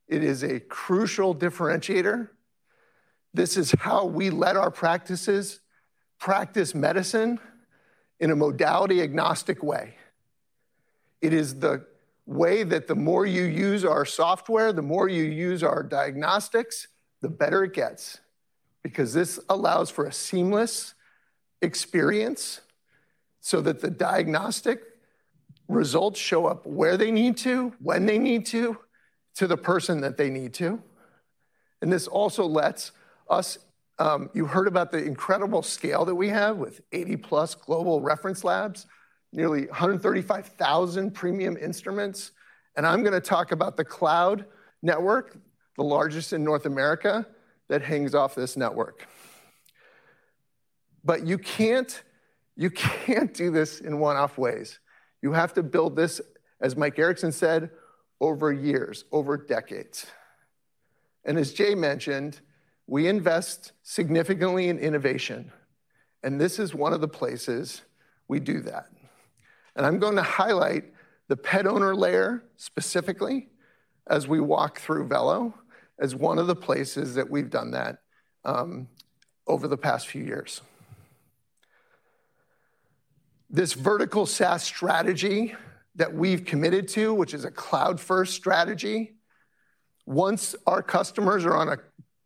It is a crucial differentiator. This is how we let our practices practice medicine in a modality-agnostic way. It is the way that the more you use our software, the more you use our diagnostics, the better it gets. Because this allows for a seamless experience, so that the diagnostic results show up where they need to, when they need to, to the person that they need to. And this also lets us, you heard about the incredible scale that we have with 80+ global reference labs, nearly 135,000 premium instruments, and I'm gonna talk about the cloud network, the largest in North America, that hangs off this network. But you can't, you can't do this in one-off ways. You have to build this, as Mike Erickson said, over years, over decades. As Jay mentioned, we invest significantly in innovation, and this is one of the places we do that. I'm gonna highlight the pet owner layer, specifically, as we walk through Vello, as one of the places that we've done that, over the past few years. This Vertical SaaS strategy that we've committed to, which is a cloud-first strategy, once our customers are on a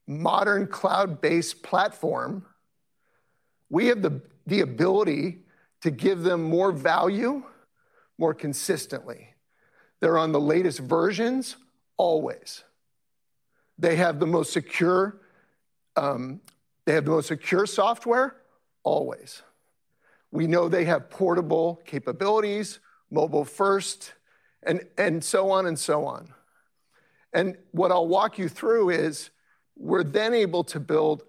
modern cloud-based platform, we have the ability to give them more value, more consistently. They're on the latest versions, always. They have the most secure, they have the most secure software, always. We know they have portable capabilities, mobile first, and so on and so on. What I'll walk you through is, we're then able to build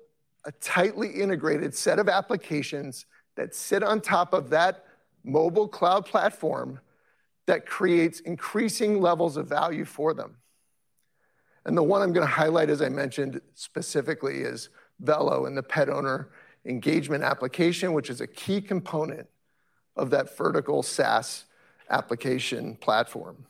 a tightly integrated set of applications that sit on top of that mobile cloud platform, that creates increasing levels of value for them. The one I'm gonna highlight, as I mentioned, specifically, is Vello and the pet owner engagement application, which is a key component of that vertical SaaS application platform.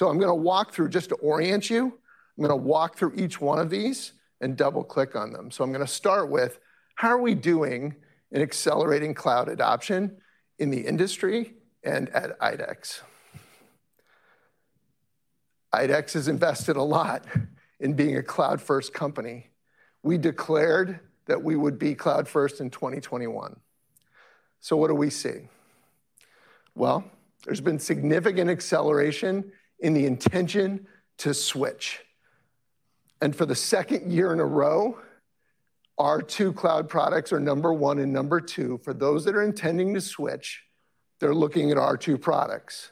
I'm gonna walk through... Just to orient you, I'm gonna walk through each one of these and double-click on them. I'm gonna start with: how are we doing in accelerating cloud adoption in the industry and at IDEXX? IDEXX has invested a lot in being a cloud-first company. We declared that we would be cloud first in 2021. What do we see? Well, there's been significant acceleration in the intention to switch, and for the 2nd year in a row, our two cloud products are number 1 and number 2. For those that are intending to switch, they're looking at our two products.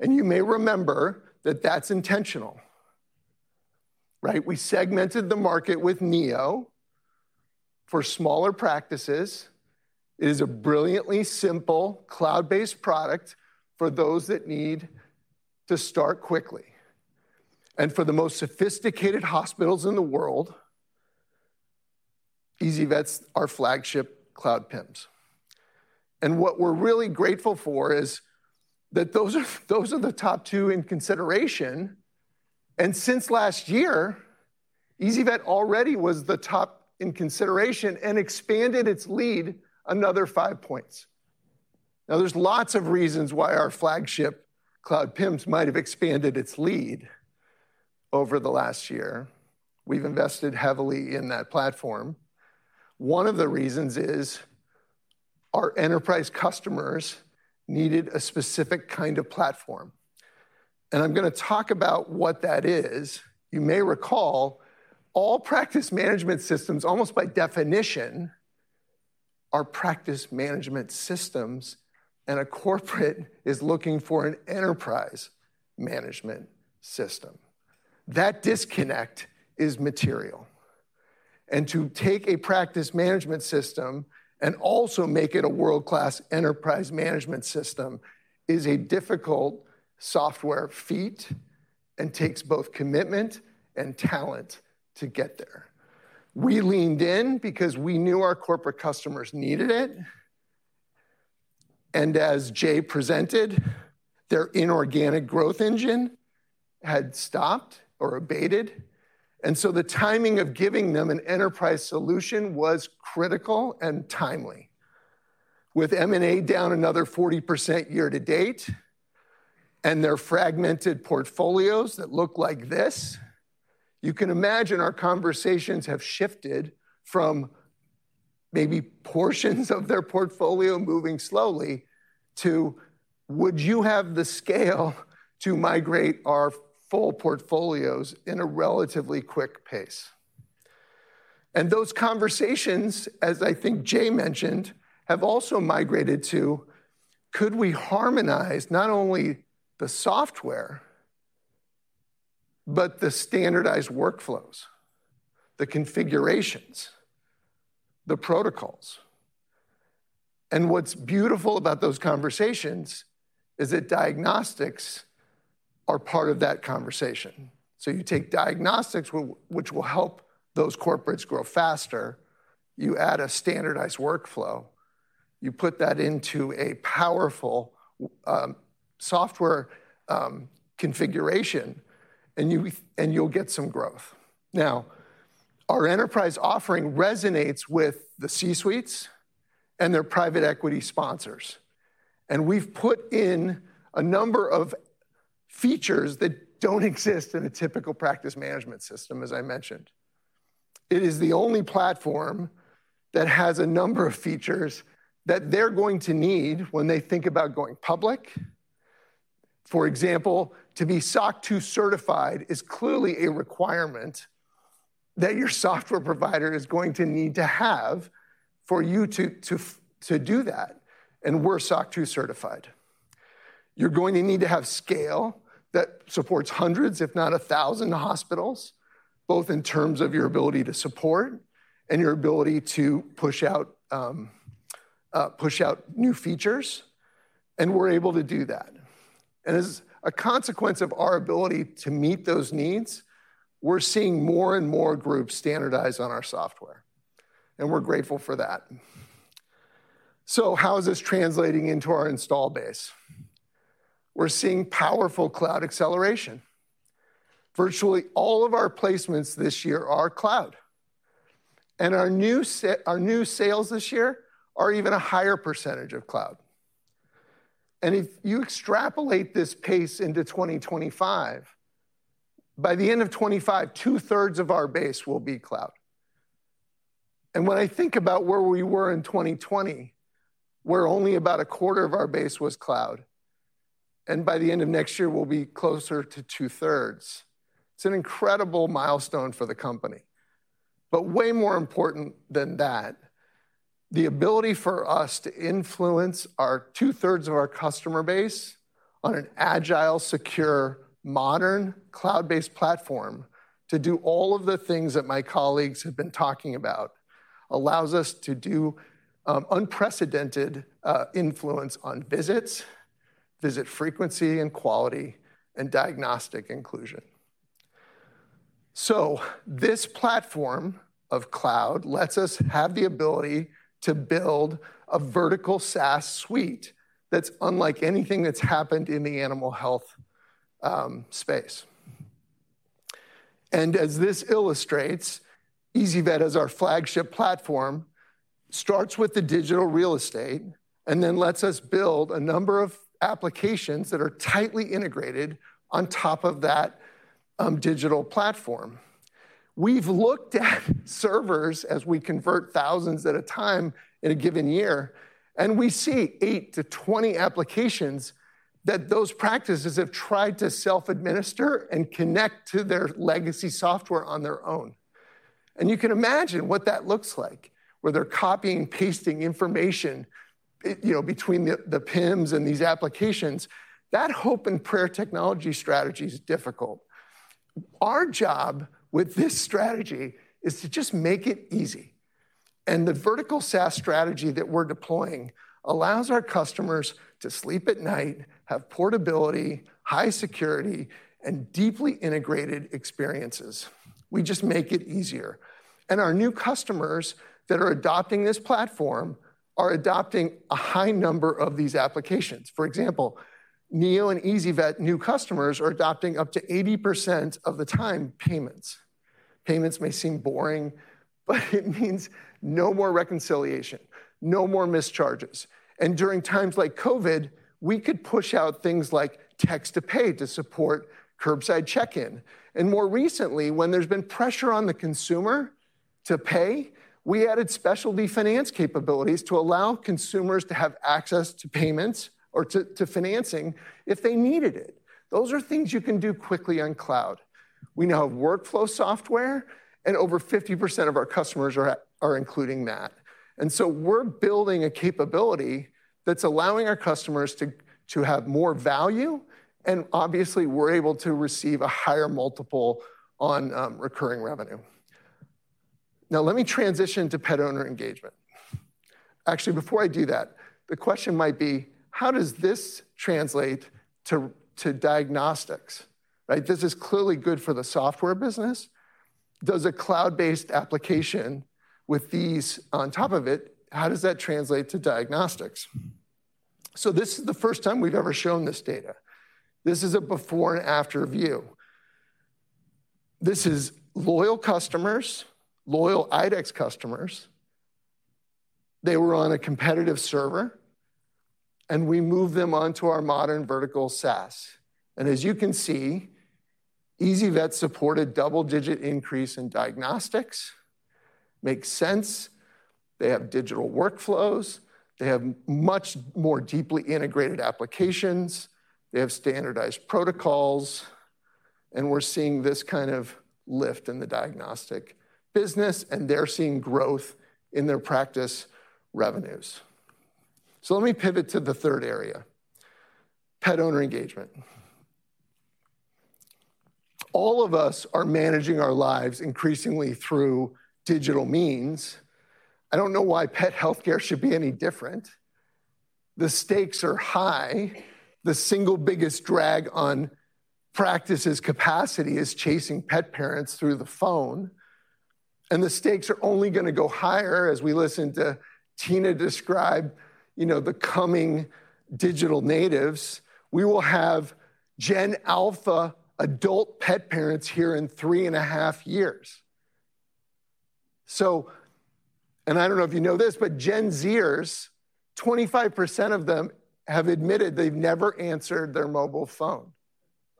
And you may remember that that's intentional.... Right? We segmented the market with Neo for smaller practices. It is a brilliantly simple, cloud-based product for those that need to start quickly. And for the most sophisticated hospitals in the world, ezyVet's our flagship cloud PIMS. And what we're really grateful for is that those are the top two in consideration, and since last year, ezyVet already was the top in consideration and expanded its lead another 5 points. Now, there's lots of reasons why our flagship cloud PIMS might have expanded its lead over the last year. We've invested heavily in that platform. One of the reasons is our enterprise customers needed a specific kind of platform, and I'm gonna talk about what that is. You may recall, all practice management systems, almost by definition, are practice management systems, and a corporate is looking for an enterprise management system. That disconnect is material. And to take a practice management system and also make it a world-class enterprise management system is a difficult software feat, and takes both commitment and talent to get there. We leaned in because we knew our corporate customers needed it, and as Jay presented, their inorganic growth engine had stopped or abated, and so the timing of giving them an enterprise solution was critical and timely. With M&A down another 40% year to date, and their fragmented portfolios that look like this, you can imagine our conversations have shifted from maybe portions of their portfolio moving slowly to, "Would you have the scale to migrate our full portfolios in a relatively quick pace?" And those conversations, as I think Jay mentioned, have also migrated to: could we harmonize not only the software, but the standardized workflows, the configurations, the protocols? And what's beautiful about those conversations is that diagnostics are part of that conversation. So you take diagnostics, which will help those corporates grow faster, you add a standardized workflow, you put that into a powerful software configuration, and you'll get some growth. Now, our enterprise offering resonates with the C-suites and their private equity sponsors, and we've put in a number of features that don't exist in a typical practice management system, as I mentioned. It is the only platform that has a number of features that they're going to need when they think about going public. For example, to be SOC 2 certified is clearly a requirement that your software provider is going to need to have for you to do that, and we're SOC 2 certified. You're going to need to have scale that supports hundreds, if not 1,000, hospitals, both in terms of your ability to support and your ability to push out new features, and we're able to do that. And as a consequence of our ability to meet those needs, we're seeing more and more groups standardize on our software, and we're grateful for that. So how is this translating into our install base? We're seeing powerful cloud acceleration. Virtually all of our placements this year are cloud, and our new sales this year are even a higher percentage of cloud. And if you extrapolate this pace into 2025, by the end of 2025, two-thirds of our base will be cloud. And when I think about where we were in 2020, where only about a quarter of our base was cloud, and by the end of next year we'll be closer to two-thirds, it's an incredible milestone for the company. But way more important than that, the ability for us to influence our two-thirds of our customer base on an agile, secure, modern, cloud-based platform to do all of the things that my colleagues have been talking about, allows us to do unprecedented influence on visits, visit frequency and quality, and diagnostic inclusion. So this platform of cloud lets us have the ability to build a vertical SaaS suite that's unlike anything that's happened in the animal health space. And as this illustrates, ezyVet as our flagship platform, starts with the digital real estate, and then lets us build a number of applications that are tightly integrated on top of that digital platform. We've looked at servers as we convert thousands at a time in a given year, and we see 8-20 applications that those practices have tried to self-administer and connect to their legacy software on their own. You can imagine what that looks like, where they're copying and pasting information, you know, between the PIMS and these applications. That hope and prayer technology strategy is difficult. Our job with this strategy is to just make it easy, and the Vertical SaaS strategy that we're deploying allows our customers to sleep at night, have portability, high security, and deeply integrated experiences. We just make it easier. Our new customers that are adopting this platform are adopting a high number of these applications. For example, Neo and ezyVet new customers are adopting up to 80% of the time payments. Payments may seem boring, but it means no more reconciliation, no more mischarges. And during times like COVID, we could push out things like text to pay to support curbside check-in. And more recently, when there's been pressure on the consumer to pay, we added specialty finance capabilities to allow consumers to have access to payments or to financing if they needed it. Those are things you can do quickly on cloud. We now have workflow software, and over 50% of our customers are including that. And so we're building a capability that's allowing our customers to have more value, and obviously, we're able to receive a higher multiple on recurring revenue. Now, let me transition to pet owner engagement. Actually, before I do that, the question might be: how does this translate to diagnostics, right? This is clearly good for the software business. Does a cloud-based application with these on top of it, how does that translate to diagnostics? So this is the first time we've ever shown this data. This is a before and after view. This is loyal customers, loyal IDEXX customers. They were on a competitive server, and we moved them onto our modern vertical SaaS. And as you can see, ezyVet supported double-digit increase in diagnostics. Makes sense. They have digital workflows, they have much more deeply integrated applications, they have standardized protocols, and we're seeing this kind of lift in the diagnostic business, and they're seeing growth in their practice revenues. So let me pivot to the third area: pet owner engagement. All of us are managing our lives increasingly through digital means. I don't know why pet healthcare should be any different. The stakes are high. The single biggest drag on practices' capacity is chasing pet parents through the phone, and the stakes are only gonna go higher. As we listened to Tina describe, you know, the coming digital natives, we will have Gen Alpha adult pet parents here in 3.5 years. So... And I don't know if you know this, but Gen Z-ers, 25% of them have admitted they've never answered their mobile phone.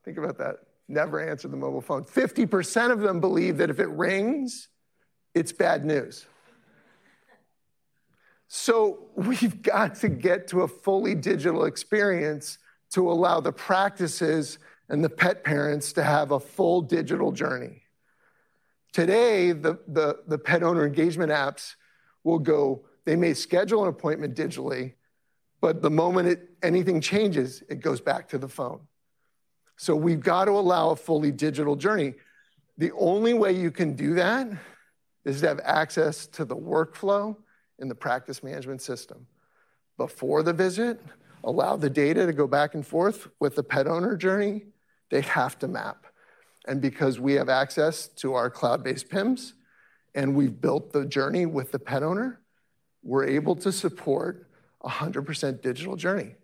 Think about that. Never answered the mobile phone. 50% of them believe that if it rings, it's bad news. So we've got to get to a fully digital experience to allow the practices and the pet parents to have a full digital journey. Today, the pet owner engagement apps will go. They may schedule an appointment digitally, but the moment anything changes, it goes back to the phone. So we've got to allow a fully digital journey. The only way you can do that is to have access to the workflow and the practice management system. Before the visit, allow the data to go back and forth with the pet owner journey, they have to map. And because we have access to our cloud-based PIMs and we've built the journey with the pet owner, we're able to support a 100% digital journey.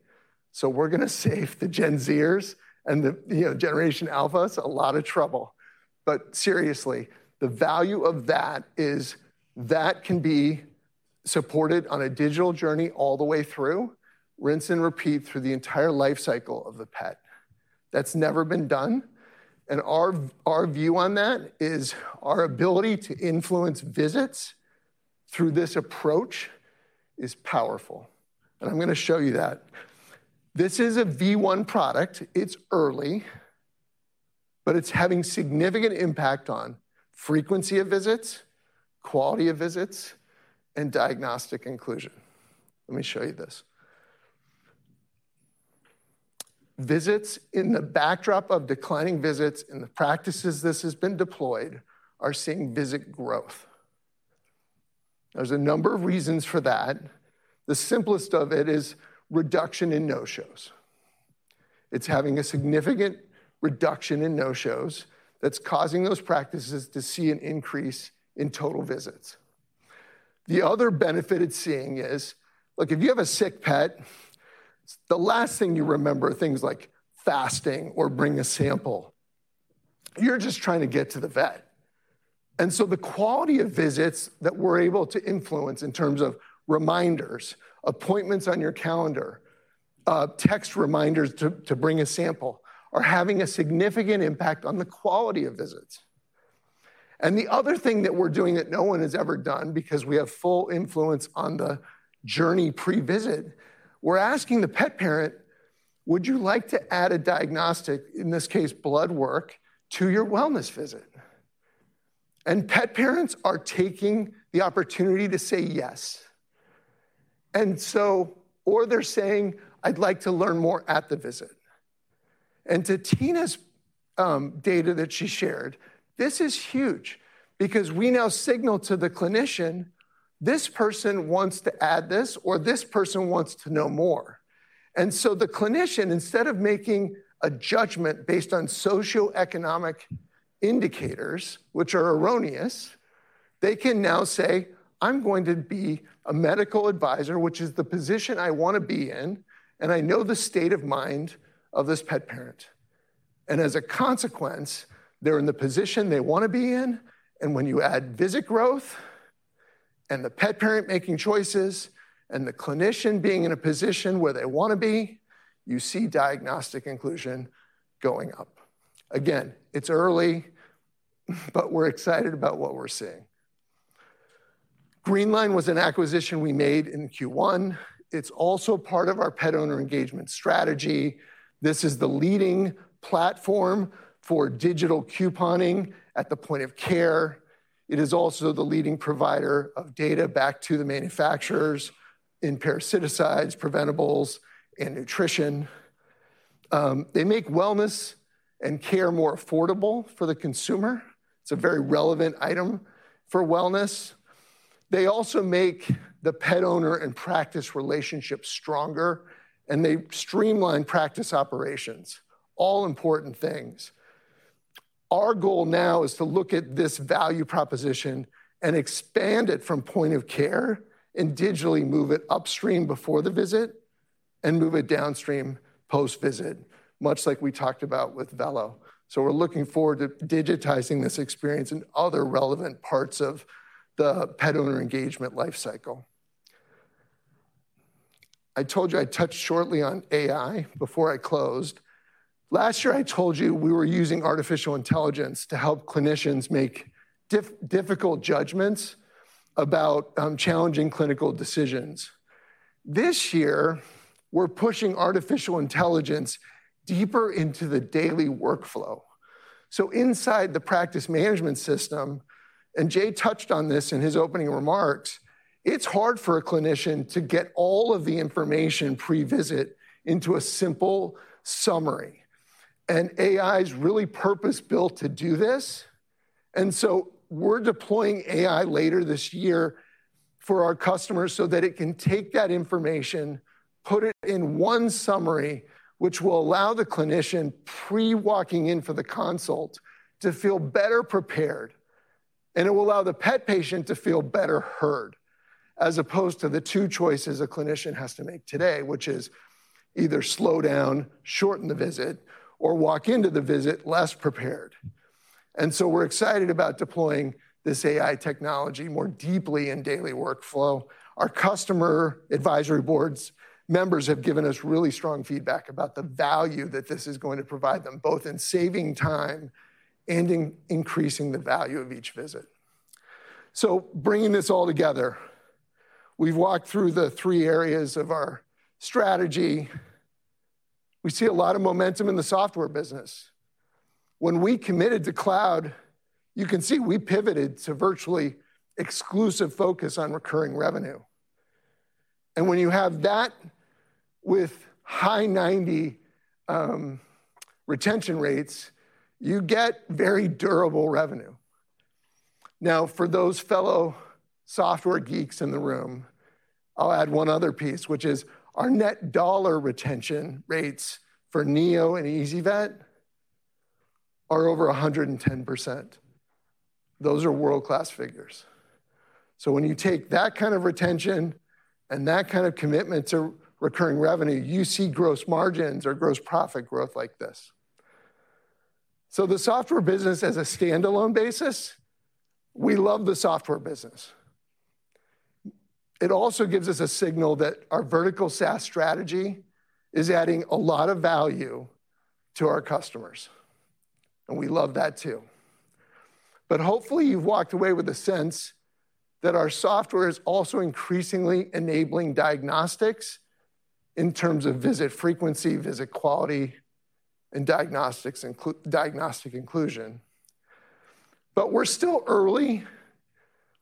So we're gonna save the Gen Z-ers and the, you know, generation Alphas a lot of trouble. But seriously, the value of that is that can be supported on a digital journey all the way through, rinse and repeat, through the entire life cycle of the pet. That's never been done, and our view on that is our ability to influence visits through this approach is powerful, and I'm gonna show you that. This is a V1 product. It's early, but it's having significant impact on frequency of visits, quality of visits, and diagnostic inclusion. Let me show you this. Visits—in the backdrop of declining visits in the practices this has been deployed are seeing visit growth. There's a number of reasons for that. The simplest of it is reduction in no-shows. It's having a significant reduction in no-shows that's causing those practices to see an increase in total visits. The other benefit it's seeing is, look, if you have a sick pet, the last thing you remember are things like fasting or bring a sample. You're just trying to get to the vet. And so the quality of visits that we're able to influence in terms of reminders, appointments on your calendar, text reminders to, to bring a sample, are having a significant impact on the quality of visits. The other thing that we're doing that no one has ever done, because we have full influence on the journey pre-visit, we're asking the pet parent, "Would you like to add a diagnostic, in this case, blood work, to your wellness visit?" Pet parents are taking the opportunity to say yes. So, or they're saying, "I'd like to learn more at the visit." To Tina's data that she shared, this is huge because we now signal to the clinician, this person wants to add this, or this person wants to know more. And so the clinician, instead of making a judgment based on socioeconomic indicators, which are erroneous, they can now say, "I'm going to be a medical advisor, which is the position I want to be in, and I know the state of mind of this pet parent." And as a consequence, they're in the position they want to be in, and when you add visit growth, and the pet parent making choices, and the clinician being in a position where they want to be, you see diagnostic inclusion going up. Again, it's early, but we're excited about what we're seeing. Greenline was an acquisition we made in Q1. It's also part of our pet owner engagement strategy. This is the leading platform for digital couponing at the point of care. It is also the leading provider of data back to the manufacturers in parasiticides, preventables, and nutrition. They make wellness and care more affordable for the consumer. It's a very relevant item for wellness. They also make the pet owner and practice relationship stronger, and they streamline practice operations. All important things. Our goal now is to look at this value proposition and expand it from point of care, and digitally move it upstream before the visit, and move it downstream post-visit, much like we talked about with Vello. So we're looking forward to digitizing this experience and other relevant parts of the pet owner engagement life cycle. I told you I'd touch shortly on AI before I closed. Last year, I told you we were using artificial intelligence to help clinicians make difficult judgments about, challenging clinical decisions. This year, we're pushing artificial intelligence deeper into the daily workflow. So inside the practice management system, and Jay touched on this in his opening remarks, it's hard for a clinician to get all of the information pre-visit into a simple summary, and AI is really purpose-built to do this. And so we're deploying AI later this year for our customers so that it can take that information, put it in one summary, which will allow the clinician, pre-walking in for the consult, to feel better prepared, and it will allow the pet patient to feel better heard, as opposed to the two choices a clinician has to make today, which is either slow down, shorten the visit, or walk into the visit less prepared. And so we're excited about deploying this AI technology more deeply in daily workflow. Our customer advisory boards members have given us really strong feedback about the value that this is going to provide them, both in saving time and in increasing the value of each visit. So bringing this all together, we've walked through the three areas of our strategy. We see a lot of momentum in the software business. When we committed to cloud, you can see we pivoted to virtually exclusive focus on recurring revenue. And when you have that with high 90% retention rates, you get very durable revenue. Now, for those fellow software geeks in the room, I'll add one other piece, which is our net dollar retention rates for Neo and ezyVet are over 110%. Those are world-class figures. So when you take that kind of retention and that kind of commitment to recurring revenue, you see gross margins or gross profit growth like this. So the software business as a standalone basis, we love the software business. It also gives us a signal that our vertical SaaS strategy is adding a lot of value to our customers, and we love that, too. But hopefully, you've walked away with a sense that our software is also increasingly enabling diagnostics in terms of visit frequency, visit quality, and diagnostic inclusion. But we're still early.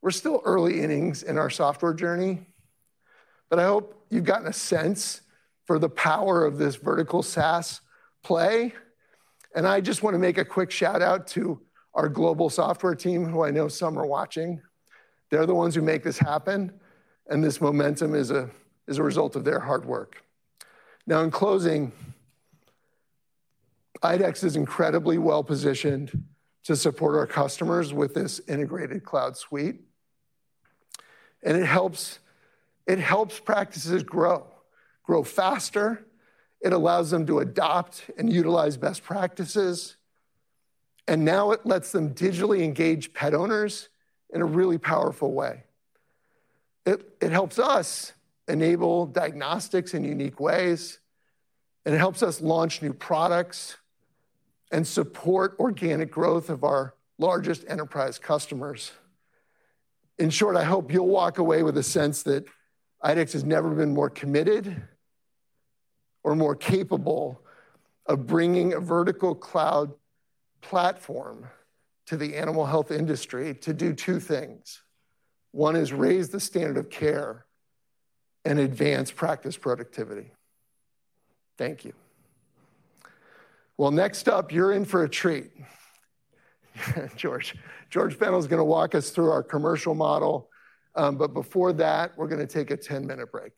We're still early innings in our software journey, but I hope you've gotten a sense for the power of this vertical SaaS play. And I just want to make a quick shout-out to our global software team, who I know some are watching. They're the ones who make this happen, and this momentum is a result of their hard work. Now, in closing, IDEXX is incredibly well-positioned to support our customers with this integrated cloud suite, and it helps practices grow faster. It allows them to adopt and utilize best practices, and now it lets them digitally engage pet owners in a really powerful way. It helps us enable diagnostics in unique ways, and it helps us launch new products and support organic growth of our largest enterprise customers.... In short, I hope you'll walk away with a sense that IDEXX has never been more committed or more capable of bringing a vertical cloud platform to the animal health industry to do two things. One is raise the standard of care and advance practice productivity. Thank you. Well, next up, you're in for a treat. George, George Fennell is going to walk us through our commercial model. Before that, we're going to take a 10-minute break.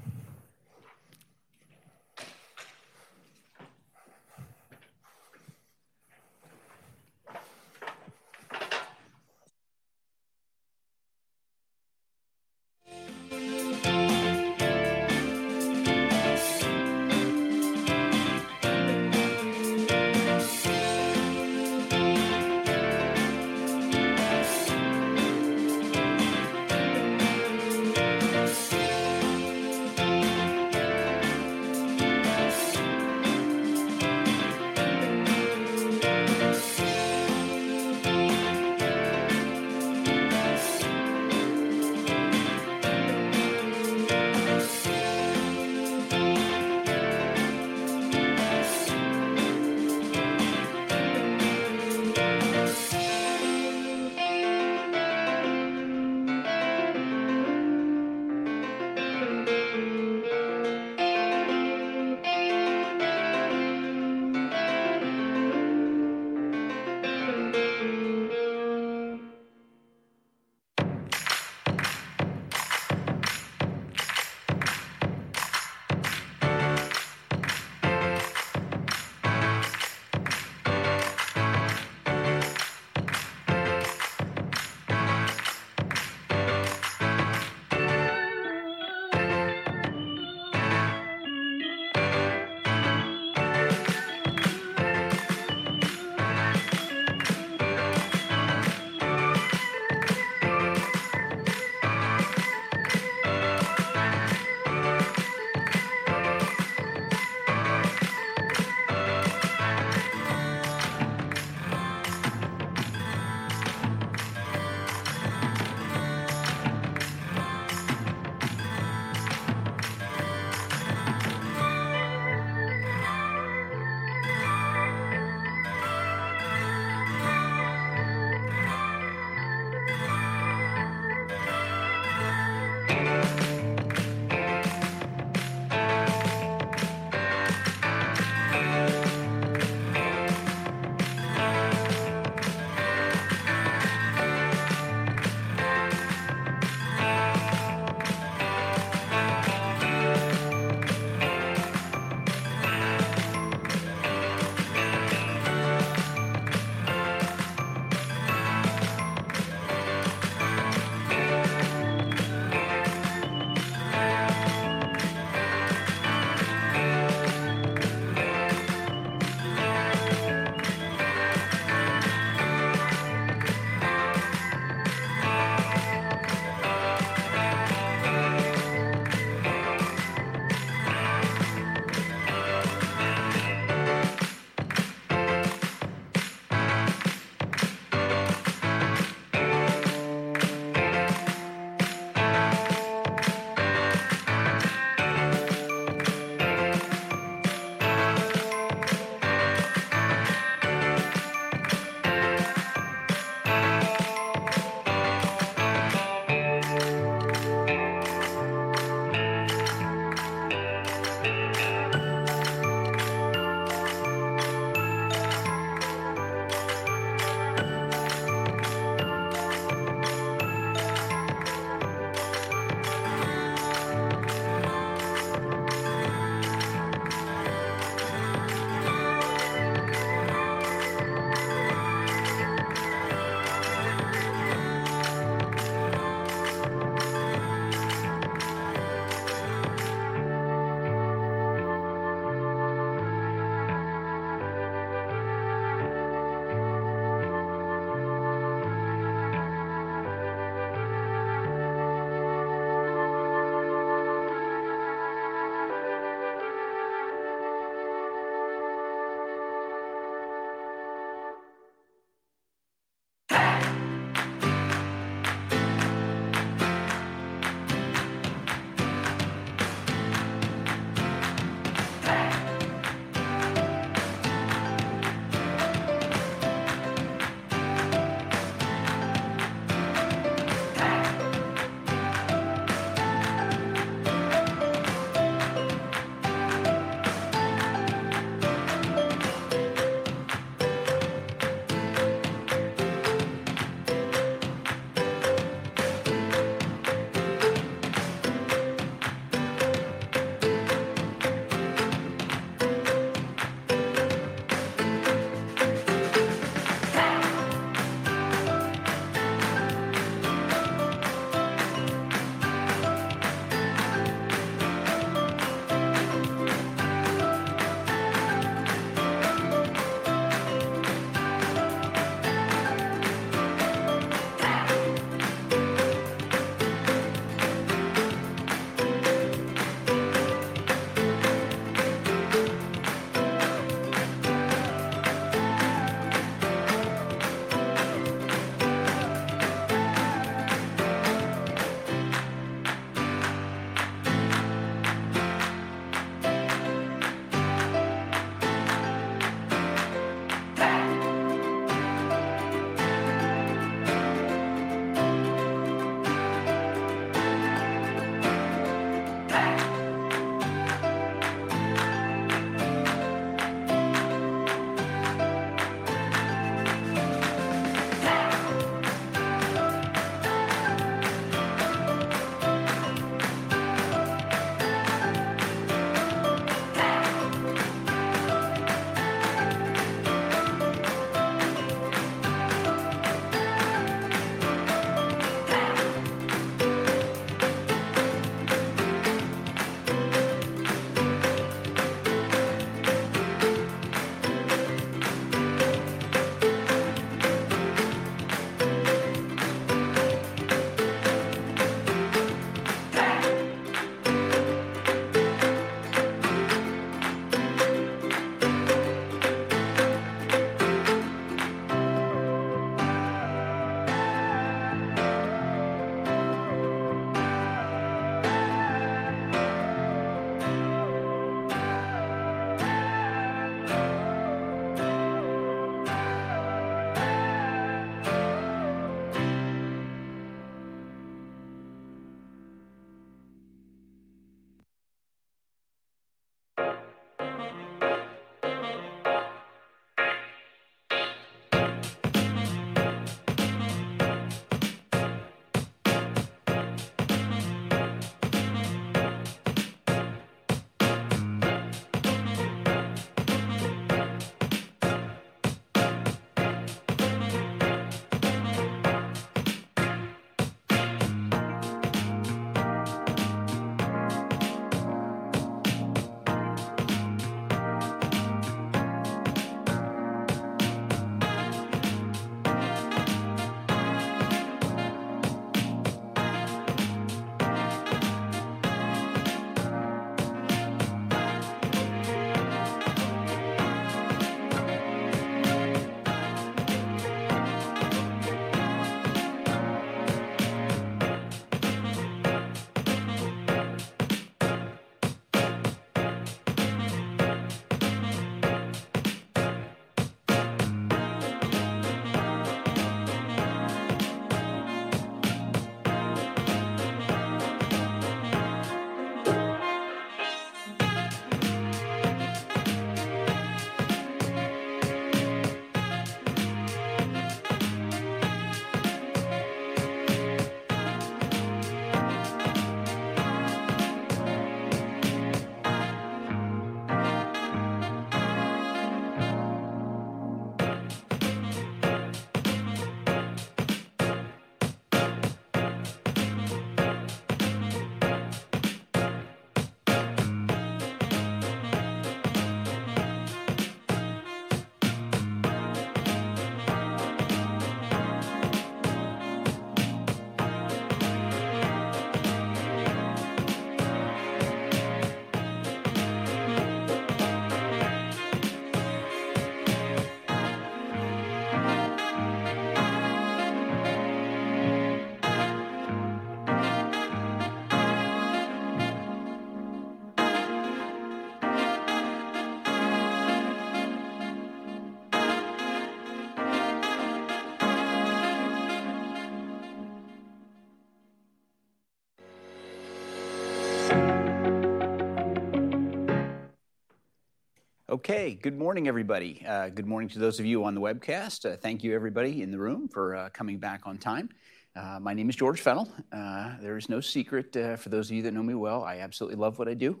Okay, good morning, everybody. Good morning to those of you on the webcast. Thank you everybody in the room for coming back on time. My name is George Fennell. There is no secret, for those of you that know me well, I absolutely love what I do,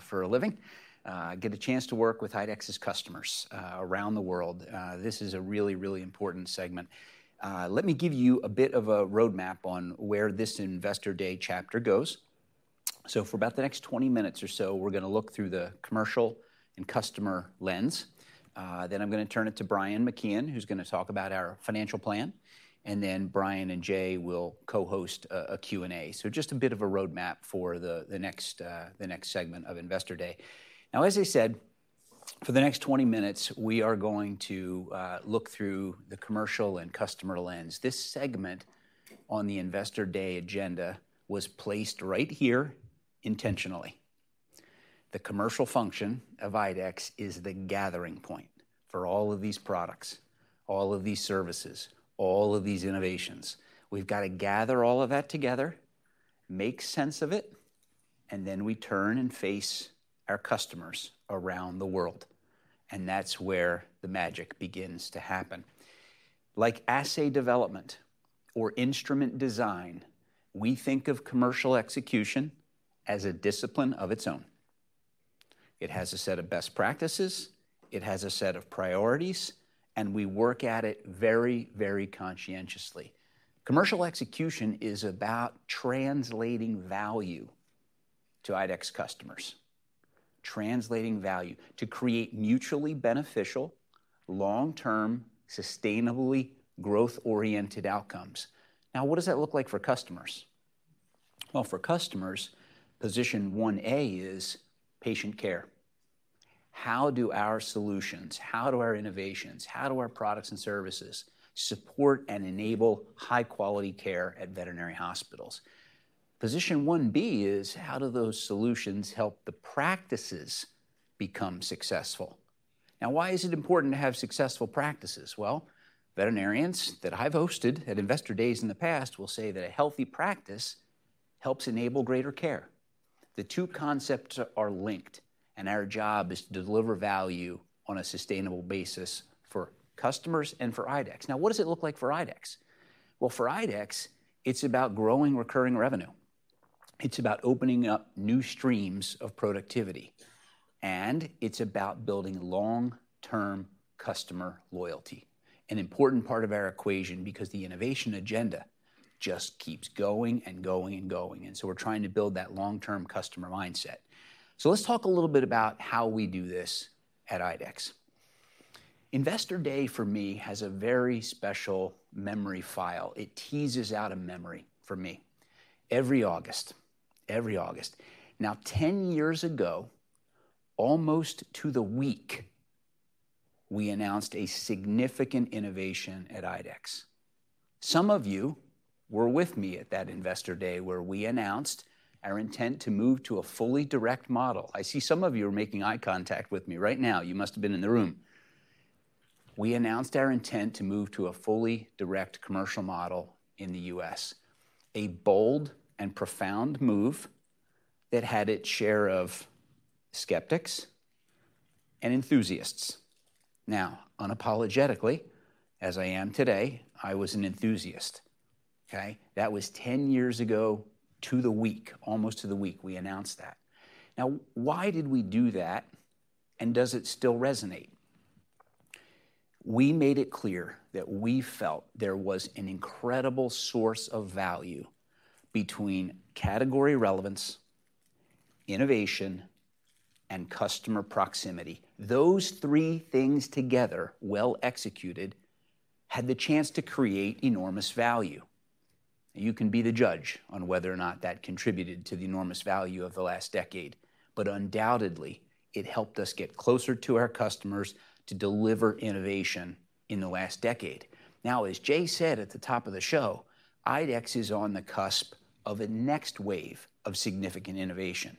for a living. I get a chance to work with IDEXX's customers, around the world. This is a really, really important segment. Let me give you a bit of a roadmap on where this Investor Day chapter goes. So for about the next 20 minutes or so, we're gonna look through the commercial and customer lens. Then I'm gonna turn it to Brian McKeon, who's gonna talk about our financial plan, and then Brian and Jay will co-host a Q&A. So just a bit of a roadmap for the next segment of Investor Day. Now, as I said, for the next 20 minutes, we are going to look through the commercial and customer lens. This segment on the Investor Day agenda was placed right here intentionally. The commercial function of IDEXX is the gathering point for all of these products, all of these services, all of these innovations. We've got to gather all of that together, make sense of it, and then we turn and face our customers around the world, and that's where the magic begins to happen. Like assay development or instrument design, we think of commercial execution as a discipline of its own. It has a set of best practices, it has a set of priorities, and we work at it very, very conscientiously. Commercial execution is about translating value to IDEXX customers. Translating value to create mutually beneficial, long-term, sustainably growth-oriented outcomes. Now, what does that look like for customers? Well, for customers, position one A is patient care. How do our solutions, how do our innovations, how do our products and services support and enable high-quality care at veterinary hospitals? Position one B is: how do those solutions help the practices become successful? Now, why is it important to have successful practices? Well, veterinarians that I've hosted at Investor Days in the past will say that a healthy practice helps enable greater care. The two concepts are linked, and our job is to deliver value on a sustainable basis for customers and for IDEXX. Now, what does it look like for IDEXX? Well, for IDEXX, it's about growing recurring revenue, it's about opening up new streams of productivity, and it's about building long-term customer loyalty. An important part of our equation because the innovation agenda just keeps going and going and going, and so we're trying to build that long-term customer mindset. So let's talk a little bit about how we do this at IDEXX. Investor Day, for me, has a very special memory file. It teases out a memory for me every August, every August. Now, 10 years ago, almost to the week, we announced a significant innovation at IDEXX. Some of you were with me at that Investor Day, where we announced our intent to move to a fully direct model. I see some of you are making eye contact with me right now. You must have been in the room. We announced our intent to move to a fully direct commercial model in the U.S., a bold and profound move that had its share of skeptics and enthusiasts. Now, unapologetically, as I am today, I was an enthusiast, okay? That was ten years ago to the week, almost to the week we announced that. Now, why did we do that, and does it still resonate? We made it clear that we felt there was an incredible source of value between category relevance, innovation, and customer proximity. Those three things together, well-executed, had the chance to create enormous value. You can be the judge on whether or not that contributed to the enormous value of the last decade, but undoubtedly, it helped us get closer to our customers to deliver innovation in the last decade. Now, as Jay said at the top of the show, IDEXX is on the cusp of a next wave of significant innovation.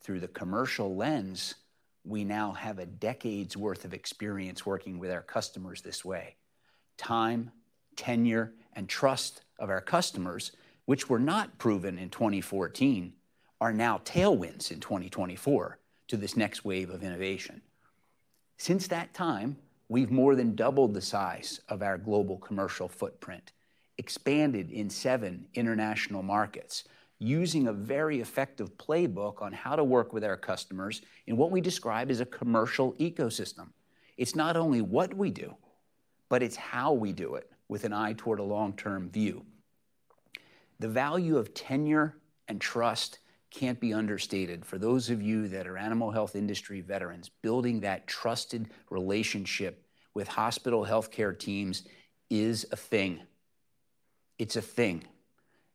Through the commercial lens, we now have a decade's worth of experience working with our customers this way. Time, tenure, and trust of our customers, which were not proven in 2014, are now tailwinds in 2024 to this next wave of innovation. Since that time, we've more than doubled the size of our global commercial footprint, expanded in seven international markets, using a very effective playbook on how to work with our customers in what we describe as a commercial ecosystem. It's not only what we do, but it's how we do it, with an eye toward a long-term view. The value of tenure and trust can't be understated. For those of you that are animal health industry veterans, building that trusted relationship with hospital healthcare teams is a thing. It's a thing.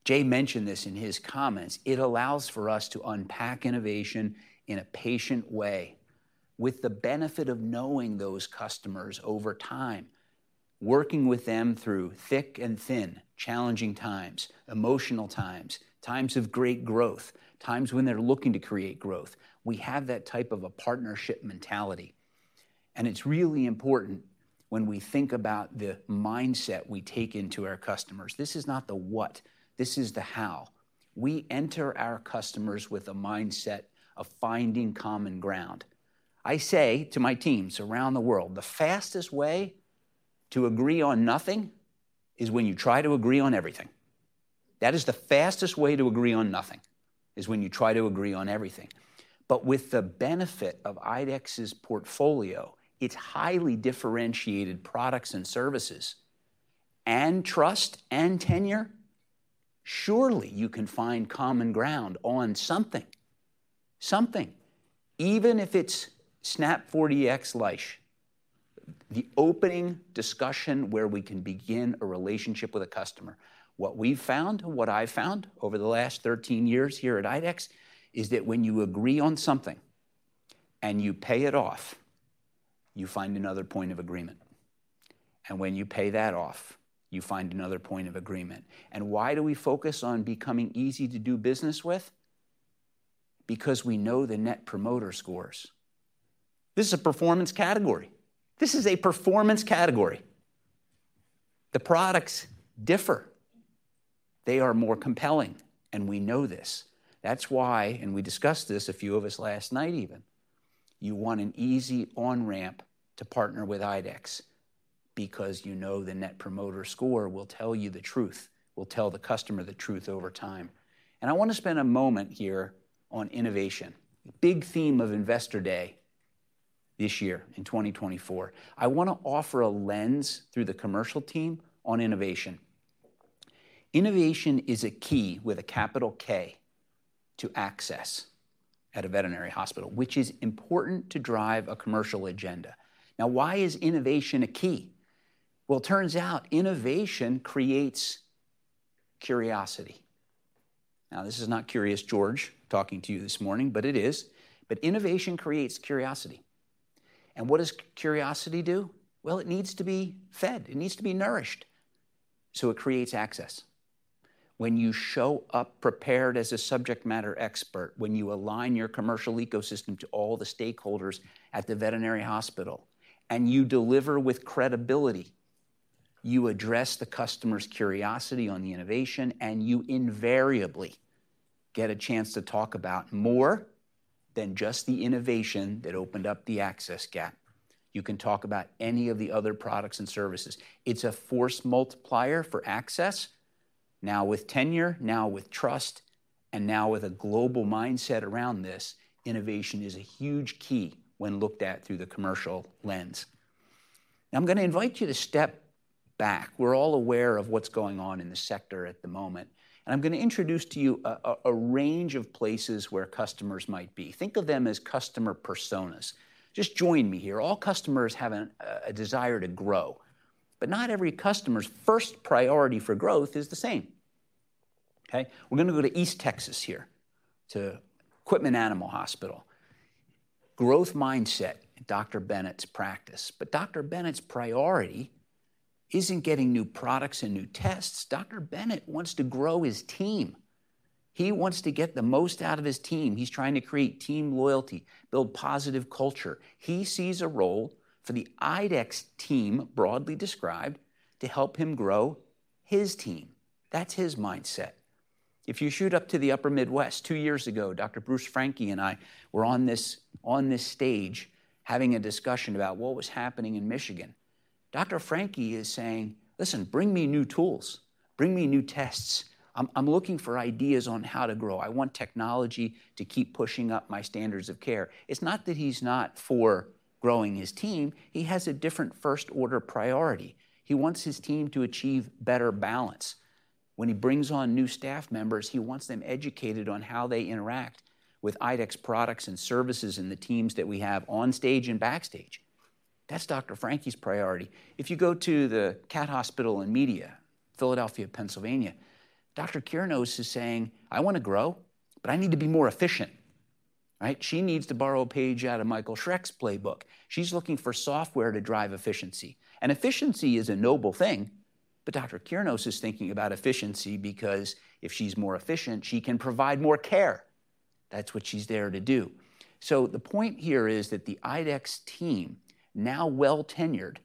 Jay mentioned this in his comments. It allows for us to unpack innovation in a patient way, with the benefit of knowing those customers over time, working with them through thick and thin, challenging times, emotional times, times of great growth, times when they're looking to create growth. We have that type of a partnership mentality, and it's really important when we think about the mindset we take into our customers. This is not the what, this is the how. We enter our customers with a mindset of finding common ground. I say to my teams around the world, "The fastest way to agree on nothing is when you try to agree on everything." That is the fastest way to agree on nothing, is when you try to agree on everything. But with the benefit of IDEXX's portfolio, its highly differentiated products and services, and trust and tenure, surely you can find common ground on something, something, even if it's SNAP Leish 4Dx, the opening discussion where we can begin a relationship with a customer. What we've found, and what I've found over the last 13 years here at IDEXX, is that when you agree on something and you pay it off, you find another point of agreement. And when you pay that off, you find another point of agreement. And why do we focus on becoming easy to do business with? Because we know the net promoter scores. This is a performance category. This is a performance category! The products differ. They are more compelling, and we know this. That's why, and we discussed this, a few of us last night even, you want an easy on-ramp to partner with IDEXX because you know the net promoter score will tell you the truth, will tell the customer the truth over time. And I want to spend a moment here on innovation, big theme of Investor Day this year, in 2024. I want to offer a lens through the commercial team on innovation. Innovation is a key, with a capital K, to access at a veterinary hospital, which is important to drive a commercial agenda. Now, why is innovation a key? Well, it turns out innovation creates curiosity. Now, this is not Curious George talking to you this morning, but it is. But innovation creates curiosity. What does curiosity do? Well, it needs to be fed. It needs to be nourished, so it creates access. When you show up prepared as a subject matter expert, when you align your commercial ecosystem to all the stakeholders at the veterinary hospital, and you deliver with credibility, you address the customer's curiosity on the innovation, and you invariably get a chance to talk about more than just the innovation that opened up the access gap. You can talk about any of the other products and services. It's a force multiplier for access, now with tenure, now with trust, and now with a global mindset around this, innovation is a huge key when looked at through the commercial lens. Now, I'm gonna invite you to step back. We're all aware of what's going on in the sector at the moment, and I'm gonna introduce to you a range of places where customers might be. Think of them as customer personas. Just join me here. All customers have a desire to grow, but not every customer's first priority for growth is the same, okay? We're gonna go to East Texas here, to Quitman Animal Clinic. Growth mindset, Dr. Bennett's practice. But Dr. Bennett's priority isn't getting new products and new tests. Dr. Bennett wants to grow his team. He wants to get the most out of his team. He's trying to create team loyalty, build positive culture. He sees a role for the IDEXX team, broadly described, to help him grow his team. That's his mindset. If you shoot up to the Upper Midwest, two years ago, Dr. Bruce Francke and I were on this stage, having a discussion about what was happening in Michigan. Dr. Francke is saying: "Listen, bring me new tools. Bring me new tests. I'm looking for ideas on how to grow. I want technology to keep pushing up my standards of care." It's not that he's not for growing his team. He has a different first-order priority. He wants his team to achieve better balance. When he brings on new staff members, he wants them educated on how they interact with IDEXX products and services, and the teams that we have on stage and backstage. That's Dr. Francke's priority. If you go to The Cat Hospital of Media, Pennsylvania, Dr. Kirnos is saying: "I wanna grow, but I need to be more efficient," right? She needs to borrow a page out of Michael Schreck's playbook. She's looking for software to drive efficiency. Efficiency is a noble thing, but Dr. Kirnos is thinking about efficiency because if she's more efficient, she can provide more care. That's what she's there to do. The point here is that the IDEXX team, now well-tenured,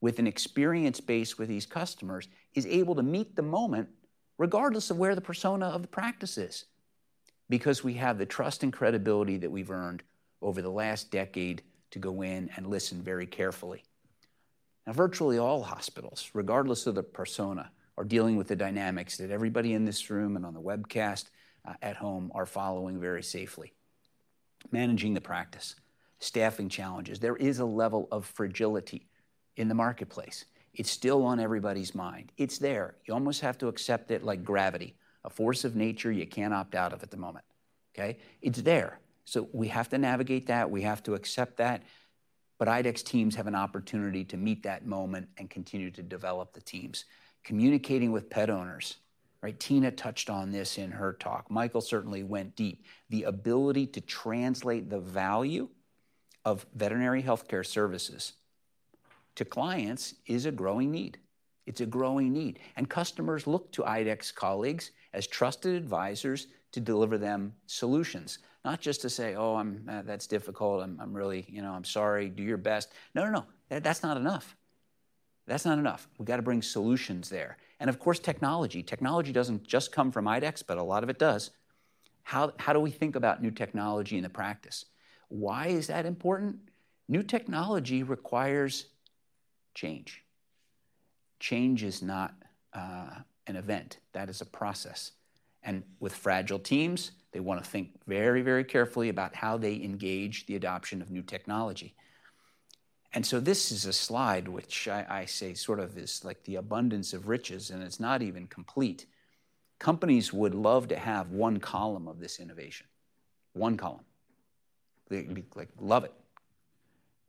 with an experience base with these customers, is able to meet the moment regardless of where the persona of the practice is. Because we have the trust and credibility that we've earned over the last decade to go in and listen very carefully. Now, virtually all hospitals, regardless of their persona, are dealing with the dynamics that everybody in this room and on the webcast, at home are following very safely. Managing the practice, staffing challenges. There is a level of fragility in the marketplace. It's still on everybody's mind. It's there. You almost have to accept it like gravity, a force of nature you can't opt out of at the moment, okay? It's there, so we have to navigate that, we have to accept that, but IDEXX teams have an opportunity to meet that moment and continue to develop the teams. Communicating with pet owners, right? Tina touched on this in her talk. Michael certainly went deep. The ability to translate the value of veterinary healthcare services to clients is a growing need. It's a growing need. Customers look to IDEXX colleagues as trusted advisors to deliver them solutions, not just to say: "Oh, I'm... that's difficult. I'm really... you know, I'm sorry. Do your best." No, no, no. That's not enough. That's not enough. We've got to bring solutions there. Of course, technology. Technology doesn't just come from IDEXX, but a lot of it does. How, how do we think about new technology in the practice? Why is that important? New technology requires change. Change is not an event. That is a process, and with fragile teams, they wanna think very, very carefully about how they engage the adoption of new technology. And so this is a slide which I, I say sort of is like the abundance of riches, and it's not even complete. Companies would love to have one column of this innovation. One column. They'd be like, "Love it!"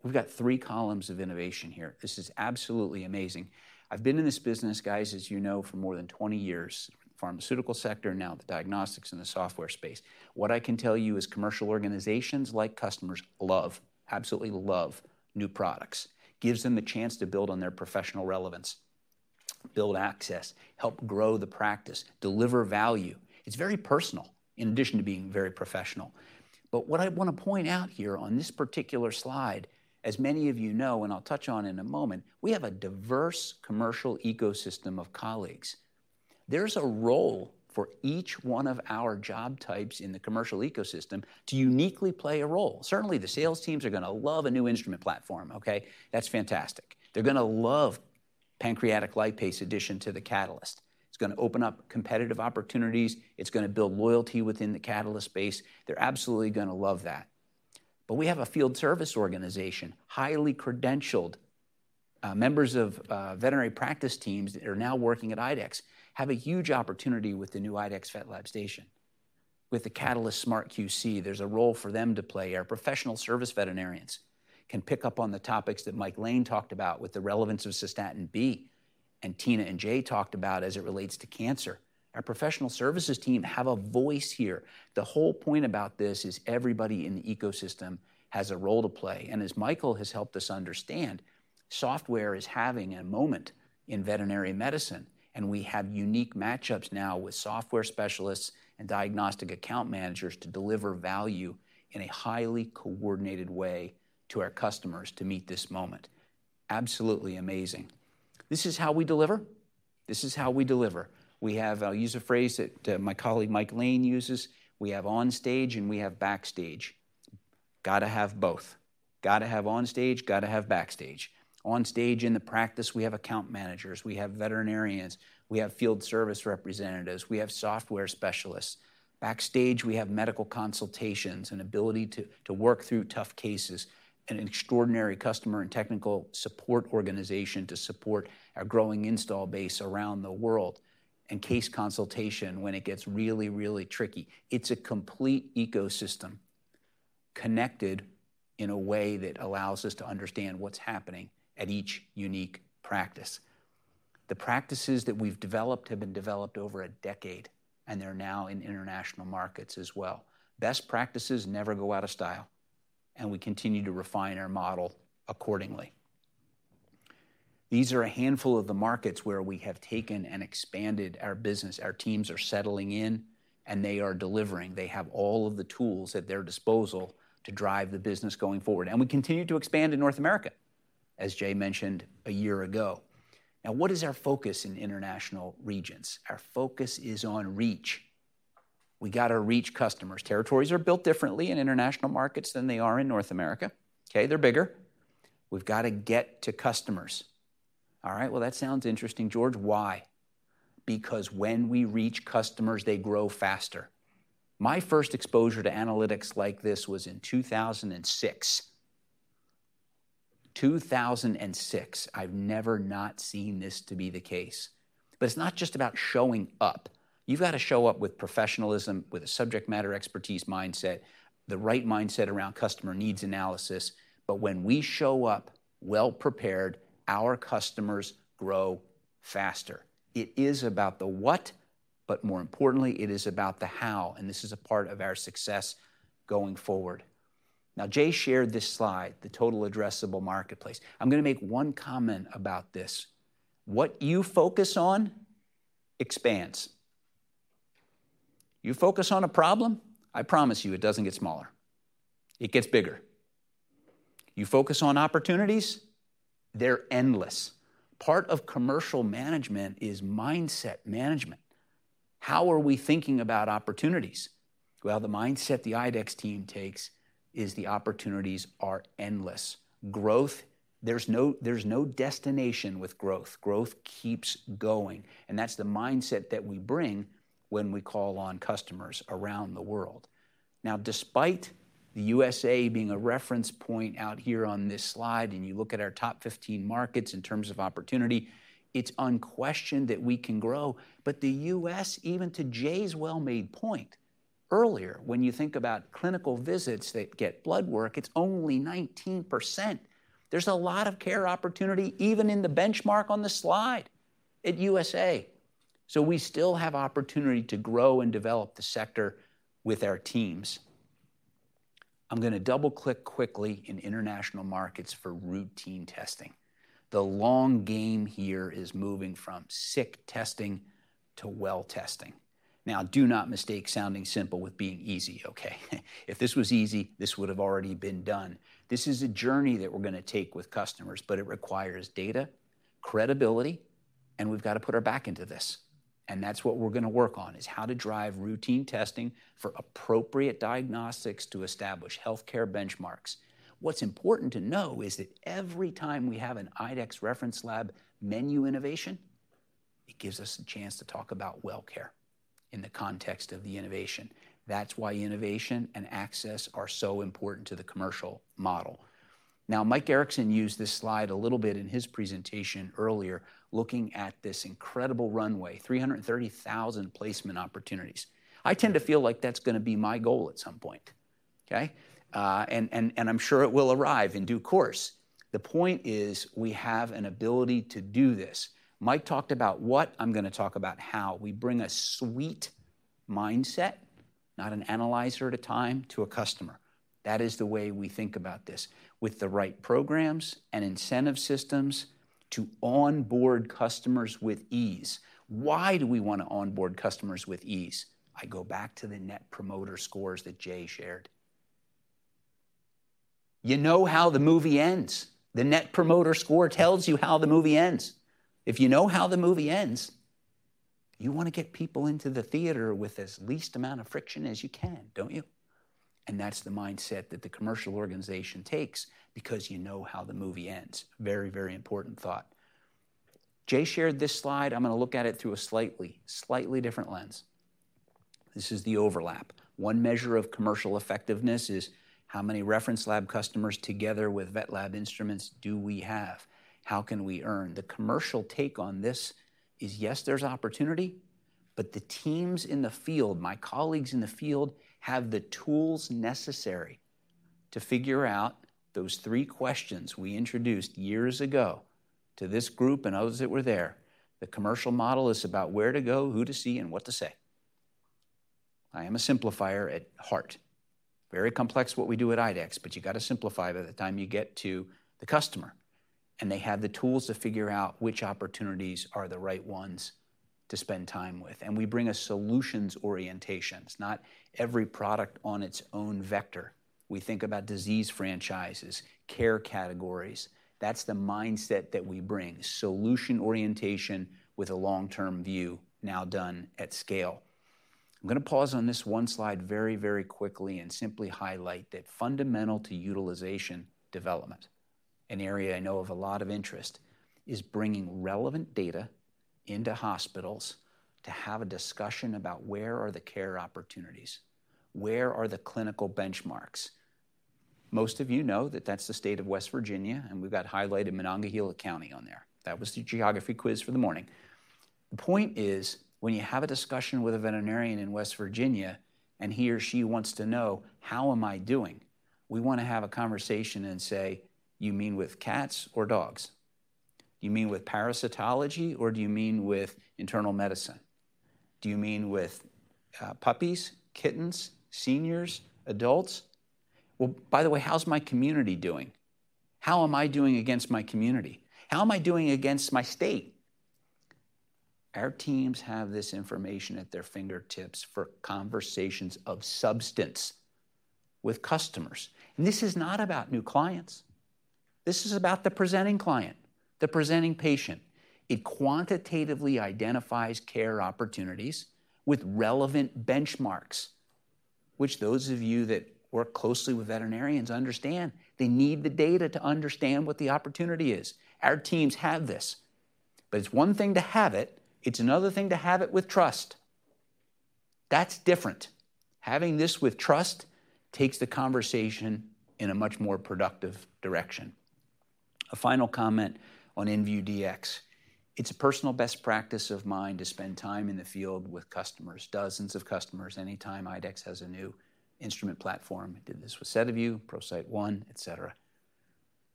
We've got three columns of innovation here. This is absolutely amazing. I've been in this business, guys, as you know, for more than 20 years, pharmaceutical sector, now the diagnostics and the software space. What I can tell you is commercial organizations, like customers, love, absolutely love new products. Gives them the chance to build on their professional relevance, build access, help grow the practice, deliver value. It's very personal, in addition to being very professional. But what I wanna point out here on this particular slide, as many of you know, and I'll touch on in a moment, we have a diverse commercial ecosystem of colleagues. There's a role for each one of our job types in the commercial ecosystem to uniquely play a role. Certainly, the sales teams are gonna love a new instrument platform, okay? That's fantastic. They're gonna love Pancreatic Lipase addition to the Catalyst. It's gonna open up competitive opportunities. It's gonna build loyalty within the Catalyst space. They're absolutely gonna love that. But we have a field service organization, highly credentialed. Members of veterinary practice teams that are now working at IDEXX have a huge opportunity with the new IDEXX VetLab Station... with the Catalyst SmartQC, there's a role for them to play. Our professional service veterinarians can pick up on the topics that Mike Lane talked about with the relevance of cystatin B, and Tina and Jay talked about as it relates to cancer. Our professional services team have a voice here. The whole point about this is everybody in the ecosystem has a role to play, and as Michael has helped us understand, software is having a moment in veterinary medicine, and we have unique match-ups now with software specialists and diagnostic account managers to deliver value in a highly coordinated way to our customers to meet this moment. Absolutely amazing. This is how we deliver. This is how we deliver. We have. I'll use a phrase that my colleague Mike Lane uses: we have on stage, and we have backstage. Gotta have both. Gotta have on stage, gotta have backstage. On stage in the practice, we have account managers, we have veterinarians, we have field service representatives, we have software specialists. Backstage, we have medical consultations and ability to work through tough cases, and an extraordinary customer and technical support organization to support our growing install base around the world, and case consultation when it gets really, really tricky. It's a complete ecosystem, connected in a way that allows us to understand what's happening at each unique practice. The practices that we've developed have been developed over a decade, and they're now in international markets as well. Best practices never go out of style, and we continue to refine our model accordingly. These are a handful of the markets where we have taken and expanded our business. Our teams are settling in, and they are delivering. They have all of the tools at their disposal to drive the business going forward. And we continue to expand in North America, as Jay mentioned a year ago. Now, what is our focus in international regions? Our focus is on reach. We gotta reach customers. Territories are built differently in international markets than they are in North America. Okay, they're bigger. We've got to get to customers. All right, well, that sounds interesting, George. Why? Because when we reach customers, they grow faster. My first exposure to analytics like this was in 2006. 2006. I've never not seen this to be the case. But it's not just about showing up. You've got to show up with professionalism, with a subject matter expertise mindset, the right mindset around customer needs analysis. But when we show up well-prepared, our customers grow faster. It is about the what, but more importantly, it is about the how, and this is a part of our success going forward. Now, Jay shared this slide, the total addressable marketplace. I'm gonna make one comment about this. What you focus on expands. You focus on a problem, I promise you, it doesn't get smaller. It gets bigger. You focus on opportunities, they're endless. Part of commercial management is mindset management. How are we thinking about opportunities? Well, the mindset the IDEXX team takes is the opportunities are endless. Growth, there's no, there's no destination with growth. Growth keeps going, and that's the mindset that we bring when we call on customers around the world. Now, despite the USA being a reference point out here on this slide, and you look at our top 15 markets in terms of opportunity, it's unquestioned that we can grow. But the US, even to Jay's well-made point earlier, when you think about clinical visits that get blood work, it's only 19%. There's a lot of care opportunity, even in the benchmark on the slide at USA. So we still have opportunity to grow and develop the sector with our teams. I'm gonna double-click quickly in international markets for routine testing. The long game here is moving from sick testing to well testing. Now, do not mistake sounding simple with being easy, okay? If this was easy, this would have already been done. This is a journey that we're gonna take with customers, but it requires data, credibility, and we've got to put our back into this, and that's what we're gonna work on, is how to drive routine testing for appropriate diagnostics to establish healthcare benchmarks. What's important to know is that every time we have an IDEXX reference lab menu innovation, it gives us a chance to talk about well care in the context of the innovation. That's why innovation and access are so important to the commercial model. Now, Mike Erickson used this slide a little bit in his presentation earlier, looking at this incredible runway, 330,000 placement opportunities. I tend to feel like that's gonna be my goal at some point, okay? I'm sure it will arrive in due course. The point is, we have an ability to do this. Mike talked about what. I'm gonna talk about how. We bring a suite mindset, not an analyzer at a time, to a customer. That is the way we think about this. With the right programs and incentive systems to onboard customers with ease. Why do we want to onboard customers with ease? I go back to the Net Promoter Scores that Jay shared. You know how the movie ends. The Net Promoter Score tells you how the movie ends. If you know how the movie ends, you wanna get people into the theater with as least amount of friction as you can, don't you? And that's the mindset that the commercial organization takes because you know how the movie ends. Very, very important thought. Jay shared this slide. I'm gonna look at it through a slightly, slightly different lens. This is the overlap. One measure of commercial effectiveness is how many reference lab customers together with vet lab instruments do we have? How can we earn? The commercial take on this is, yes, there's opportunity, but the teams in the field, my colleagues in the field, have the tools necessary to figure out those three questions we introduced years ago to this group and others that were there. The commercial model is about where to go, who to see, and what to say. I am a simplifier at heart. Very complex what we do at IDEXX, but you gotta simplify by the time you get to the customer, and they have the tools to figure out which opportunities are the right ones to spend time with. And we bring a solutions orientation, it's not every product on its own vector. We think about disease franchises, care categories. That's the mindset that we bring: solution orientation with a long-term view, now done at scale. I'm gonna pause on this one slide very, very quickly and simply highlight that fundamental to utilization development, an area I know of a lot of interest, is bringing relevant data into hospitals to have a discussion about where are the care opportunities, where are the clinical benchmarks? Most of you know that that's the state of West Virginia, and we've got highlighted Monongalia County on there. That was the geography quiz for the morning. The point is, when you have a discussion with a veterinarian in West Virginia, and he or she wants to know, "How am I doing?" We wanna have a conversation and say: "You mean with cats or dogs? You mean with parasitology, or do you mean with internal medicine? Do you mean with puppies, kittens, seniors, adults? Well, by the way, how's my community doing? How am I doing against my community? How am I doing against my state?" Our teams have this information at their fingertips for conversations of substance with customers, and this is not about new clients. This is about the presenting client, the presenting patient. It quantitatively identifies care opportunities with relevant benchmarks, which those of you that work closely with veterinarians understand, they need the data to understand what the opportunity is. Our teams have this, but it's one thing to have it, it's another thing to have it with trust. That's different. Having this with trust takes the conversation in a much more productive direction. A final comment on InVue Dx. It's a personal best practice of mine to spend time in the field with customers, dozens of customers, anytime IDEXX has a new instrument platform. I did this with SediVue, ProCyte One, et cetera.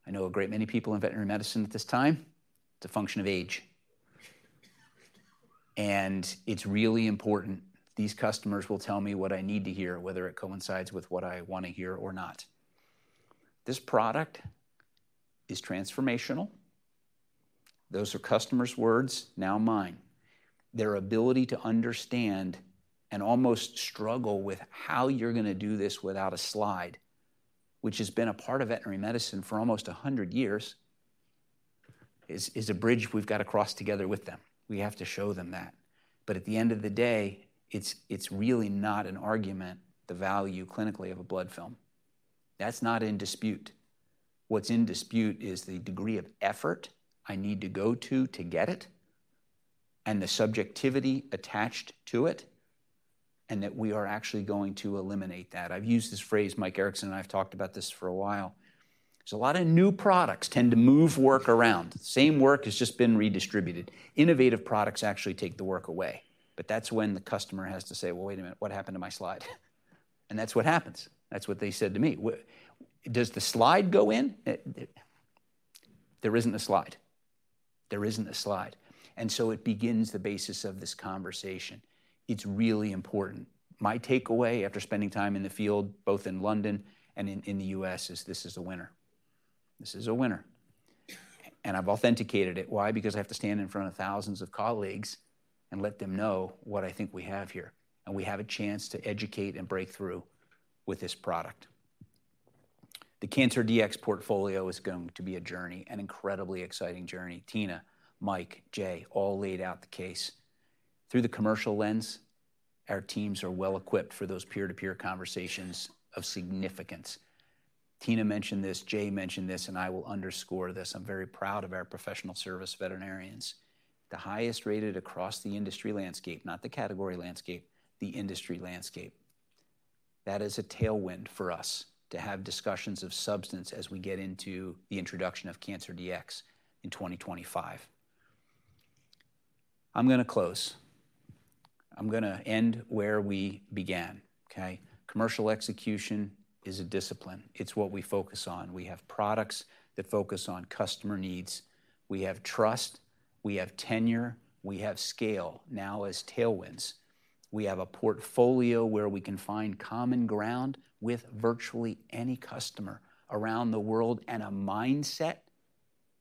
I know a great many people in veterinary medicine at this time; it's a function of age. And it's really important. These customers will tell me what I need to hear, whether it coincides with what I wanna hear or not. This product is transformational. Those are customers' words, not mine. Their ability to understand and almost struggle with how you're gonna do this without a slide, which has been a part of veterinary medicine for almost a hundred years, is a bridge we've got to cross together with them. We have to show them that. But at the end of the day, it's really not an argument, the value clinically of a blood film. That's not in dispute. What's in dispute is the degree of effort I need to go to to get it, and the subjectivity attached to it, and that we are actually going to eliminate that. I've used this phrase, Mike Erickson and I have talked about this for a while. So a lot of new products tend to move work around. Same work, it's just been redistributed. Innovative products actually take the work away, but that's when the customer has to say: "Well, wait a minute, what happened to my slide?" And that's what happens. That's what they said to me. What does the slide go in? There isn't a slide. There isn't a slide, and so it begins the basis of this conversation. It's really important. My takeaway after spending time in the field, both in London and in the U.S., is this is a winner. This is a winner, and I've authenticated it. Why? Because I have to stand in front of thousands of colleagues and let them know what I think we have here, and we have a chance to educate and break through with this product. The CancerDx portfolio is going to be a journey, an incredibly exciting journey. Tina, Mike, Jay, all laid out the case. Through the commercial lens, our teams are well-equipped for those peer-to-peer conversations of significance. Tina mentioned this, Jay mentioned this, and I will underscore this: I'm very proud of our professional service veterinarians, the highest rated across the industry landscape, not the category landscape, the industry landscape. That is a tailwind for us to have discussions of substance as we get into the introduction of CancerDx in 2025. I'm gonna close. I'm gonna end where we began, okay? Commercial execution is a discipline. It's what we focus on. We have products that focus on customer needs. We have trust, we have tenure, we have scale, now as tailwinds. We have a portfolio where we can find common ground with virtually any customer around the world, and a mindset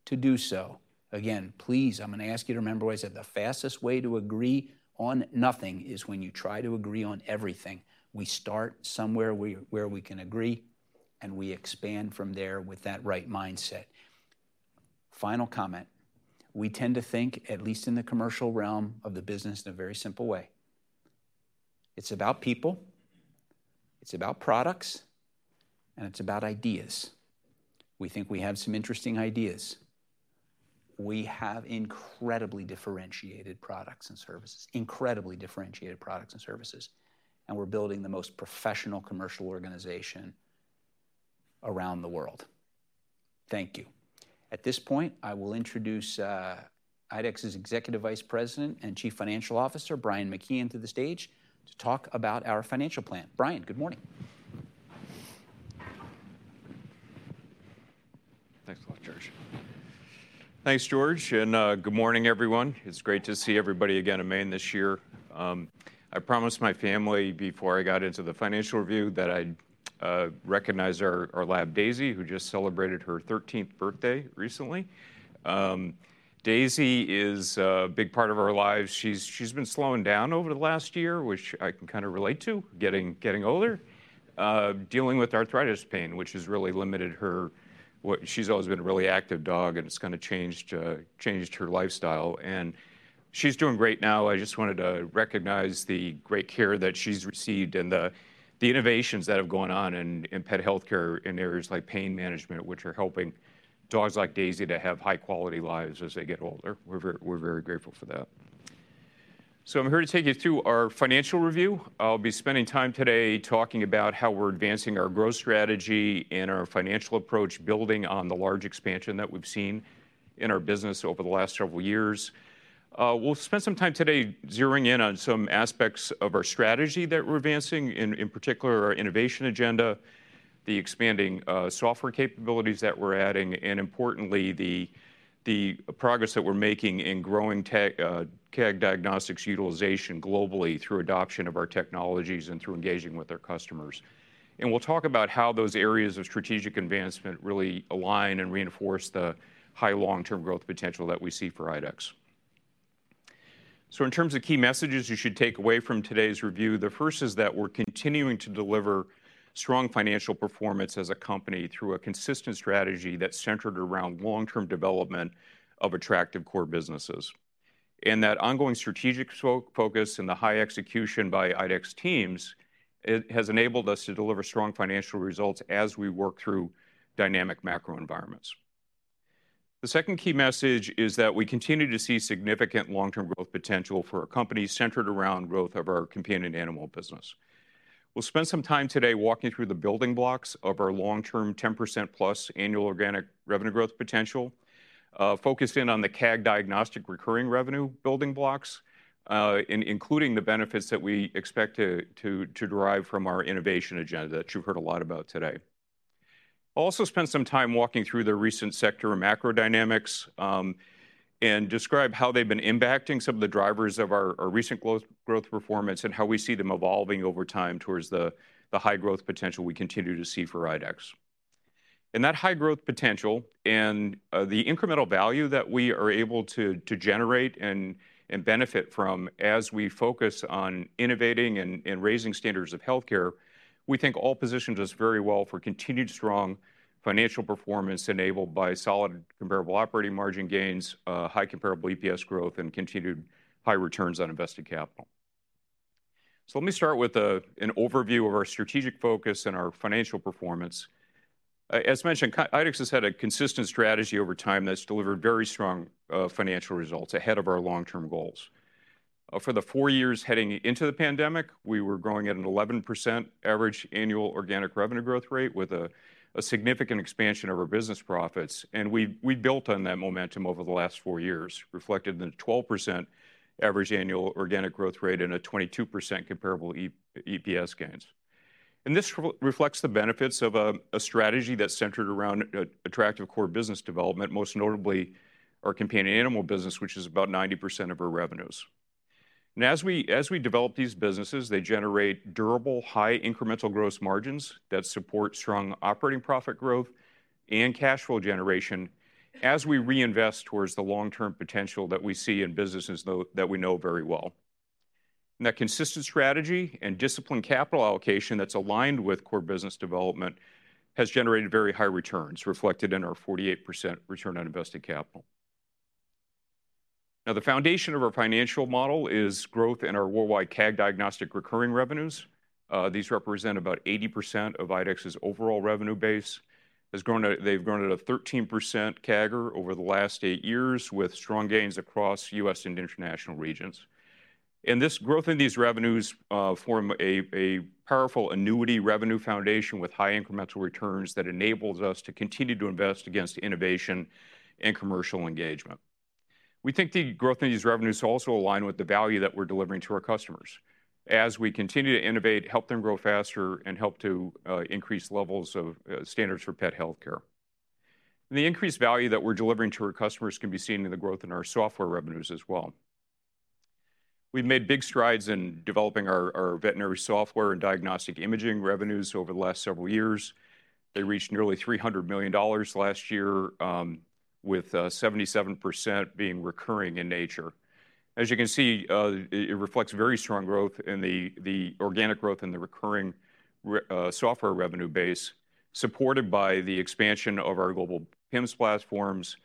to do so. Again, please, I'm gonna ask you to remember what I said: The fastest way to agree on nothing is when you try to agree on everything. We start somewhere where we can agree, and we expand from there with that right mindset. Final comment. We tend to think, at least in the commercial realm of the business, in a very simple way. It's about people, it's about products, and it's about ideas. We think we have some interesting ideas. We have incredibly differentiated products and services, incredibly differentiated products and services, and we're building the most professional commercial organization around the world. Thank you. At this point, I will introduce IDEXX's Executive Vice President and Chief Financial Officer, Brian McKeon, to the stage to talk about our financial plan. Brian, good morning. Thanks a lot, George. Thanks, George, and good morning, everyone. It's great to see everybody again in Maine this year. I promised my family before I got into the financial review that I'd recognize our lab, Daisy, who just celebrated her thirteenth birthday recently. Daisy is a big part of our lives. She's been slowing down over the last year, which I can kinda relate to, getting older, dealing with arthritis pain, which has really limited her. She's always been a really active dog, and it's kinda changed her lifestyle, and she's doing great now. I just wanted to recognize the great care that she's received and the innovations that have gone on in pet healthcare in areas like pain management, which are helping dogs like Daisy to have high-quality lives as they get older. We're very, we're very grateful for that. So I'm here to take you through our financial review. I'll be spending time today talking about how we're advancing our growth strategy and our financial approach, building on the large expansion that we've seen in our business over the last several years. We'll spend some time today zeroing in on some aspects of our strategy that we're advancing, in particular, our innovation agenda, the expanding software capabilities that we're adding, and importantly, the progress that we're making in growing CAG Diagnostics utilization globally through adoption of our technologies and through engaging with our customers. And we'll talk about how those areas of strategic advancement really align and reinforce the high long-term growth potential that we see for IDEXX. So in terms of key messages you should take away from today's review, the first is that we're continuing to deliver strong financial performance as a company through a consistent strategy that's centered around long-term development of attractive core businesses. And that ongoing strategic focus and the high execution by IDEXX teams, it has enabled us to deliver strong financial results as we work through dynamic macro environments. The second key message is that we continue to see significant long-term growth potential for our company, centered around growth of our companion animal business. We'll spend some time today walking through the building blocks of our long-term, 10%+ annual organic revenue growth potential, focused in on the CAG diagnostics recurring revenue building blocks, including the benefits that we expect to derive from our innovation agenda that you've heard a lot about today. I'll also spend some time walking through the recent sector macrodynamics, and describe how they've been impacting some of the drivers of our recent growth performance and how we see them evolving over time towards the high growth potential we continue to see for IDEXX. And that high growth potential and the incremental value that we are able to generate and benefit from as we focus on innovating and raising standards of healthcare, we think all positions us very well for continued strong financial performance, enabled by solid comparable operating margin gains, high comparable EPS growth, and continued high returns on invested capital. So let me start with an overview of our strategic focus and our financial performance. As mentioned, IDEXX has had a consistent strategy over time that's delivered very strong financial results ahead of our long-term goals. For the four years heading into the pandemic, we were growing at an 11% average annual organic revenue growth rate with a significant expansion of our business profits, and we built on that momentum over the last four years, reflected in a 12% average annual organic growth rate and a 22% comparable EPS gains. And this reflects the benefits of a strategy that's centered around a attractive core business development, most notably our companion animal business, which is about 90% of our revenues. And as we, as we develop these businesses, they generate durable, high incremental gross margins that support strong operating profit growth and cash flow generation as we reinvest towards the long-term potential that we see in businesses though... that we know very well. And that consistent strategy and disciplined capital allocation that's aligned with core business development has generated very high returns, reflected in our 48% return on invested capital. Now, the foundation of our financial model is growth in our worldwide CAG Diagnostic recurring revenues. These represent about 80% of IDEXX's overall revenue base. It's grown to- they've grown at a 13% CAGR over the last 8 years, with strong gains across U.S. and international regions. This growth in these revenues form a powerful annuity revenue foundation with high incremental returns that enables us to continue to invest against innovation and commercial engagement. We think the growth in these revenues also align with the value that we're delivering to our customers as we continue to innovate, help them grow faster, and help to increase levels of standards for pet healthcare. The increased value that we're delivering to our customers can be seen in the growth in our software revenues as well. We've made big strides in developing our veterinary software and diagnostic imaging revenues over the last several years. They reached nearly $300 million last year, with 77% being recurring in nature. As you can see, it reflects very strong growth in the organic growth in the recurring software revenue base, supported by the expansion of our global PIMS platforms,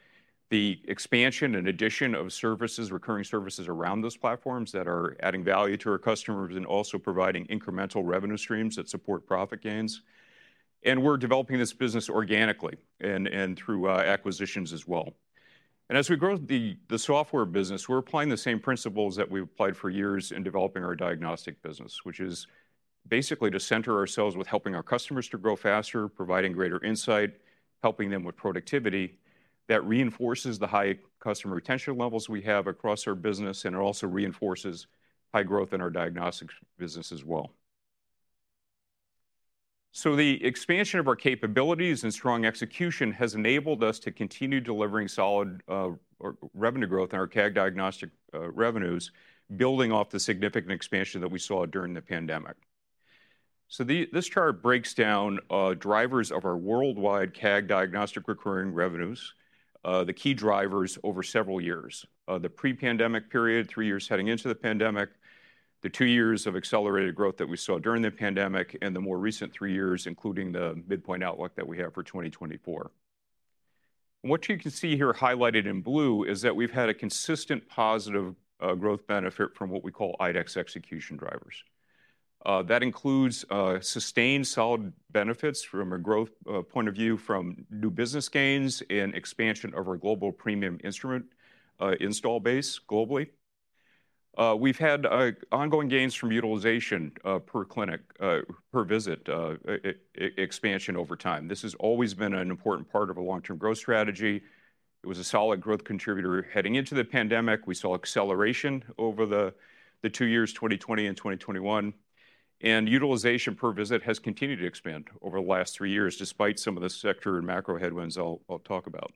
the expansion and addition of services, recurring services around those platforms that are adding value to our customers and also providing incremental revenue streams that support profit gains. And we're developing this business organically and through acquisitions as well. And as we grow the software business, we're applying the same principles that we've applied for years in developing our diagnostic business, which is basically to center ourselves with helping our customers to grow faster, providing greater insight, helping them with productivity, that reinforces the high customer retention levels we have across our business, and it also reinforces high growth in our diagnostics business as well. So the expansion of our capabilities and strong execution has enabled us to continue delivering solid, or revenue growth in our CAG diagnostic, revenues, building off the significant expansion that we saw during the pandemic. So, this chart breaks down drivers of our worldwide CAG diagnostic recurring revenues, the key drivers over several years. The pre-pandemic period, three years heading into the pandemic, the two years of accelerated growth that we saw during the pandemic, and the more recent three years, including the midpoint outlook that we have for 2024. What you can see here highlighted in blue is that we've had a consistent positive, growth benefit from what we call IDEXX execution drivers. That includes sustained solid benefits from a growth point of view from new business gains and expansion of our global premium instrument install base globally. We've had ongoing gains from utilization per clinic per visit expansion over time. This has always been an important part of a long-term growth strategy. It was a solid growth contributor. Heading into the pandemic, we saw acceleration over the two years, 2020 and 2021, and utilization per visit has continued to expand over the last three years, despite some of the sector and macro headwinds I'll talk about.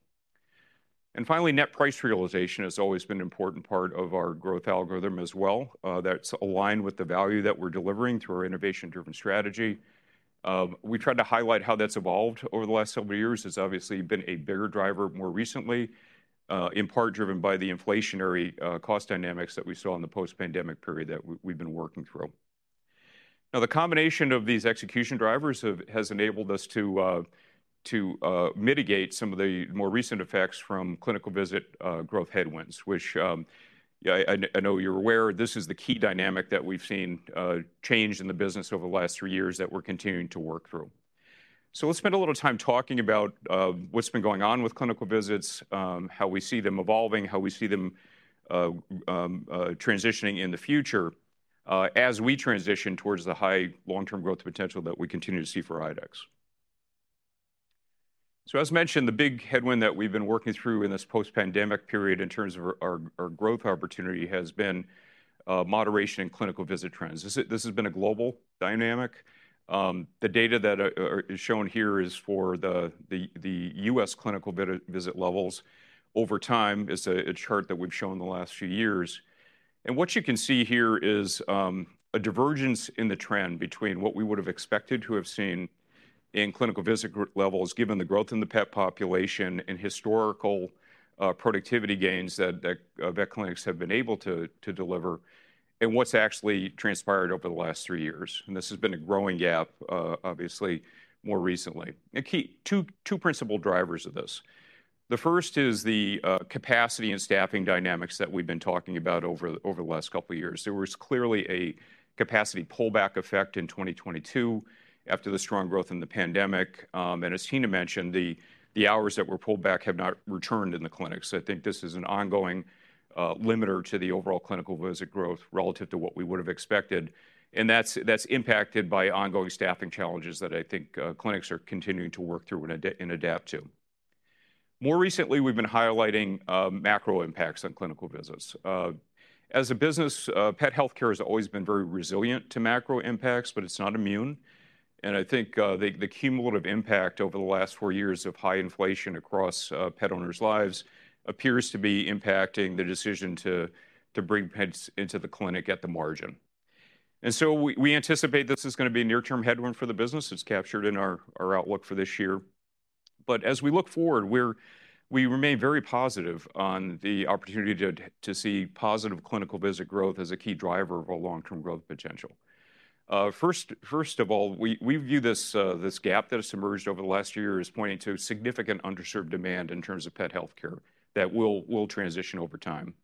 And finally, net price realization has always been an important part of our growth algorithm as well, that's aligned with the value that we're delivering through our innovation-driven strategy. We tried to highlight how that's evolved over the last several years. It's obviously been a bigger driver more recently, in part driven by the inflationary cost dynamics that we saw in the post-pandemic period that we, we've been working through. Now, the combination of these execution drivers has enabled us to mitigate some of the more recent effects from clinical visit growth headwinds, which, yeah, I know you're aware, this is the key dynamic that we've seen change in the business over the last three years that we're continuing to work through. So let's spend a little time talking about, what's been going on with clinical visits, how we see them evolving, how we see them, transitioning in the future, as we transition towards the high long-term growth potential that we continue to see for IDEXX. So as mentioned, the big headwind that we've been working through in this post-pandemic period in terms of our growth opportunity has been, moderation in clinical visit trends. This has been a global dynamic. The data that is shown here is for the U.S. clinical visit levels over time. It's a chart that we've shown in the last few years. What you can see here is a divergence in the trend between what we would have expected to have seen in clinical visit growth levels, given the growth in the pet population and historical productivity gains that vet clinics have been able to deliver, and what's actually transpired over the last three years. This has been a growing gap, obviously, more recently. Two principal drivers of this. The first is the capacity and staffing dynamics that we've been talking about over the last couple of years. There was clearly a capacity pullback effect in 2022 after the strong growth in the pandemic. And as Tina mentioned, the hours that were pulled back have not returned in the clinics. So I think this is an ongoing limiter to the overall clinical visit growth relative to what we would have expected, and that's impacted by ongoing staffing challenges that I think clinics are continuing to work through and adapt to. More recently, we've been highlighting macro impacts on clinical visits. As a business, pet healthcare has always been very resilient to macro impacts, but it's not immune, and I think the cumulative impact over the last four years of high inflation across pet owners' lives appears to be impacting the decision to bring pets into the clinic at the margin. And so we anticipate this is gonna be a near-term headwind for the business. It's captured in our outlook for this year. But as we look forward, we remain very positive on the opportunity to see positive clinical visit growth as a key driver of our long-term growth potential. First of all, we view this gap that has emerged over the last year as pointing to significant underserved demand in terms of pet healthcare that will transition over time.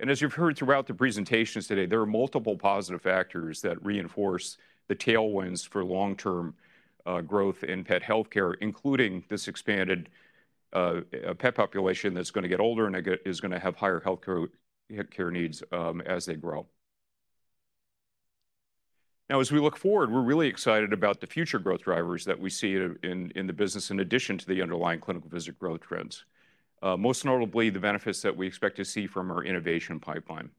And as you've heard throughout the presentations today, there are multiple positive factors that reinforce the tailwinds for long-term growth in pet healthcare, including this expanded pet population that's gonna get older and is gonna have higher healthcare needs as they grow. Now, as we look forward, we're really excited about the future growth drivers that we see in the business, in addition to the underlying clinical visit growth trends, most notably, the benefits that we expect to see from our innovation pipeline.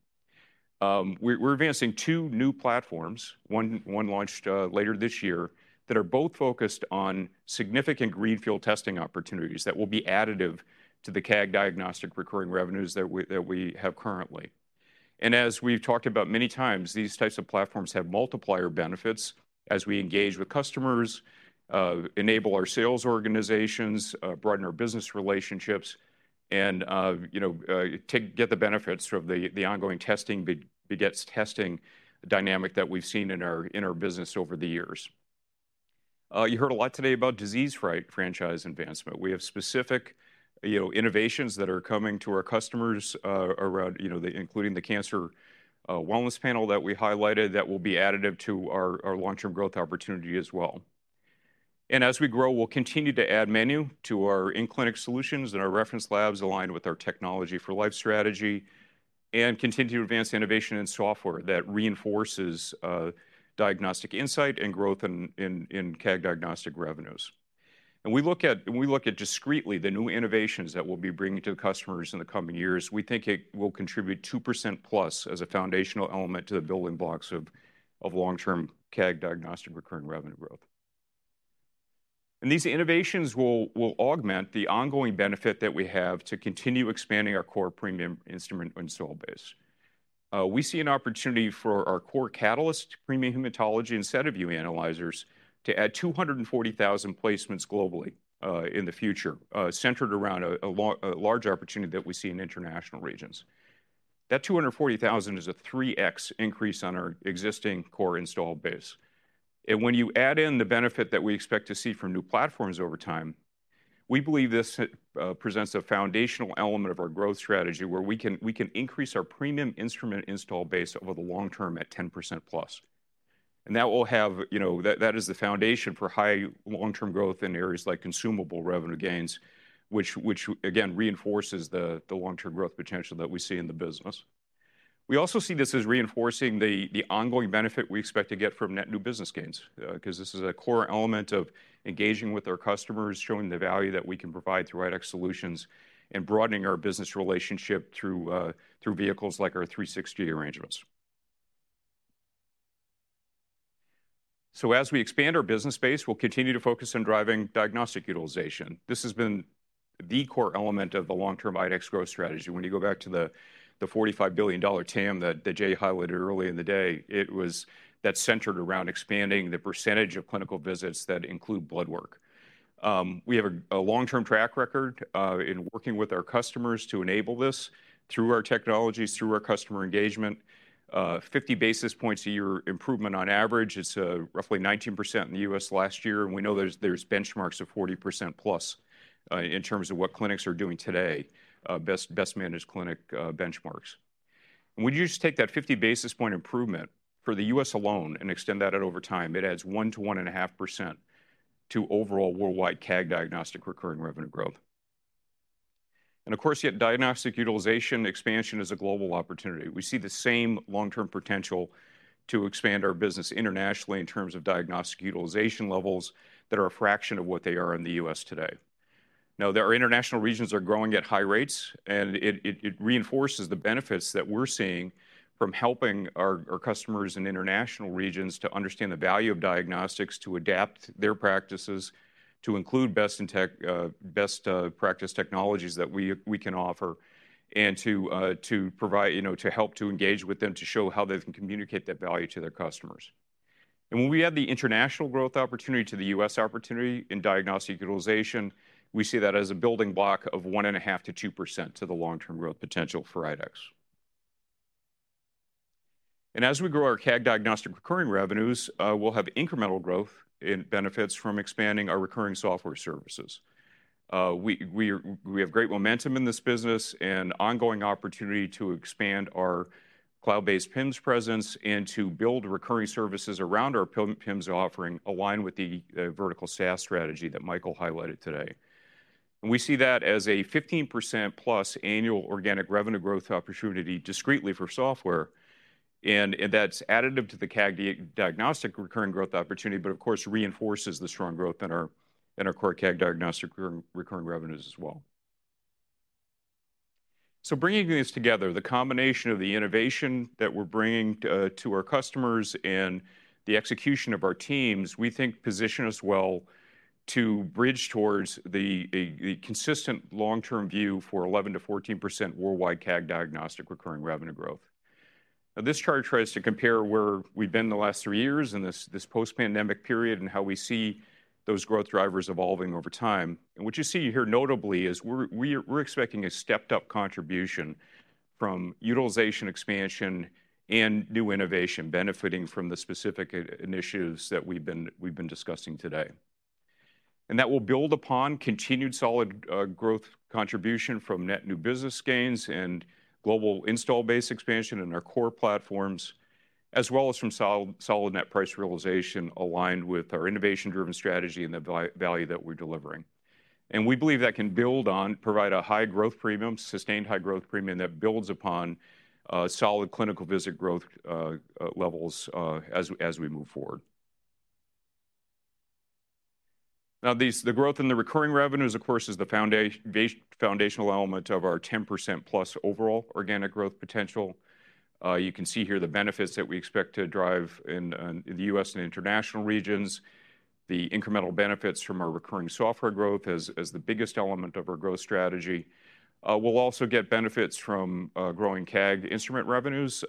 We're advancing two new platforms, one launched later this year, that are both focused on significant greenfield testing opportunities that will be additive to the CAG diagnostic recurring revenues that we have currently. And as we've talked about many times, these types of platforms have multiplier benefits as we engage with customers, enable our sales organizations, broaden our business relationships, and, you know, take, get the benefits from the ongoing testing begets testing dynamic that we've seen in our business over the years. You heard a lot today about disease franchise advancement. We have specific, you know, innovations that are coming to our customers around, you know, including the cancer wellness panel that we highlighted, that will be additive to our, our long-term growth opportunity as well. And as we grow, we'll continue to add menu to our in-clinic solutions and our reference labs aligned with our Technology for Life strategy, and continue to advance innovation in software that reinforces diagnostic insight and growth in, in, in CAG diagnostic revenues. And we look at, when we look at discretely the new innovations that we'll be bringing to customers in the coming years, we think it will contribute 2%+ as a foundational element to the building blocks of, of long-term CAG diagnostic recurring revenue growth. And these innovations will augment the ongoing benefit that we have to continue expanding our core premium instrument install base. We see an opportunity for our core Catalyst premium hematology and SediVue analyzers to add 240,000 placements globally, in the future, centered around a large opportunity that we see in international regions. That 240,000 is a 3x increase on our existing core installed base. And when you add in the benefit that we expect to see from new platforms over time, we believe this presents a foundational element of our growth strategy, where we can increase our premium instrument install base over the long term at 10%+. And that will have, you know, that, that is the foundation for high long-term growth in areas like consumable revenue gains, which, again, reinforces the long-term growth potential that we see in the business. We also see this as reinforcing the ongoing benefit we expect to get from net new business gains, because this is a core element of engaging with our customers, showing the value that we can provide through IDEXX solutions, and broadening our business relationship through vehicles like our 360 arrangements. So as we expand our business base, we'll continue to focus on driving diagnostic utilization. This has been the core element of the long-term IDEXX growth strategy. When you go back to the $45 billion TAM that Jay highlighted earlier in the day, it was that centered around expanding the percentage of clinical visits that include blood work. We have a long-term track record in working with our customers to enable this through our technologies, through our customer engagement. Fifty basis points a year improvement on average, it's roughly 19% in the US last year, and we know there's benchmarks of 40% plus in terms of what clinics are doing today, best managed clinic benchmarks. When you just take that 50 basis point improvement for the US alone and extend that out over time, it adds 1%-1.5% to overall worldwide CAG diagnostic recurring revenue growth. And of course, yet diagnostic utilization expansion is a global opportunity. We see the same long-term potential to expand our business internationally in terms of diagnostic utilization levels that are a fraction of what they are in the U.S. today. Now, their international regions are growing at high rates, and it reinforces the benefits that we're seeing from helping our customers in international regions to understand the value of diagnostics, to adapt their practices, to include best practice technologies that we can offer, and to provide, you know, to help to engage with them, to show how they can communicate that value to their customers. And when we add the international growth opportunity to the U.S. opportunity in diagnostic utilization, we see that as a building block of 1.5%-2% to the long-term growth potential for IDEXX. As we grow our CAG diagnostic recurring revenues, we'll have incremental growth in benefits from expanding our recurring software services. We have great momentum in this business and ongoing opportunity to expand our cloud-based PIMS presence and to build recurring services around our PIMS offering, aligned with the vertical SaaS strategy that Michael highlighted today. We see that as a 15%+ annual organic revenue growth opportunity, discretely for software, and that's additive to the CAG diagnostic recurring growth opportunity, but of course, reinforces the strong growth in our core CAG diagnostic recurring revenues as well. So bringing these together, the combination of the innovation that we're bringing to our customers and the execution of our teams, we think position us well to bridge towards the consistent long-term view for 11%-14% worldwide CAGR diagnostic recurring revenue growth. Now, this chart tries to compare where we've been the last three years in this post-pandemic period, and how we see those growth drivers evolving over time. What you see here, notably, is we're expecting a stepped-up contribution from utilization, expansion, and new innovation, benefiting from the specific in-clinic initiatives that we've been discussing today. That will build upon continued solid growth contribution from net new business gains and global install base expansion in our core platforms, as well as from solid, solid net price realization aligned with our innovation-driven strategy and the value that we're delivering. We believe that can build on, provide a high growth premium, sustained high growth premium that builds upon solid clinical visit growth levels as we move forward. Now, the growth in the recurring revenues, of course, is the foundational element of our 10%+ overall organic growth potential. You can see here the benefits that we expect to drive in the U.S. and international regions, the incremental benefits from our recurring software growth as the biggest element of our growth strategy. We'll also get benefits from growing CAG instrument revenues,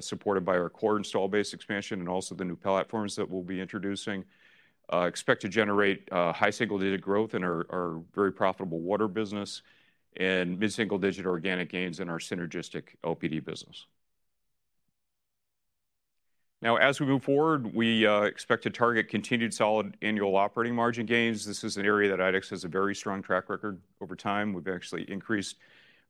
supported by our core install base expansion, and also the new platforms that we'll be introducing. Expect to generate high single-digit growth in our very profitable water business, and mid-single-digit organic gains in our synergistic LPD business. Now, as we move forward, we expect to target continued solid annual operating margin gains. This is an area that IDEXX has a very strong track record over time. We've actually increased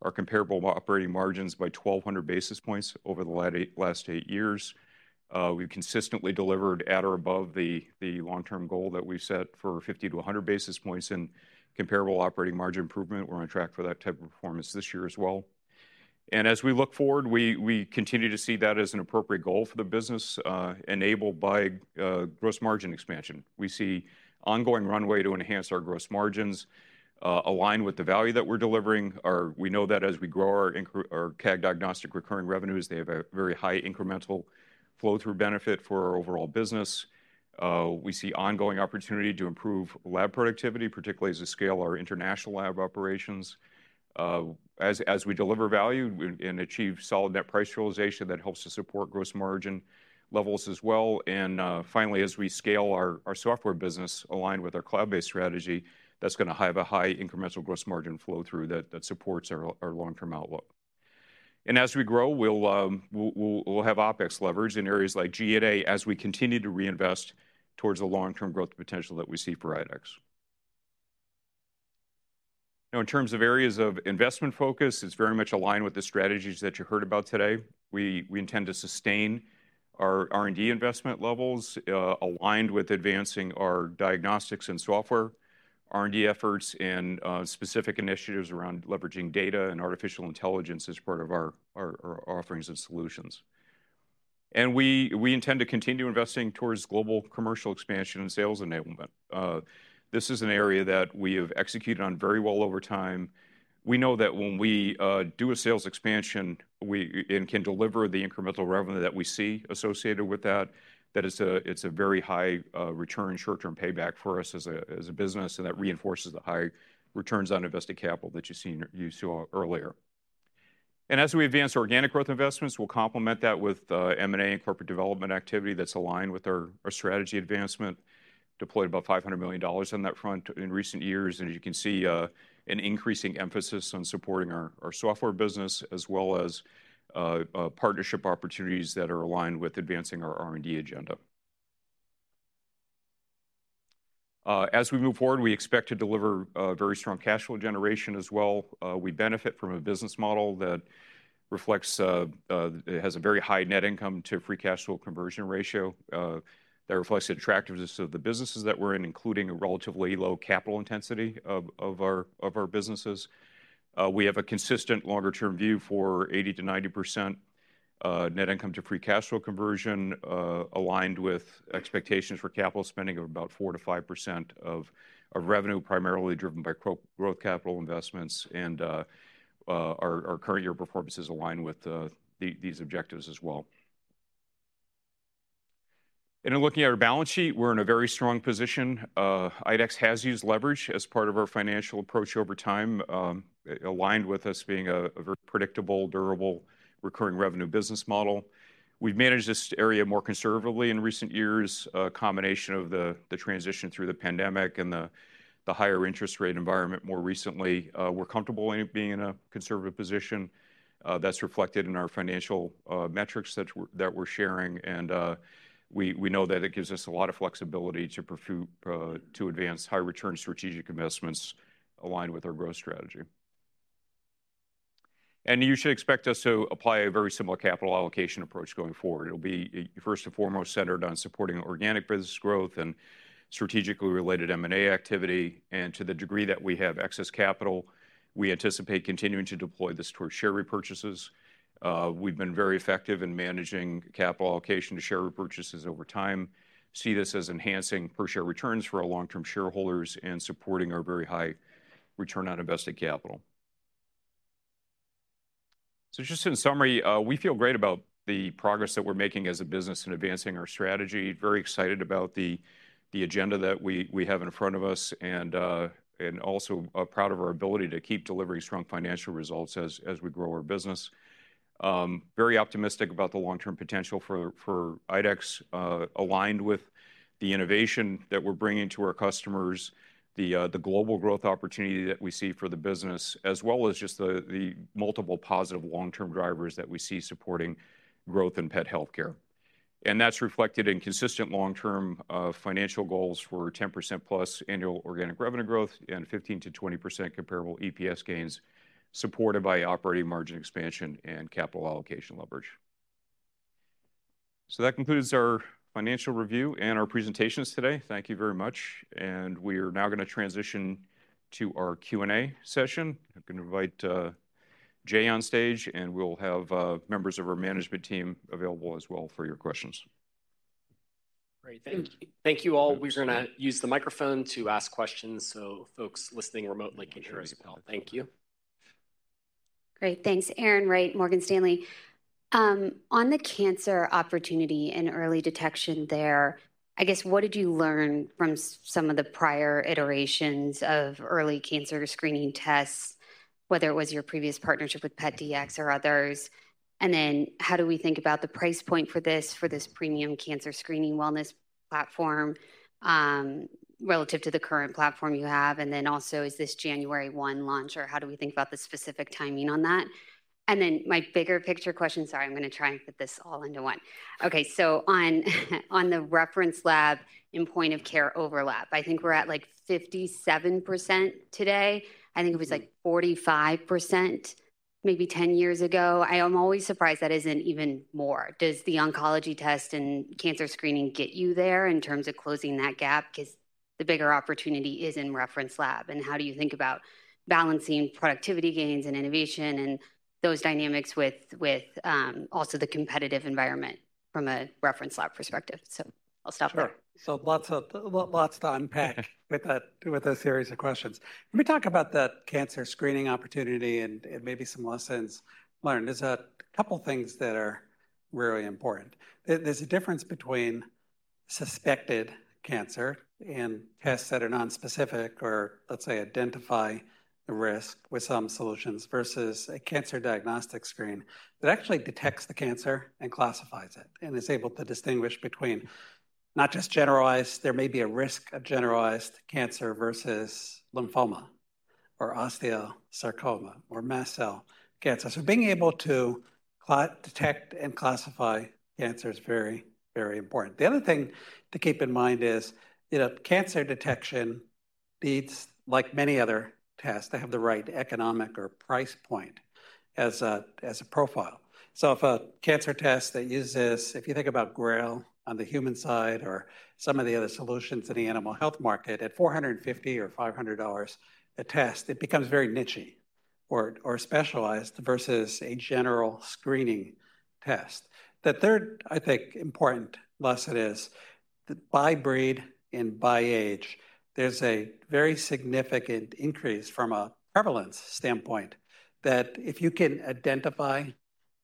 our comparable operating margins by 1,200 basis points over the last eight years. We've consistently delivered at or above the long-term goal that we've set for 50-100 basis points in comparable operating margin improvement. We're on track for that type of performance this year as well. As we look forward, we continue to see that as an appropriate goal for the business, enabled by gross margin expansion. We see ongoing runway to enhance our gross margins, align with the value that we're delivering. We know that as we grow our CAGR diagnostic recurring revenues, they have a very high incremental flow-through benefit for our overall business. We see ongoing opportunity to improve lab productivity, particularly as we scale our international lab operations. As we deliver value and achieve solid net price realization, that helps to support gross margin levels as well. And finally, as we scale our software business aligned with our cloud-based strategy, that's gonna have a high incremental gross margin flow-through that supports our long-term outlook. And as we grow, we'll have OpEx leverage in areas like G&A as we continue to reinvest towards the long-term growth potential that we see for IDEXX. Now, in terms of areas of investment focus, it's very much aligned with the strategies that you heard about today. We intend to sustain our R&D investment levels, aligned with advancing our diagnostics and software, R&D efforts, and specific initiatives around leveraging data and artificial intelligence as part of our offerings and solutions. And we intend to continue investing towards global commercial expansion and sales enablement. This is an area that we have executed on very well over time. We know that when we do a sales expansion. And can deliver the incremental revenue that we see associated with that, that it's a, it's a very high return, short-term payback for us as a business, and that reinforces the high returns on invested capital that you've seen, you saw earlier. As we advance organic growth investments, we'll complement that with M&A and corporate development activity that's aligned with our strategy advancement. Deployed about $500 million on that front in recent years, and as you can see, an increasing emphasis on supporting our software business, as well as partnership opportunities that are aligned with advancing our R&D agenda. As we move forward, we expect to deliver very strong cash flow generation as well. We benefit from a business model that reflects, it has a very high net income to free cash flow conversion ratio, that reflects the attractiveness of the businesses that we're in, including a relatively low capital intensity of, of our, of our businesses. We have a consistent longer-term view for 80%-90% net income to free cash flow conversion, aligned with expectations for capital spending of about 4%-5% of our revenue, primarily driven by growth capital investments, and, our, our current year performance is aligned with, these objectives as well. In looking at our balance sheet, we're in a very strong position. IDEXX has used leverage as part of our financial approach over time, aligned with us being a, a very predictable, durable, recurring revenue business model. We've managed this area more conservatively in recent years, a combination of the transition through the pandemic and the higher interest rate environment more recently. We're comfortable in being in a conservative position. That's reflected in our financial metrics that we're sharing, and we know that it gives us a lot of flexibility to pursue to advance high return strategic investments aligned with our growth strategy. And you should expect us to apply a very similar capital allocation approach going forward. It'll be, first and foremost, centered on supporting organic business growth and strategically related M&A activity, and to the degree that we have excess capital, we anticipate continuing to deploy this towards share repurchases. We've been very effective in managing capital allocation to share repurchases over time. See this as enhancing per share returns for our long-term shareholders and supporting our very high return on invested capital. So just in summary, we feel great about the progress that we're making as a business in advancing our strategy. Very excited about the agenda that we have in front of us, and also proud of our ability to keep delivering strong financial results as we grow our business. Very optimistic about the long-term potential for IDEXX, aligned with the innovation that we're bringing to our customers, the global growth opportunity that we see for the business, as well as just the multiple positive long-term drivers that we see supporting growth in pet healthcare. That's reflected in consistent long-term financial goals for 10%+ annual organic revenue growth and 15%-20% comparable EPS gains, supported by operating margin expansion and capital allocation leverage. That concludes our financial review and our presentations today. Thank you very much, and we are now gonna transition to our Q&A session. I'm gonna invite Jay on stage, and we'll have members of our management team available as well for your questions. Great. Thank you. Thank you, all. We're gonna use the microphone to ask questions so folks listening remotely can hear us well. Thank you. Great, thanks. Erin Wright, Morgan Stanley. On the cancer opportunity and early detection there, I guess, what did you learn from some of the prior iterations of early cancer screening tests, whether it was your previous partnership with PetDx or others? And then how do we think about the price point for this, for this premium cancer screening wellness platform, relative to the current platform you have? And then also, is this January one launch, or how do we think about the specific timing on that? And then my bigger picture question, sorry, I'm gonna try and fit this all into one. Okay, so on the reference lab and point of care overlap, I think we're at, like, 57% today. I think it was, like, 45% maybe ten years ago. I am always surprised that isn't even more. Does the oncology test and cancer screening get you there in terms of closing that gap? Because the bigger opportunity is in reference lab, and how do you think about balancing productivity gains and innovation and those dynamics with also the competitive environment from a reference lab perspective? So I'll stop there. Sure. So lots to unpack with that, with those series of questions. Let me talk about that cancer screening opportunity and maybe some lessons learned. There's a couple things that are really important. There's a difference between suspected cancer and tests that are nonspecific or, let's say, identify the risk with some solutions, versus a cancer diagnostic screen that actually detects the cancer and classifies it and is able to distinguish between not just generalized. There may be a risk of generalized cancer versus lymphoma or osteosarcoma or mast cell cancer. So being able to detect and classify cancer is very, very important. The other thing to keep in mind is, you know, cancer detection needs, like many other tests, to have the right economic or price point as a profile. So if a cancer test that uses, if you think about GRAIL on the human side or some of the other solutions in the animal health market, at $450 or $500 a test, it becomes very nichey or, or specialized versus a general screening test. The third, I think, important lesson is that by breed and by age, there's a very significant increase from a prevalence standpoint, that if you can identify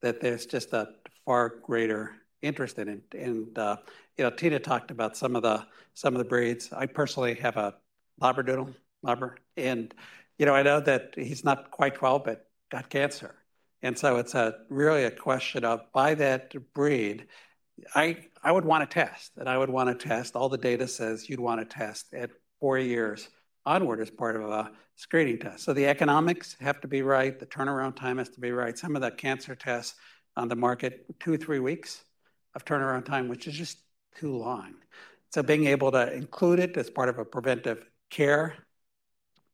that there's just a far greater interest in it. And, you know, Tina talked about some of the, some of the breeds. I personally have a Labradoodle, Labra, and, you know, I know that he's not quite 12, but got cancer. And so it's a really a question of by that breed, I, I would want to test, and I would want to test. All the data says you'd want to test at four years onward as part of a screening test. So the economics have to be right. The turnaround time has to be right. Some of the cancer tests on the market, 2-3 weeks of turnaround time, which is just too long. So being able to include it as part of a preventive care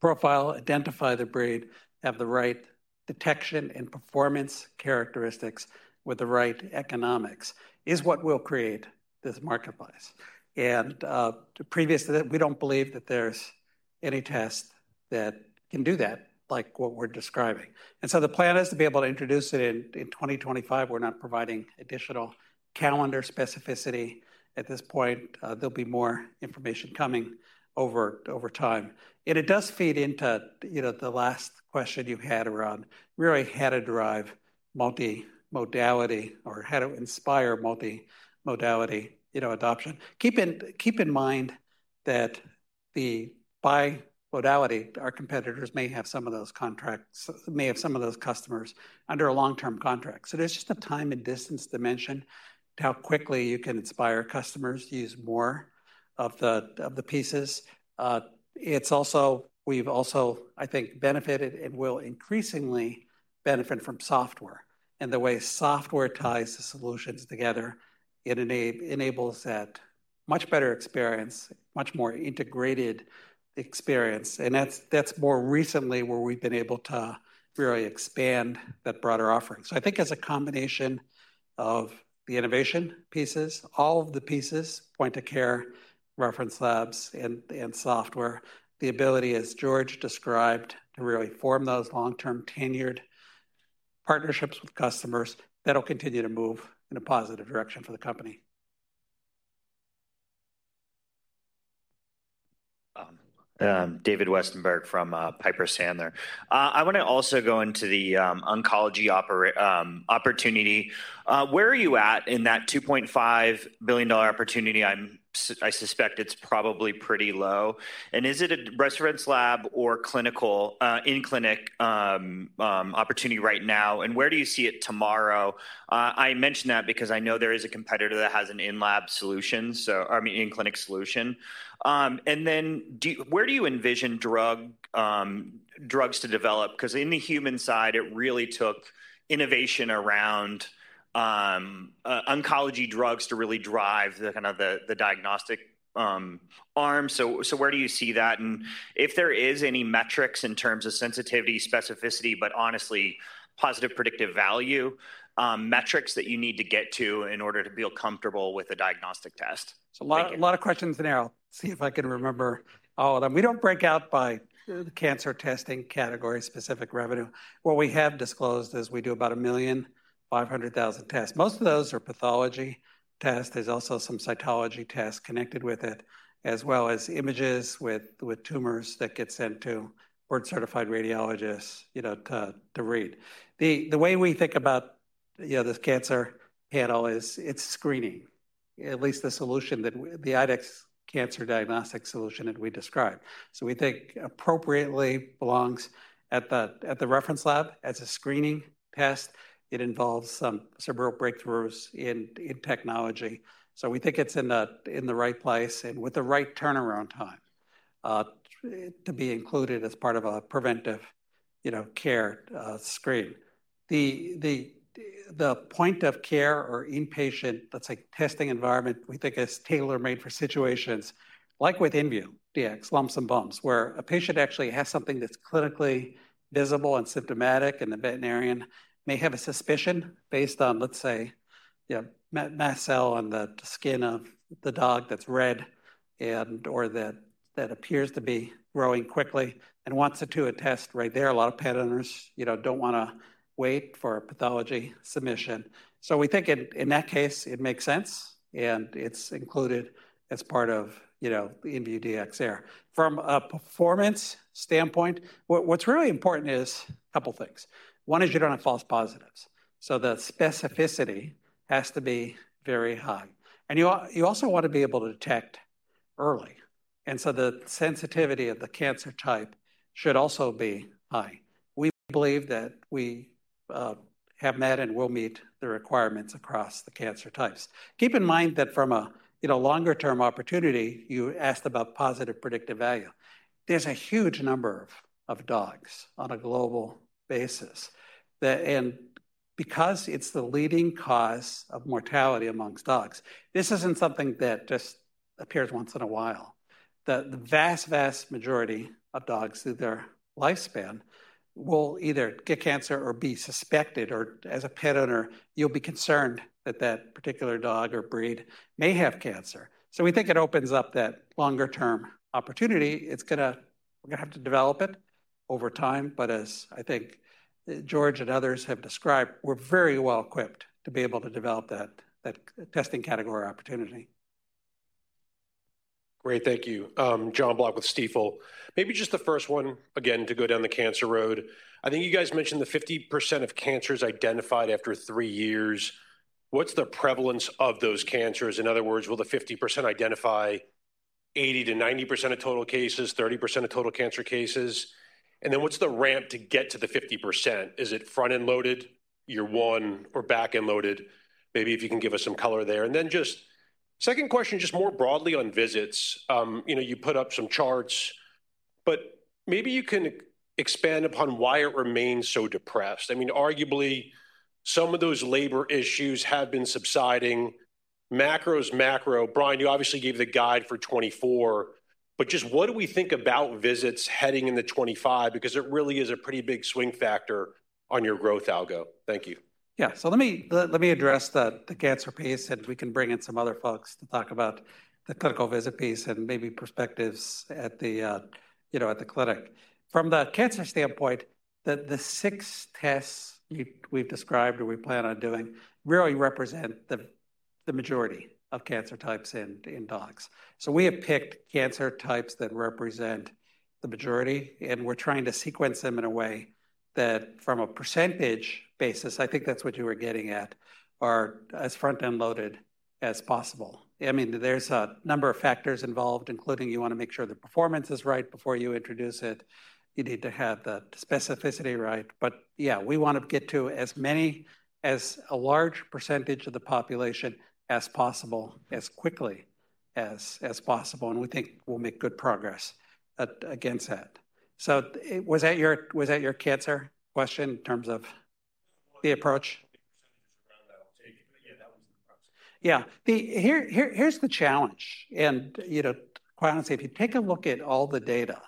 profile, identify the breed, have the right detection and performance characteristics with the right economics, is what will create this marketplace. And previous to that, we don't believe that there's any test that can do that, like what we're describing. And so the plan is to be able to introduce it in 2025. We're not providing additional calendar specificity at this point. There'll be more information coming over time. It does feed into, you know, the last question you had around really how to drive multimodality or how to inspire multimodality, you know, adoption. Keep in mind that by modality, our competitors may have some of those contracts, may have some of those customers under a long-term contract. So there's just a time and distance dimension to how quickly you can inspire customers to use more of the, of the pieces. It's also—we've also, I think, benefited and will increasingly benefit from software and the way software ties the solutions together. It enables that much better experience, much more integrated experience, and that's, that's more recently where we've been able to really expand that broader offering. I think as a combination of the innovation pieces, all of the pieces, point of care, reference labs, and software, the ability, as George described, to really form those long-term, tenured partnerships with customers, that'll continue to move in a positive direction for the company. David Westenberg from Piper Sandler. I want to also go into the oncology opportunity. Where are you at in that $2.5 billion opportunity? I suspect it's probably pretty low. And is it a reference lab or clinical in-clinic opportunity right now, and where do you see it tomorrow? I mention that because I know there is a competitor that has an in-lab solution, so I mean, in-clinic solution. And then where do you envision drugs to develop? Because in the human side, it really took innovation around oncology drugs to really drive the kind of the diagnostic arm. So where do you see that? If there is any metrics in terms of sensitivity, specificity, but honestly, positive predictive value, metrics that you need to get to in order to feel comfortable with the diagnostic test? So a lot of questions, and I'll see if I can remember all of them. We don't break out by cancer testing category-specific revenue. What we have disclosed is we do about 1,500,000 tests. Most of those are pathology tests. There's also some cytology tests connected with it, as well as images with tumors that get sent to board-certified radiologists, you know, to read. The way we think about, you know, this cancer panel is it's screening, at least the solution that we, the IDEXX cancer diagnostic solution that we describe. So we think appropriately belongs at the reference lab as a screening test. It involves some several breakthroughs in technology. So we think it's in the right place and with the right turnaround time. To be included as part of a preventive, you know, care screen. The point-of-care or in-clinic, that's like testing environment, we think is tailor-made for situations like with InVue Dx, lumps and bumps, where a patient actually has something that's clinically visible and symptomatic, and the veterinarian may have a suspicion based on, let's say, a mast cell on the skin of the dog that's red and, or that appears to be growing quickly and wants to do a test right there. A lot of pet owners, you know, don't wanna wait for a pathology submission. So we think in that case, it makes sense, and it's included as part of, you know, InVue Dx there. From a performance standpoint, what's really important is a couple things. One is you don't have false positives, so the specificity has to be very high. And you also want to be able to detect early, and so the sensitivity of the cancer type should also be high. We believe that we have met and will meet the requirements across the cancer types. Keep in mind that from a longer-term opportunity, you asked about positive predictive value. There's a huge number of dogs on a global basis. And because it's the leading cause of mortality amongst dogs, this isn't something that just appears once in a while. The vast, vast majority of dogs through their lifespan will either get cancer or be suspected, or as a pet owner, you'll be concerned that that particular dog or breed may have cancer. So we think it opens up that longer-term opportunity. We're gonna have to develop it over time, but as I think George and others have described, we're very well equipped to be able to develop that testing category opportunity. Great, thank you. Jon Block with Stifel. Maybe just the first one, again, to go down the cancer road. I think you guys mentioned the 50% of cancers identified after three years. What's the prevalence of those cancers? In other words, will the 50% identify 80%-90% of total cases, 30% of total cancer cases? And then, what's the ramp to get to the 50%? Is it front-end loaded, year one, or back-end loaded? Maybe if you can give us some color there. And then just second question, just more broadly on visits. You know, you put up some charts, but maybe you can expand upon why it remains so depressed. I mean, arguably, some of those labor issues have been subsiding. Macro is macro. Brian, you obviously gave the guide for 2024, but just what do we think about visits heading into 2025? Because it really is a pretty big swing factor on your growth algo. Thank you. Yeah, so let me address the cancer piece, and we can bring in some other folks to talk about the clinical visit piece and maybe perspectives at the, you know, at the clinic. From the cancer standpoint, the six tests we've described or we plan on doing really represent the majority of cancer types in dogs. So we have picked cancer types that represent the majority, and we're trying to sequence them in a way that, from a percentage basis, I think that's what you were getting at, are as front-end loaded as possible. I mean, there's a number of factors involved, including you want to make sure the performance is right before you introduce it. You need to have the specificity right. But yeah, we want to get to as many as a large percentage of the population as possible, as quickly as possible, and we think we'll make good progress against that. So, was that your cancer question in terms of the approach? Yeah. Here's the challenge, and you know, quite honestly, if you take a look at all the data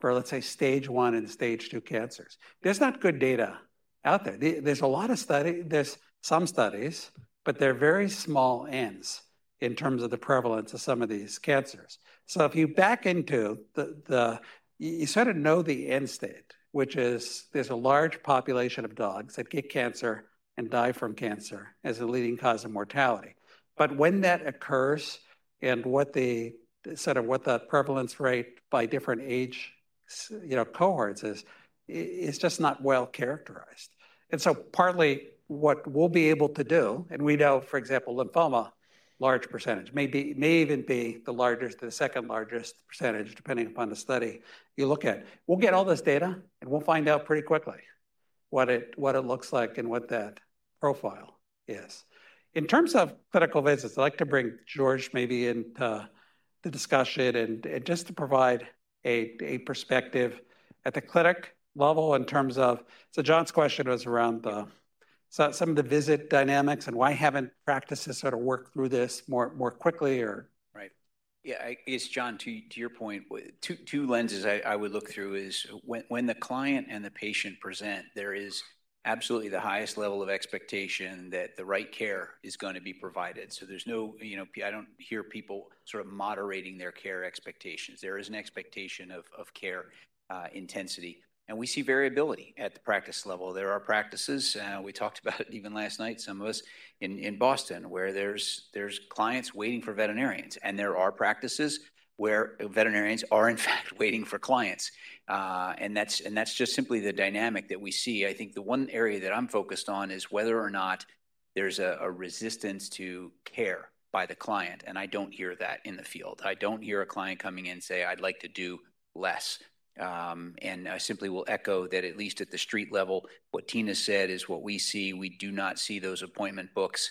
for, let's say, stage 1 and stage 2 cancers, there's not good data out there. There's a lot of study—there's some studies, but they're very small n's in terms of the prevalence of some of these cancers. So if you back into the—you sort of know the end state, which is there's a large population of dogs that get cancer and die from cancer as a leading cause of mortality. But when that occurs, and what the, sort of what the prevalence rate by different age—you know, cohorts is, it's just not well characterized. And so partly what we'll be able to do, and we know, for example, lymphoma, large percentage, may be, may even be the largest, the second largest percentage, depending upon the study you look at. We'll get all this data, and we'll find out pretty quickly what it, what it looks like and what that profile is. In terms of clinical visits, I'd like to bring George maybe into the discussion and, and just to provide a, a perspective at the clinic level in terms of... So Jon's question was around the, so some of the visit dynamics and why haven't practices sort of worked through this more, more quickly or- Right. Yeah, I guess, John, to your point, two lenses I would look through is when the client and the patient present, there is absolutely the highest level of expectation that the right care is gonna be provided. So there's no, you know, I don't hear people sort of moderating their care expectations. There is an expectation of care intensity, and we see variability at the practice level. There are practices we talked about it even last night, some of us in Boston, where there's clients waiting for veterinarians. And there are practices where veterinarians are, in fact, waiting for clients. And that's just simply the dynamic that we see. I think the one area that I'm focused on is whether or not there's a, a resistance to care by the client, and I don't hear that in the field. I don't hear a client coming in, say, "I'd like to do less." And I simply will echo that, at least at the street level, what Tina said is what we see. We do not see those appointment books.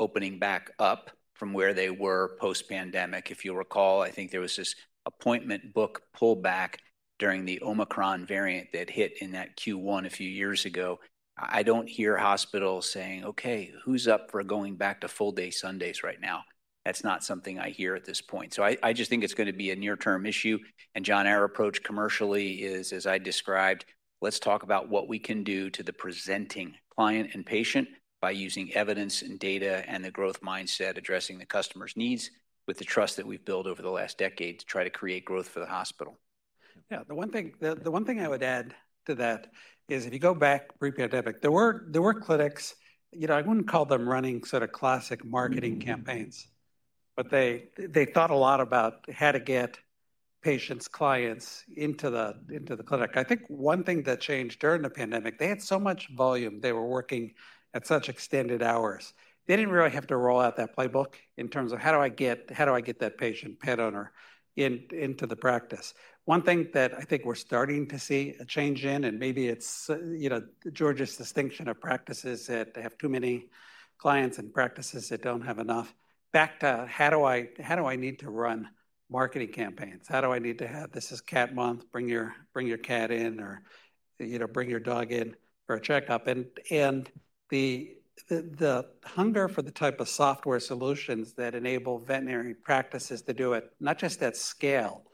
Opening back up from where they were post-pandemic. If you'll recall, I think there was this appointment book pullback during the Omicron variant that hit in that Q1 a few years ago. I, I don't hear hospitals saying, "Okay, who's up for going back to full-day Sundays right now?" That's not something I hear at this point. So I, I just think it's gonna be a near-term issue. And Jon, our approach commercially is, as I described, let's talk about what we can do to the presenting client and patient by using evidence and data and the growth mindset, addressing the customer's needs with the trust that we've built over the last decade to try to create growth for the hospital. Yeah, the one thing I would add to that is if you go back pre-pandemic, there were clinics, you know, I wouldn't call them running sort of classic marketing campaigns, but they thought a lot about how to get patients, clients into the clinic. I think one thing that changed during the pandemic, they had so much volume, they were working at such extended hours. They didn't really have to roll out that playbook in terms of how do I get that patient, pet owner in, into the practice? One thing that I think we're starting to see a change in, and maybe it's, you know, George's distinction of practices, that they have too many clients and practices that don't have enough. Back to how do I need to run marketing campaigns? How do I need to have, "This is cat month, bring your cat in," or, you know, "Bring your dog in for a checkup." And the hunger for the type of software solutions that enable veterinary practices to do it, not just at scale,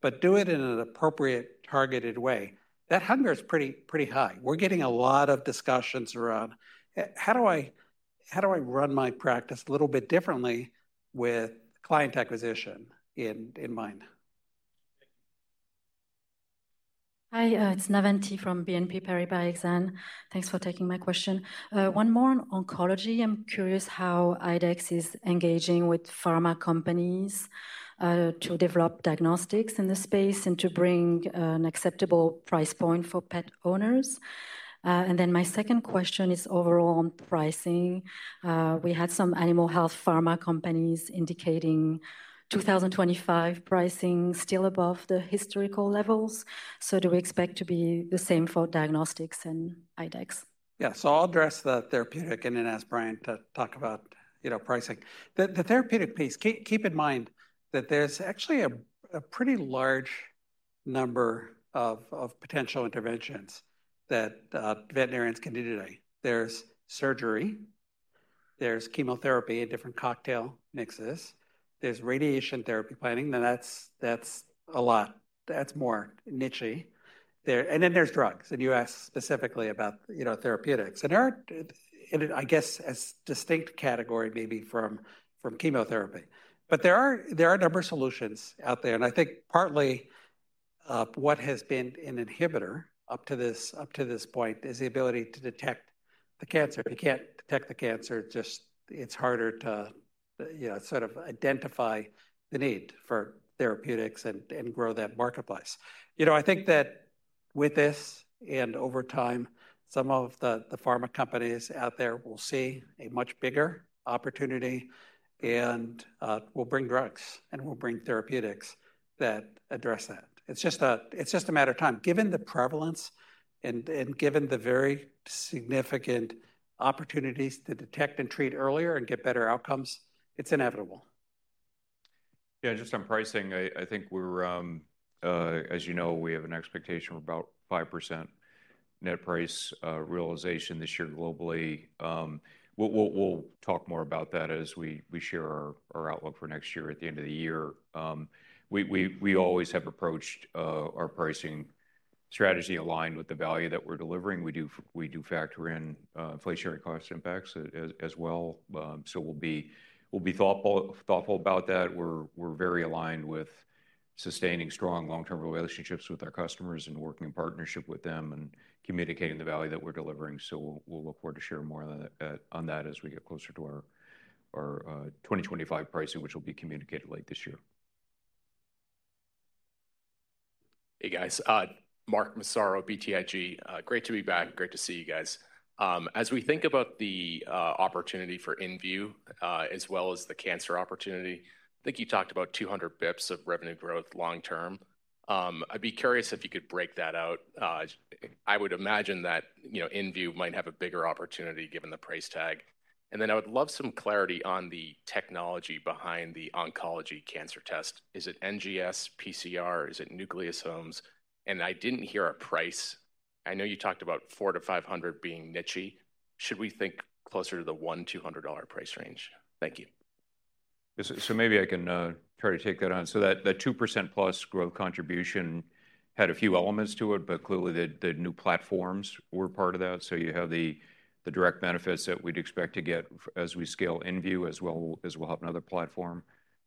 but do it in an appropriate, targeted way, that hunger is pretty high. We're getting a lot of discussions around, "How do I run my practice a little bit differently with client acquisition in mind? Hi, it's Navann Ty from BNP Paribas Exane. Thanks for taking my question. One more on oncology. I'm curious how IDEXX is engaging with pharma companies, to develop diagnostics in this space and to bring, an acceptable price point for pet owners. And then my second question is overall on pricing. We had some animal health pharma companies indicating 2025 pricing still above the historical levels. So do we expect to be the same for diagnostics in IDEXX? Yeah. So I'll address the therapeutic and then ask Brian to talk about, you know, pricing. The therapeutic piece, keep in mind that there's actually a pretty large number of potential interventions that veterinarians can do today. There's surgery, there's chemotherapy and different cocktail mixes, there's radiation therapy planning, now, that's a lot. That's more nichey there. And then there's drugs, and you asked specifically about, you know, therapeutics. And there are, and I guess, a distinct category maybe from chemotherapy. But there are a number of solutions out there, and I think partly what has been an inhibitor up to this, up to this point is the ability to detect the cancer. If you can't detect the cancer, just, it's harder to, you know, sort of identify the need for therapeutics and grow that marketplace. You know, I think that with this, and over time, some of the pharma companies out there will see a much bigger opportunity and, will bring drugs and will bring therapeutics that address that. It's just a matter of time. Given the prevalence and given the very significant opportunities to detect and treat earlier and get better outcomes, it's inevitable. Yeah, just on pricing, I think we're, as you know, we have an expectation of about 5% net price realization this year globally. We'll talk more about that as we share our outlook for next year at the end of the year. We always have approached our pricing strategy aligned with the value that we're delivering. We do factor in inflationary cost impacts as well. So we'll be thoughtful about that. We're very aligned with sustaining strong long-term relationships with our customers and working in partnership with them and communicating the value that we're delivering. So we'll look forward to sharing more on that as we get closer to our 2025 pricing, which will be communicated late this year. Hey, guys, Mark Massaro, BTIG. Great to be back, great to see you guys. As we think about the opportunity for Invue, as well as the cancer opportunity, I think you talked about 200 bips of revenue growth long term. I'd be curious if you could break that out. I would imagine that, you know, Invue might have a bigger opportunity, given the price tag. And then I would love some clarity on the technology behind the oncology cancer test. Is it NGS, PCR, is it nucleosomes? And I didn't hear a price. I know you talked about $400-$500 being nichey. Should we think closer to the $100-$200 price range? Thank you. So, maybe I can try to take that on. So that, the 2% plus growth contribution had a few elements to it, but clearly, the new platforms were part of that. So you have the direct benefits that we'd expect to get as we scale InVue, as well as we'll have another platform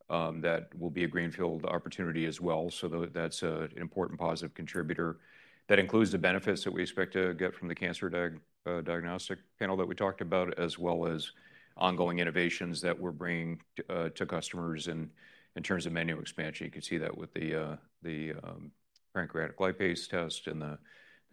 that will be a greenfield opportunity as well. So that's an important positive contributor. That includes the benefits that we expect to get from the cancer diagnostic panel that we talked about, as well as ongoing innovations that we're bringing to customers in terms of menu expansion. You can see that with the pancreatic lipase test and the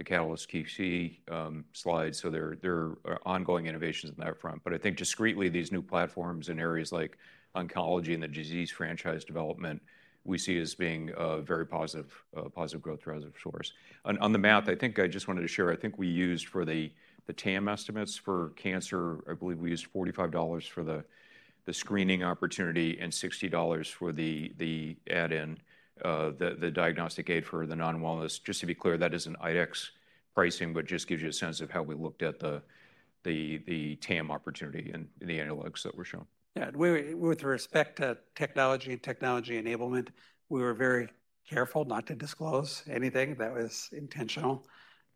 Catalyst QC slide. So there are ongoing innovations on that front. But I think discreetly, these new platforms in areas like oncology and the disease franchise development, we see as being a very positive positive growth driver source. On the math, I think I just wanted to share, I think we used for the TAM estimates for cancer, I believe we used $45 for the screening opportunity and $60 for the add-in, the diagnostic aid for the non-wellness. Just to be clear, that isn't IDEXX pricing, but just gives you a sense of how we looked at the TAM opportunity and the analogs that were shown. Yeah, with respect to technology and technology enablement, we were very careful not to disclose anything that was intentional.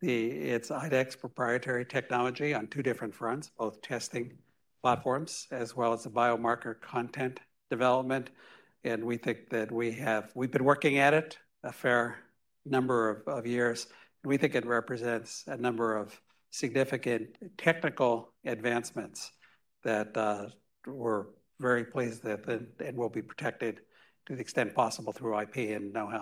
The, it's IDEXX proprietary technology on two different fronts, both testing platforms, as well as the biomarker content development. And we think that we've been working at it a fair number of years. We think it represents a number of significant technical advancements that we're very pleased that it will be protected to the extent possible through IP and know-how.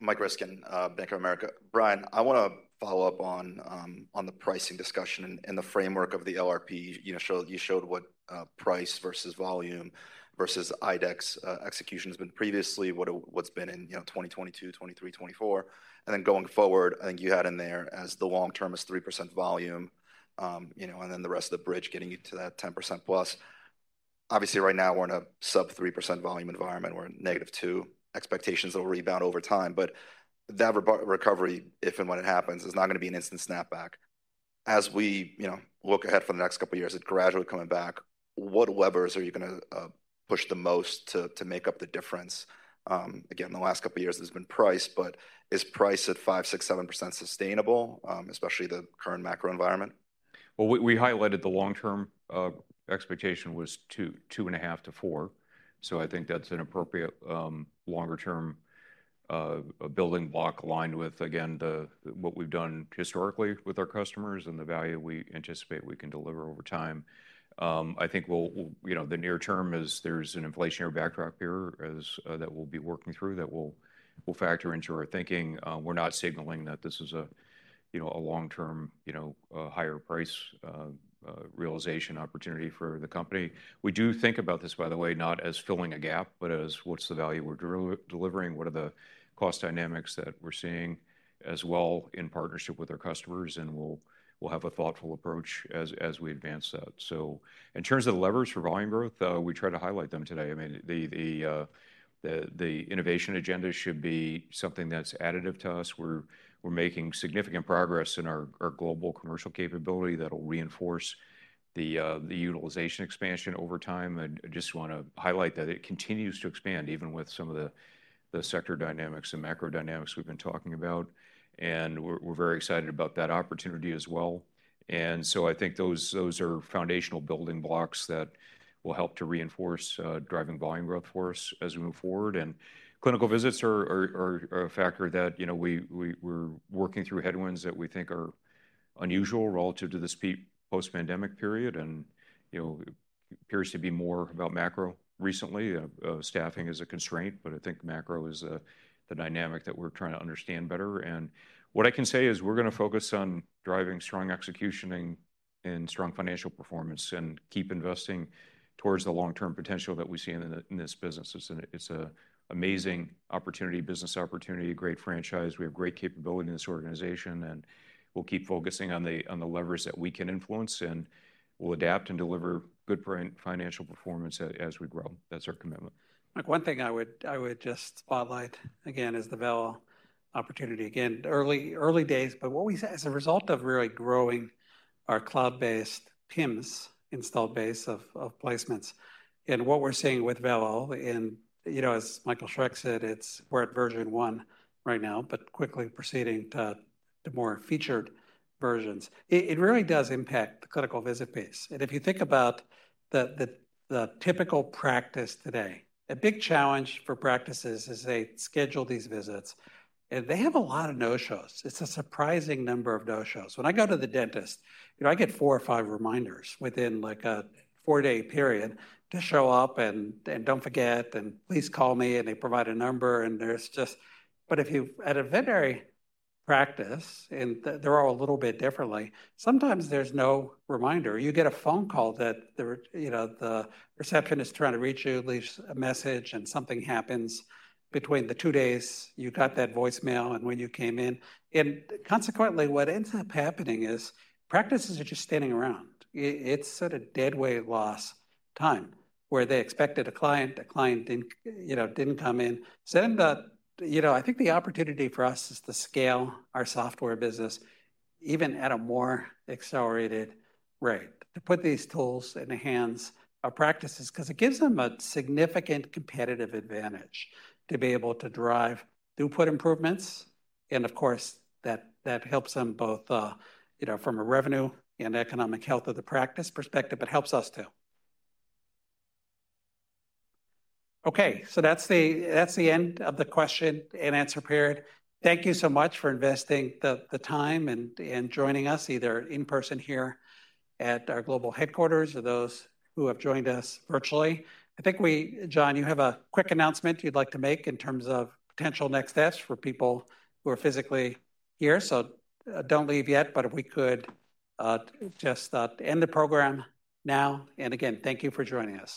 Michael Ryskin, Bank of America. Brian, I want to follow up on the pricing discussion and the framework of the LRP. You know, you showed what price versus volume versus IDEXX execution has been previously, what's been in 2022, 2023, 2024. And then going forward, I think you had in there as the long term is 3% volume, you know, and then the rest of the bridge getting you to that 10%+. Obviously, right now, we're in a sub-3% volume environment, we're -2. Expectations will rebound over time, but that recovery, if and when it happens, is not going to be an instant snapback. As we, you know, look ahead for the next couple of years, it gradually coming back, what levers are you going to push the most to make up the difference? Again, in the last couple of years, it's been price, but is price at 5, 6, 7% sustainable, especially the current macro environment? Well, we highlighted the long-term expectation was 2, 2.5-4. So I think that's an appropriate longer-term building block aligned with again what we've done historically with our customers and the value we anticipate we can deliver over time. I think we'll—you know—the near term is there's an inflationary backdrop here as that we'll be working through that we'll factor into our thinking. We're not signaling that this is a you know a long-term you know a higher price realization opportunity for the company. We do think about this by the way not as filling a gap but as what's the value we're delivering what are the cost dynamics that we're seeing as well in partnership with our customers and we'll have a thoughtful approach as we advance that. So in terms of the levers for volume growth, we tried to highlight them today. I mean, the innovation agenda should be something that's additive to us. We're making significant progress in our global commercial capability that will reinforce the utilization expansion over time. I just want to highlight that it continues to expand, even with some of the sector dynamics and macro dynamics we've been talking about, and we're very excited about that opportunity as well. And so I think those are foundational building blocks that will help to reinforce driving volume growth for us as we move forward. And clinical visits are a factor that, you know, we're working through headwinds that we think are unusual relative to this post-pandemic period. And, you know, it appears to be more about macro recently. Staffing is a constraint, but I think macro is the dynamic that we're trying to understand better. And what I can say is we're going to focus on driving strong execution and strong financial performance and keep investing towards the long-term potential that we see in the, in this business. It's a amazing opportunity, business opportunity, a great franchise. We have great capability in this organization, and we'll keep focusing on the levers that we can influence, and we'll adapt and deliver good financial performance as we grow. That's our commitment. Mike, one thing I would, I would just spotlight again is the Vello opportunity. Again, early, early days, but what we, as a result of really growing our cloud-based PIMS installed base of, of placements, and what we're seeing with Vello, and, you know, as Michael Schreck said, it's we're at version 1 right now, but quickly proceeding to, to more featured versions. It, it really does impact the clinical visit base. And if you think about the, the, the typical practice today, a big challenge for practices is they schedule these visits, and they have a lot of no-shows. It's a surprising number of no-shows. When I go to the dentist, you know, I get 4 or 5 reminders within, like, a 4-day period to show up and, and don't forget, and please call me, and they provide a number, and there's just... But if you're at a veterinary practice, and they're all a little bit different, sometimes there's no reminder. You get a phone call that the, you know, the receptionist trying to reach you, leaves a message, and something happens between the two days you got that voicemail and when you came in. And consequently, what ends up happening is practices are just standing around. It's at a dead weight loss time, where they expected a client, the client didn't, you know, didn't come in. So then, you know, I think the opportunity for us is to scale our software business even at a more accelerated rate, to put these tools in the hands of practices, 'cause it gives them a significant competitive advantage to be able to drive throughput improvements. And of course, that, that helps them both, you know, from a revenue and economic health of the practice perspective, it helps us, too. Okay, so that's the, that's the end of the question and answer period. Thank you so much for investing the, the time and, and joining us, either in person here at our global headquarters or those who have joined us virtually. I think we, John, you have a quick announcement you'd like to make in terms of potential next steps for people who are physically here, so, don't leave yet. But if we could, just, end the program now, and again, thank you for joining us.